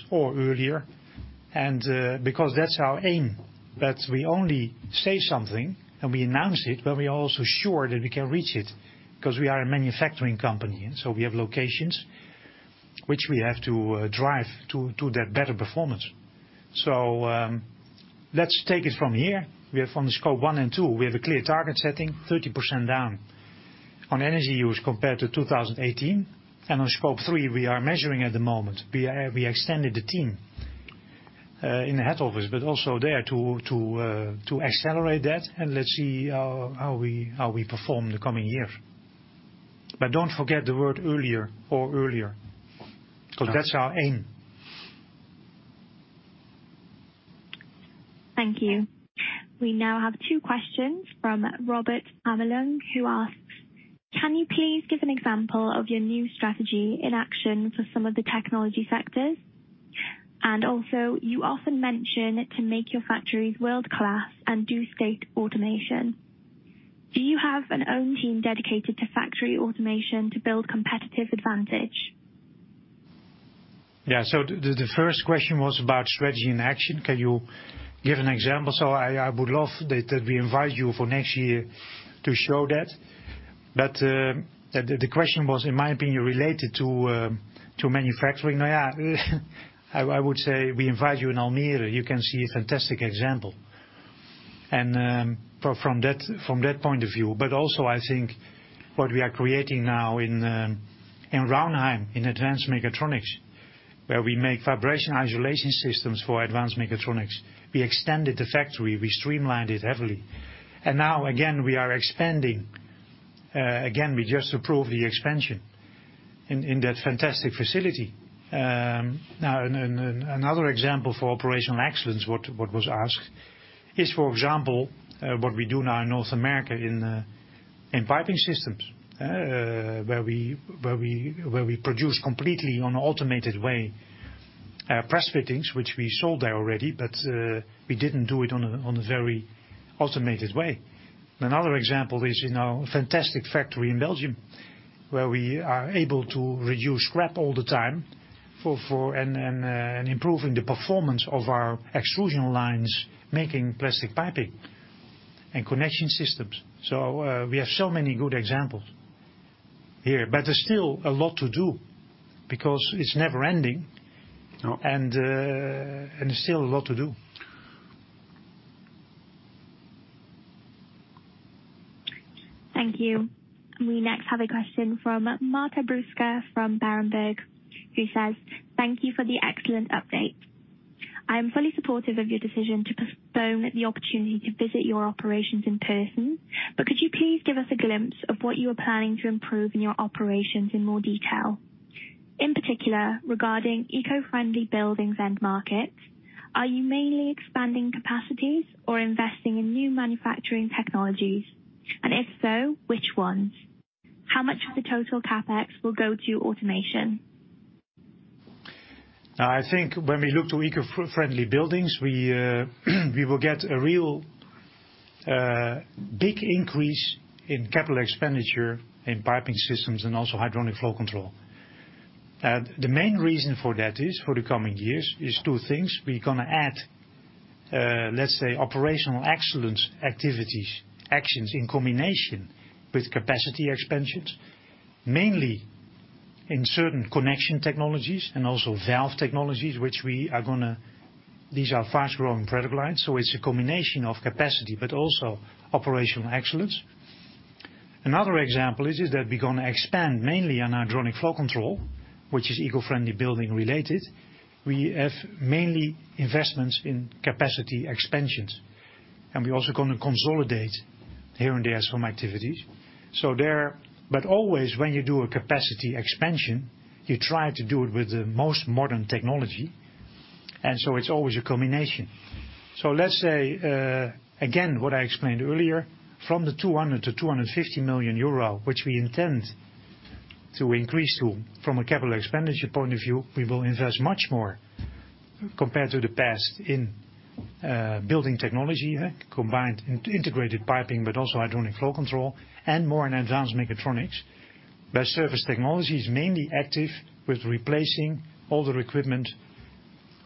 that's our aim, that we only say something and we announce it, but we are also sure that we can reach it 'cause we are a manufacturing company, and so we have locations which we have to drive to that better performance. Let's take it from here. We have on the Scope 1 and 2, we have a clear target setting, 30% down on energy use compared to 2018. On Scope 3, we are measuring at the moment. We extended the team in the head office, but also there to accelerate that and let's see how we perform in the coming years. Don't forget the word earlier 'cause that's our aim. Thank you. We now have two questions from Robert Avlan who asks: Can you please give an example of your new strategy in action for some of the technology sectors? Also, you often mention to make your factories world-class and do state-of-the-art automation. Do you have your own team dedicated to factory automation to build competitive advantage? The first question was about strategy in action. Can you give an example? I would love that we invite you for next year to show that. The question was, in my opinion, related to manufacturing. I would say we invite you in Almere. You can see a fantastic example. From that point of view, also I think what we are creating now in Raunheim, in advanced mechatronics, where we make vibration isolation systems for advanced mechatronics. We extended the factory, we streamlined it heavily. Now again, we are expanding. Again, we just approved the expansion in that fantastic facility. Now another example for operational excellence, what was asked is, for example, what we do now in North America in piping systems, where we produce completely in an automated way, press fittings, which we sold there already, but we didn't do it in a very automated way. Another example is in our fantastic factory in Belgium, where we are able to reduce scrap all the time, improving the performance of our extrusion lines, making plastic piping and connection systems. We have so many good examples here. There's still a lot to do because it's never ending. No. Still a lot to do. Thank you. We next have a question from Marta Bruska from Berenberg, who says, "Thank you for the excellent update. I am fully supportive of your decision to postpone the opportunity to visit your operations in person, but could you please give us a glimpse of what you are planning to improve in your operations in more detail, in particular regarding eco-friendly buildings and markets? Are you mainly expanding capacities or investing in new manufacturing technologies? And if so, which ones? How much of the total CapEx will go to automation? I think when we look to eco-friendly buildings, we will get a real big increase in capital expenditure in piping systems and also hydronic flow control. The main reason for that, for the coming years, is two things. We're gonna add, let's say, operational excellence activities, actions in combination with capacity expansions, mainly in certain connection technologies and also valve technologies. These are fast-growing product lines, so it's a combination of capacity but also operational excellence. Another example is that we're gonna expand mainly on hydronic flow control, which is eco-friendly building related. We have mainly investments in capacity expansions, and we're also gonna consolidate here and there some activities. Always, when you do a capacity expansion, you try to do it with the most modern technology, and so it's always a combination. Let's say again what I explained earlier, from 200 million to 250 million euro, which we intend to increase to, from a capital expenditure point of view, we will invest much more compared to the past in building technology, combined integrated piping, but also hydronic flow control and more in advanced mechatronics. Surface technology is mainly active with replacing older equipment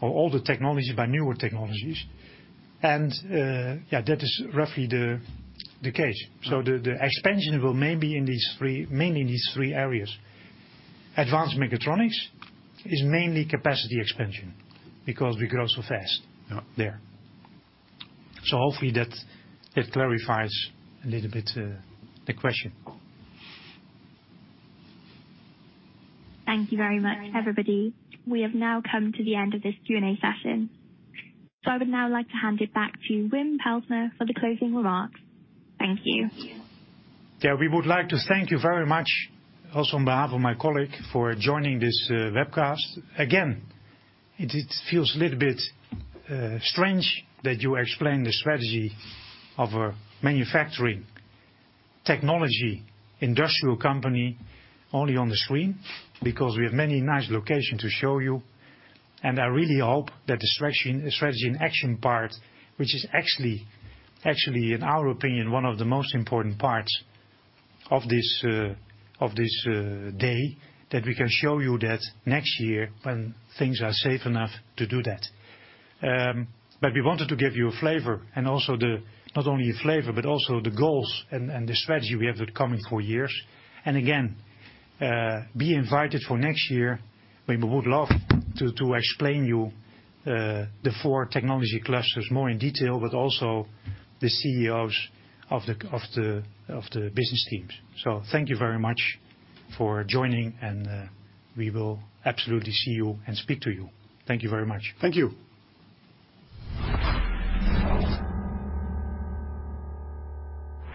or older technologies by newer technologies. That is roughly the case. The expansion may be in these three, mainly in these three areas. Advanced mechatronics is mainly capacity expansion because we grow so fast there. Hopefully that clarifies a little bit the question. Thank you very much, everybody. We have now come to the end of this Q&A session. I would now like to hand it back to Wim Pelsma for the closing remarks. Thank you. Yeah, we would like to thank you very much, also on behalf of my colleague, for joining this webcast. Again, it feels a little bit strange that you explain the strategy of a manufacturing technology industrial company only on the screen because we have many nice locations to show you, and I really hope that the strategy and action part, which is actually in our opinion one of the most important parts of this day, that we can show you that next year when things are safe enough to do that. We wanted to give you a flavor and also, not only a flavor, but also the goals and the strategy we have the coming four years. Again, be invited for next year. We would love to explain to you the four technology clusters more in detail, but also the CEOs of the business teams. Thank you very much for joining, and we will absolutely see you and speak to you. Thank you very much. Thank you.